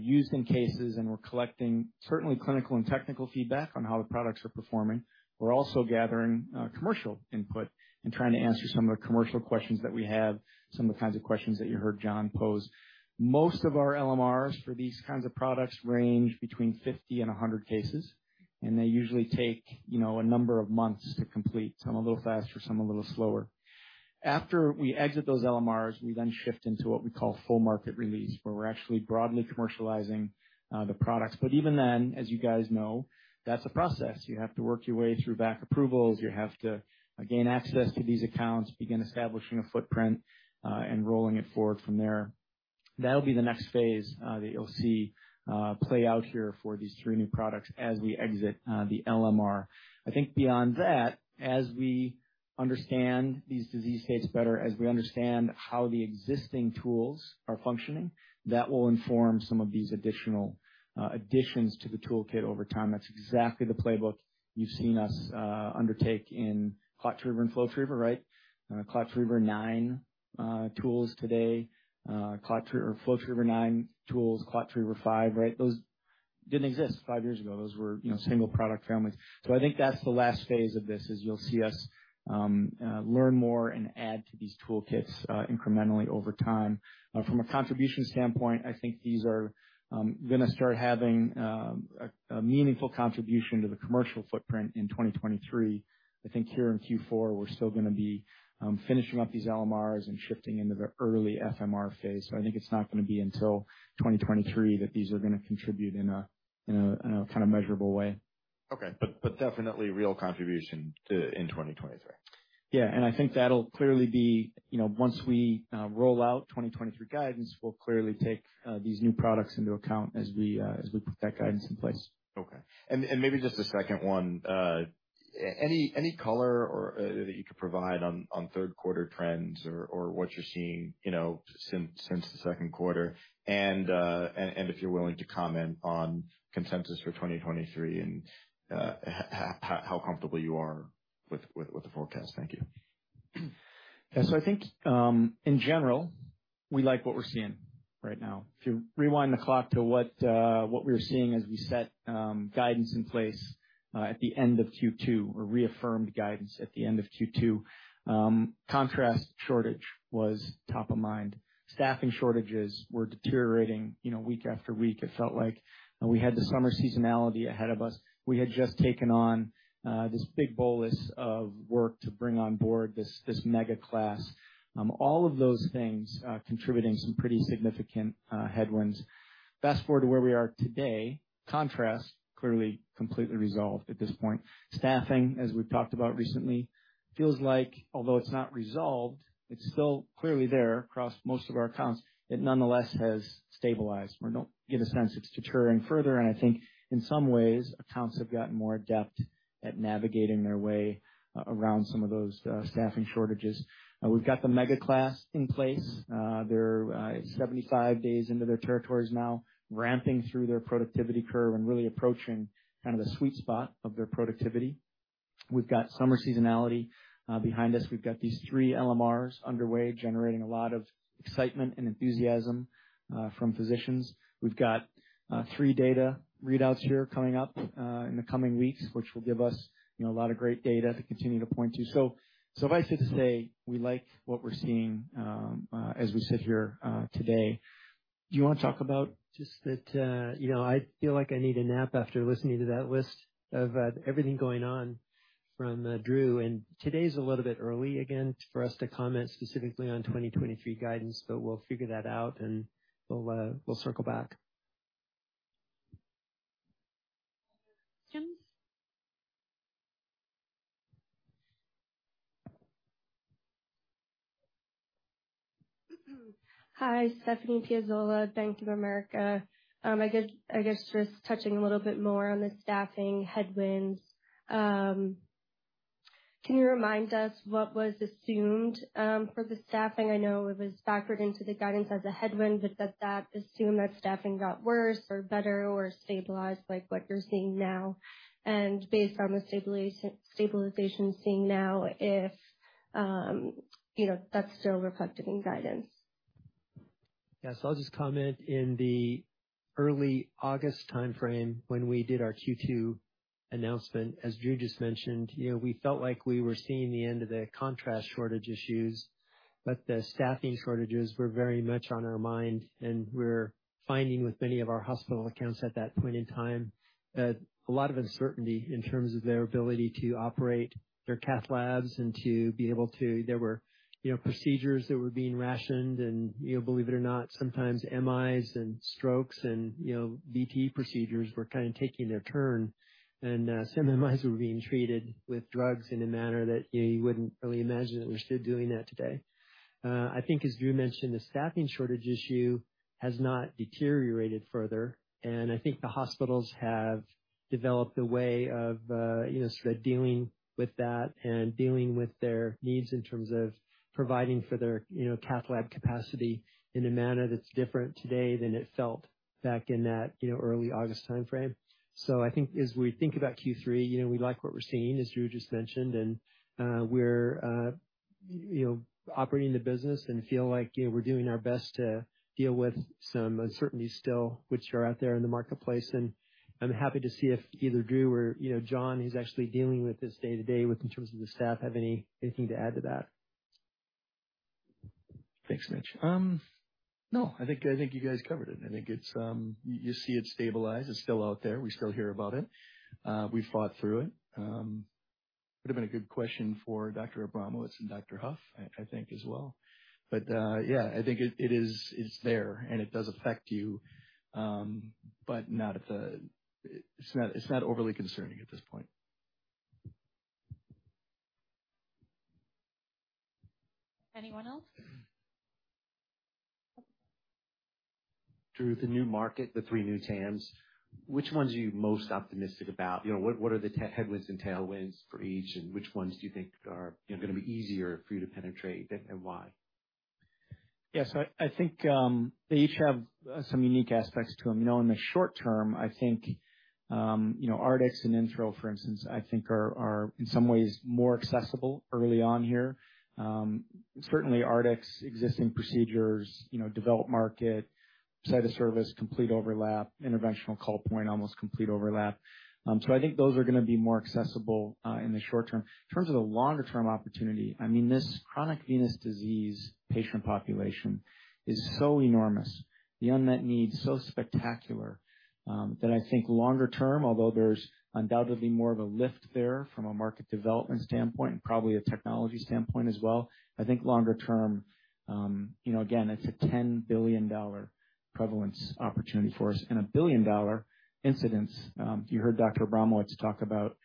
used in cases, and we're collecting certainly clinical and technical feedback on how the products are performing. We're also gathering commercial input and trying to answer some of the commercial questions that we have, some of the kinds of questions that you heard John pose. Most of our LMRs for these kinds of products range between 50 and 100 cases, and they usually take, you know, a number of months to complete, some a little faster, some a little slower. After we exit those LMRs, we then shift into what we call full market release, where we're actually broadly commercializing, the products. Even then, as you guys know, that's a process. You have to work your way through back approvals. You have to gain access to these accounts, begin establishing a footprint, and rolling it forward from there. That'll be the next phase, that you'll see, play out here for these three new products as we exit, the LMR. I think beyond that, as we understand these disease states better, as we understand how the existing tools are functioning, that will inform some of these additional additions to the toolkit over time. That's exactly the playbook you've seen us undertake in ClotTriever and FlowTriever, right? ClotTriever nine tools today. ClotTriever or FlowTriever nine tools, ClotTriever five, right? Those didn't exist 5 years ago. Those were, you know, single product families. I think that's the last phase of this, is you'll see us learn more and add to these toolkits incrementally over time. From a contribution standpoint, I think these are gonna start having a meaningful contribution to the commercial footprint in 2023. I think here in Q4, we're still gonna be finishing up these LMRs and shifting into the early FMR phase. I think it's not gonna be until 2023 that these are gonna contribute in a kind of measurable way. Definitely real contribution to in 2023? Yeah. I think that'll clearly be, you know, once we roll out 2023 guidance, we'll clearly take these new products into account as we put that guidance in place. Okay. Maybe just a second one. Any color that you could provide on third quarter trends or what you're seeing, you know, since the second quarter. If you're willing to comment on consensus for 2023 and how comfortable you are with the forecast. Thank you. Yeah. I think, in general, we like what we're seeing right now. If you rewind the clock to what we were seeing as we set guidance in place, at the end of Q2 or reaffirmed guidance at the end of Q2, contrast shortage was top of mind. Staffing shortages were deteriorating, you know, week after week, it felt like. We had the summer seasonality ahead of us. We had just taken on this big bolus of work to bring on board this mega class. All of those things contributing some pretty significant headwinds. Fast-forward to where we are today, contrast clearly completely resolved at this point. Staffing, as we've talked about recently, feels like, although it's not resolved, it's still clearly there across most of our accounts. It nonetheless has stabilized. We don't get a sense it's deteriorating further, and I think in some ways accounts have gotten more adept at navigating their way around some of those staffing shortages. We've got the mega class in place. They're 75 days into their territories now, ramping through their productivity curve and really approaching kind of the sweet spot of their productivity. We've got summer seasonality behind us. We've got these three LMRs underway, generating a lot of excitement and enthusiasm from physicians. We've got three data readouts here coming up in the coming weeks, which will give us, you know, a lot of great data to continue to point to. I should just say, we like what we're seeing as we sit here today. Do you wanna talk about? Just that, you know, I feel like I need a nap after listening to that list of everything going on from Drew. Today's a little bit early again for us to comment specifically on 2023 guidance, but we'll figure that out and we'll circle back. Hi, Stephanie Piazzola, Bank of America. I guess just touching a little bit more on the staffing headwinds. Can you remind us what was assumed for the staffing? I know it was factored into the guidance as a headwind, but does that assume that staffing got worse or better or stabilized like what you're seeing now? Based on the stabilization you're seeing now, if you know, that's still reflected in guidance. Yeah. I'll just comment. In the early August timeframe when we did our Q2 announcement, as Drew just mentioned, you know, we felt like we were seeing the end of the contrast shortage issues, but the staffing shortages were very much on our mind, and we're finding with many of our hospital accounts at that point in time that a lot of uncertainty in terms of their ability to operate their cath labs. There were, you know, procedures that were being rationed. You know, believe it or not, sometimes MIs and strokes and, you know, VTE procedures were kind of taking their turn. Some MIs were being treated with drugs in a manner that you wouldn't really imagine, and we're still doing that today. I think as Drew mentioned, the staffing shortage issue has not deteriorated further, and I think the hospitals have developed a way of, you know, sort of dealing with that and dealing with their needs in terms of providing for their, you know, cath lab capacity in a manner that's different today than it felt back in that, you know, early August timeframe. I think as we think about Q3, you know, we like what we're seeing, as Drew just mentioned, and we're you know operating the business and feel like, you know, we're doing our best to deal with some uncertainties still which are out there in the marketplace. I'm happy to see if either Drew or, you know, John, who's actually dealing with this day-to-day in terms of the staff, have anything to add to that. Thanks, Mitch. No, I think you guys covered it. I think it's you see it stabilize. It's still out there. We still hear about it. We fought through it. Would have been a good question for Dr. Abramowitz and Dr. Huff, I think as well. Yeah, I think it is, it's there, and it does affect you, but it's not overly concerning at this point. Anyone else? Drew, the new market, the three new TAMs, which ones are you most optimistic about? You know, what are the headwinds and tailwinds for each, and which ones do you think are, you know, gonna be easier for you to penetrate, and why? Yes. I think they each have some unique aspects to them. You know, in the short term, I think you know, Artix and InThrill, for instance, I think are in some ways more accessible early on here. Certainly Artix existing procedures, you know, developed market, site of service, complete overlap, interventional call point, almost complete overlap. I think those are gonna be more accessible in the short term. In terms of the longer term opportunity, I mean, this chronic venous disease patient population is so enormous, the unmet need so spectacular that I think longer term, although there's undoubtedly more of a lift there from a market development standpoint and probably a technology standpoint as well, I think longer term you know, again, it's a $10 billion prevalence opportunity for us and a $1 billion incidence. You heard Dr. Abramowitz talk about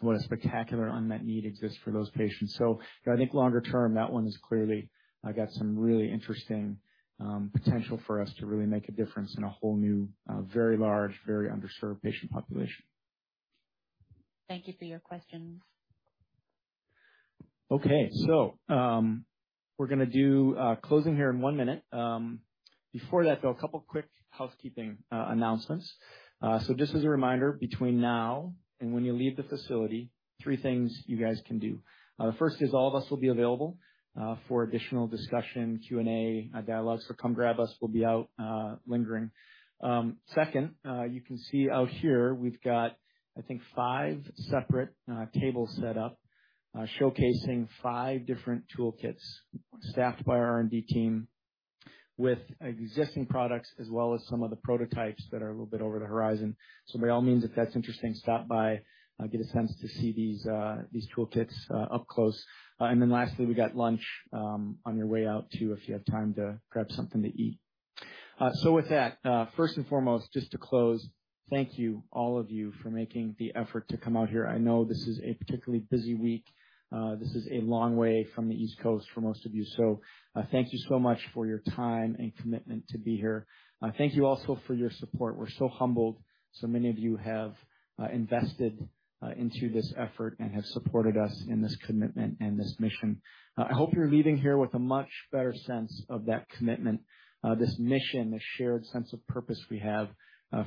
what a spectacular unmet need exists for those patients. I think longer term, that one's clearly got some really interesting potential for us to really make a difference in a whole new very large, very underserved patient population. Thank you for your questions. Okay. We're gonna do closing here in one minute. Before that, though, a couple quick housekeeping announcements. Just as a reminder, between now and when you leave the facility, three things you guys can do. The first is all of us will be available for additional discussion, Q&A, a dialogue. Come grab us. We'll be out lingering. Second, you can see out here we've got, I think, five separate tables set up showcasing five different toolkits staffed by our R&D team with existing products as well as some of the prototypes that are a little bit over the horizon. By all means, if that's interesting, stop by, get a sense to see these toolkits up close. Lastly, we got lunch on your way out too, if you have time to grab something to eat. With that, first and foremost, just to close, thank you, all of you, for making the effort to come out here. I know this is a particularly busy week. This is a long way from the East Coast for most of you, so thank you so much for your time and commitment to be here. Thank you also for your support. We're so humbled so many of you have invested into this effort and have supported us in this commitment and this mission. I hope you're leaving here with a much better sense of that commitment, this mission, this shared sense of purpose we have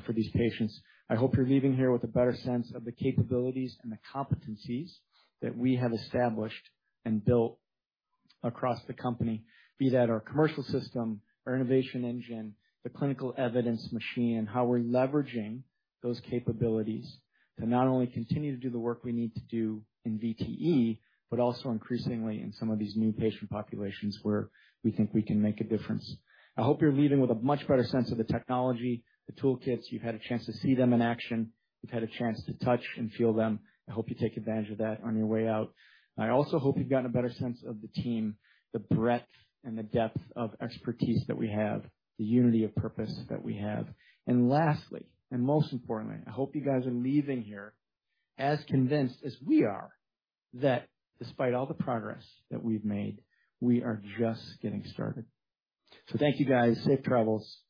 for these patients. I hope you're leaving here with a better sense of the capabilities and the competencies that we have established and built across the company, be that our commercial system, our innovation engine, the clinical evidence machine, how we're leveraging those capabilities to not only continue to do the work we need to do in VTE, but also increasingly in some of these new patient populations where we think we can make a difference. I hope you're leaving with a much better sense of the technology, the toolkits. You've had a chance to see them in action. You've had a chance to touch and feel them. I hope you take advantage of that on your way out. I also hope you've gotten a better sense of the team, the breadth and the depth of expertise that we have, the unity of purpose that we have. Lastly, and most importantly, I hope you guys are leaving here as convinced as we are that despite all the progress that we've made, we are just getting started. Thank you, guys. Safe travels. God bless.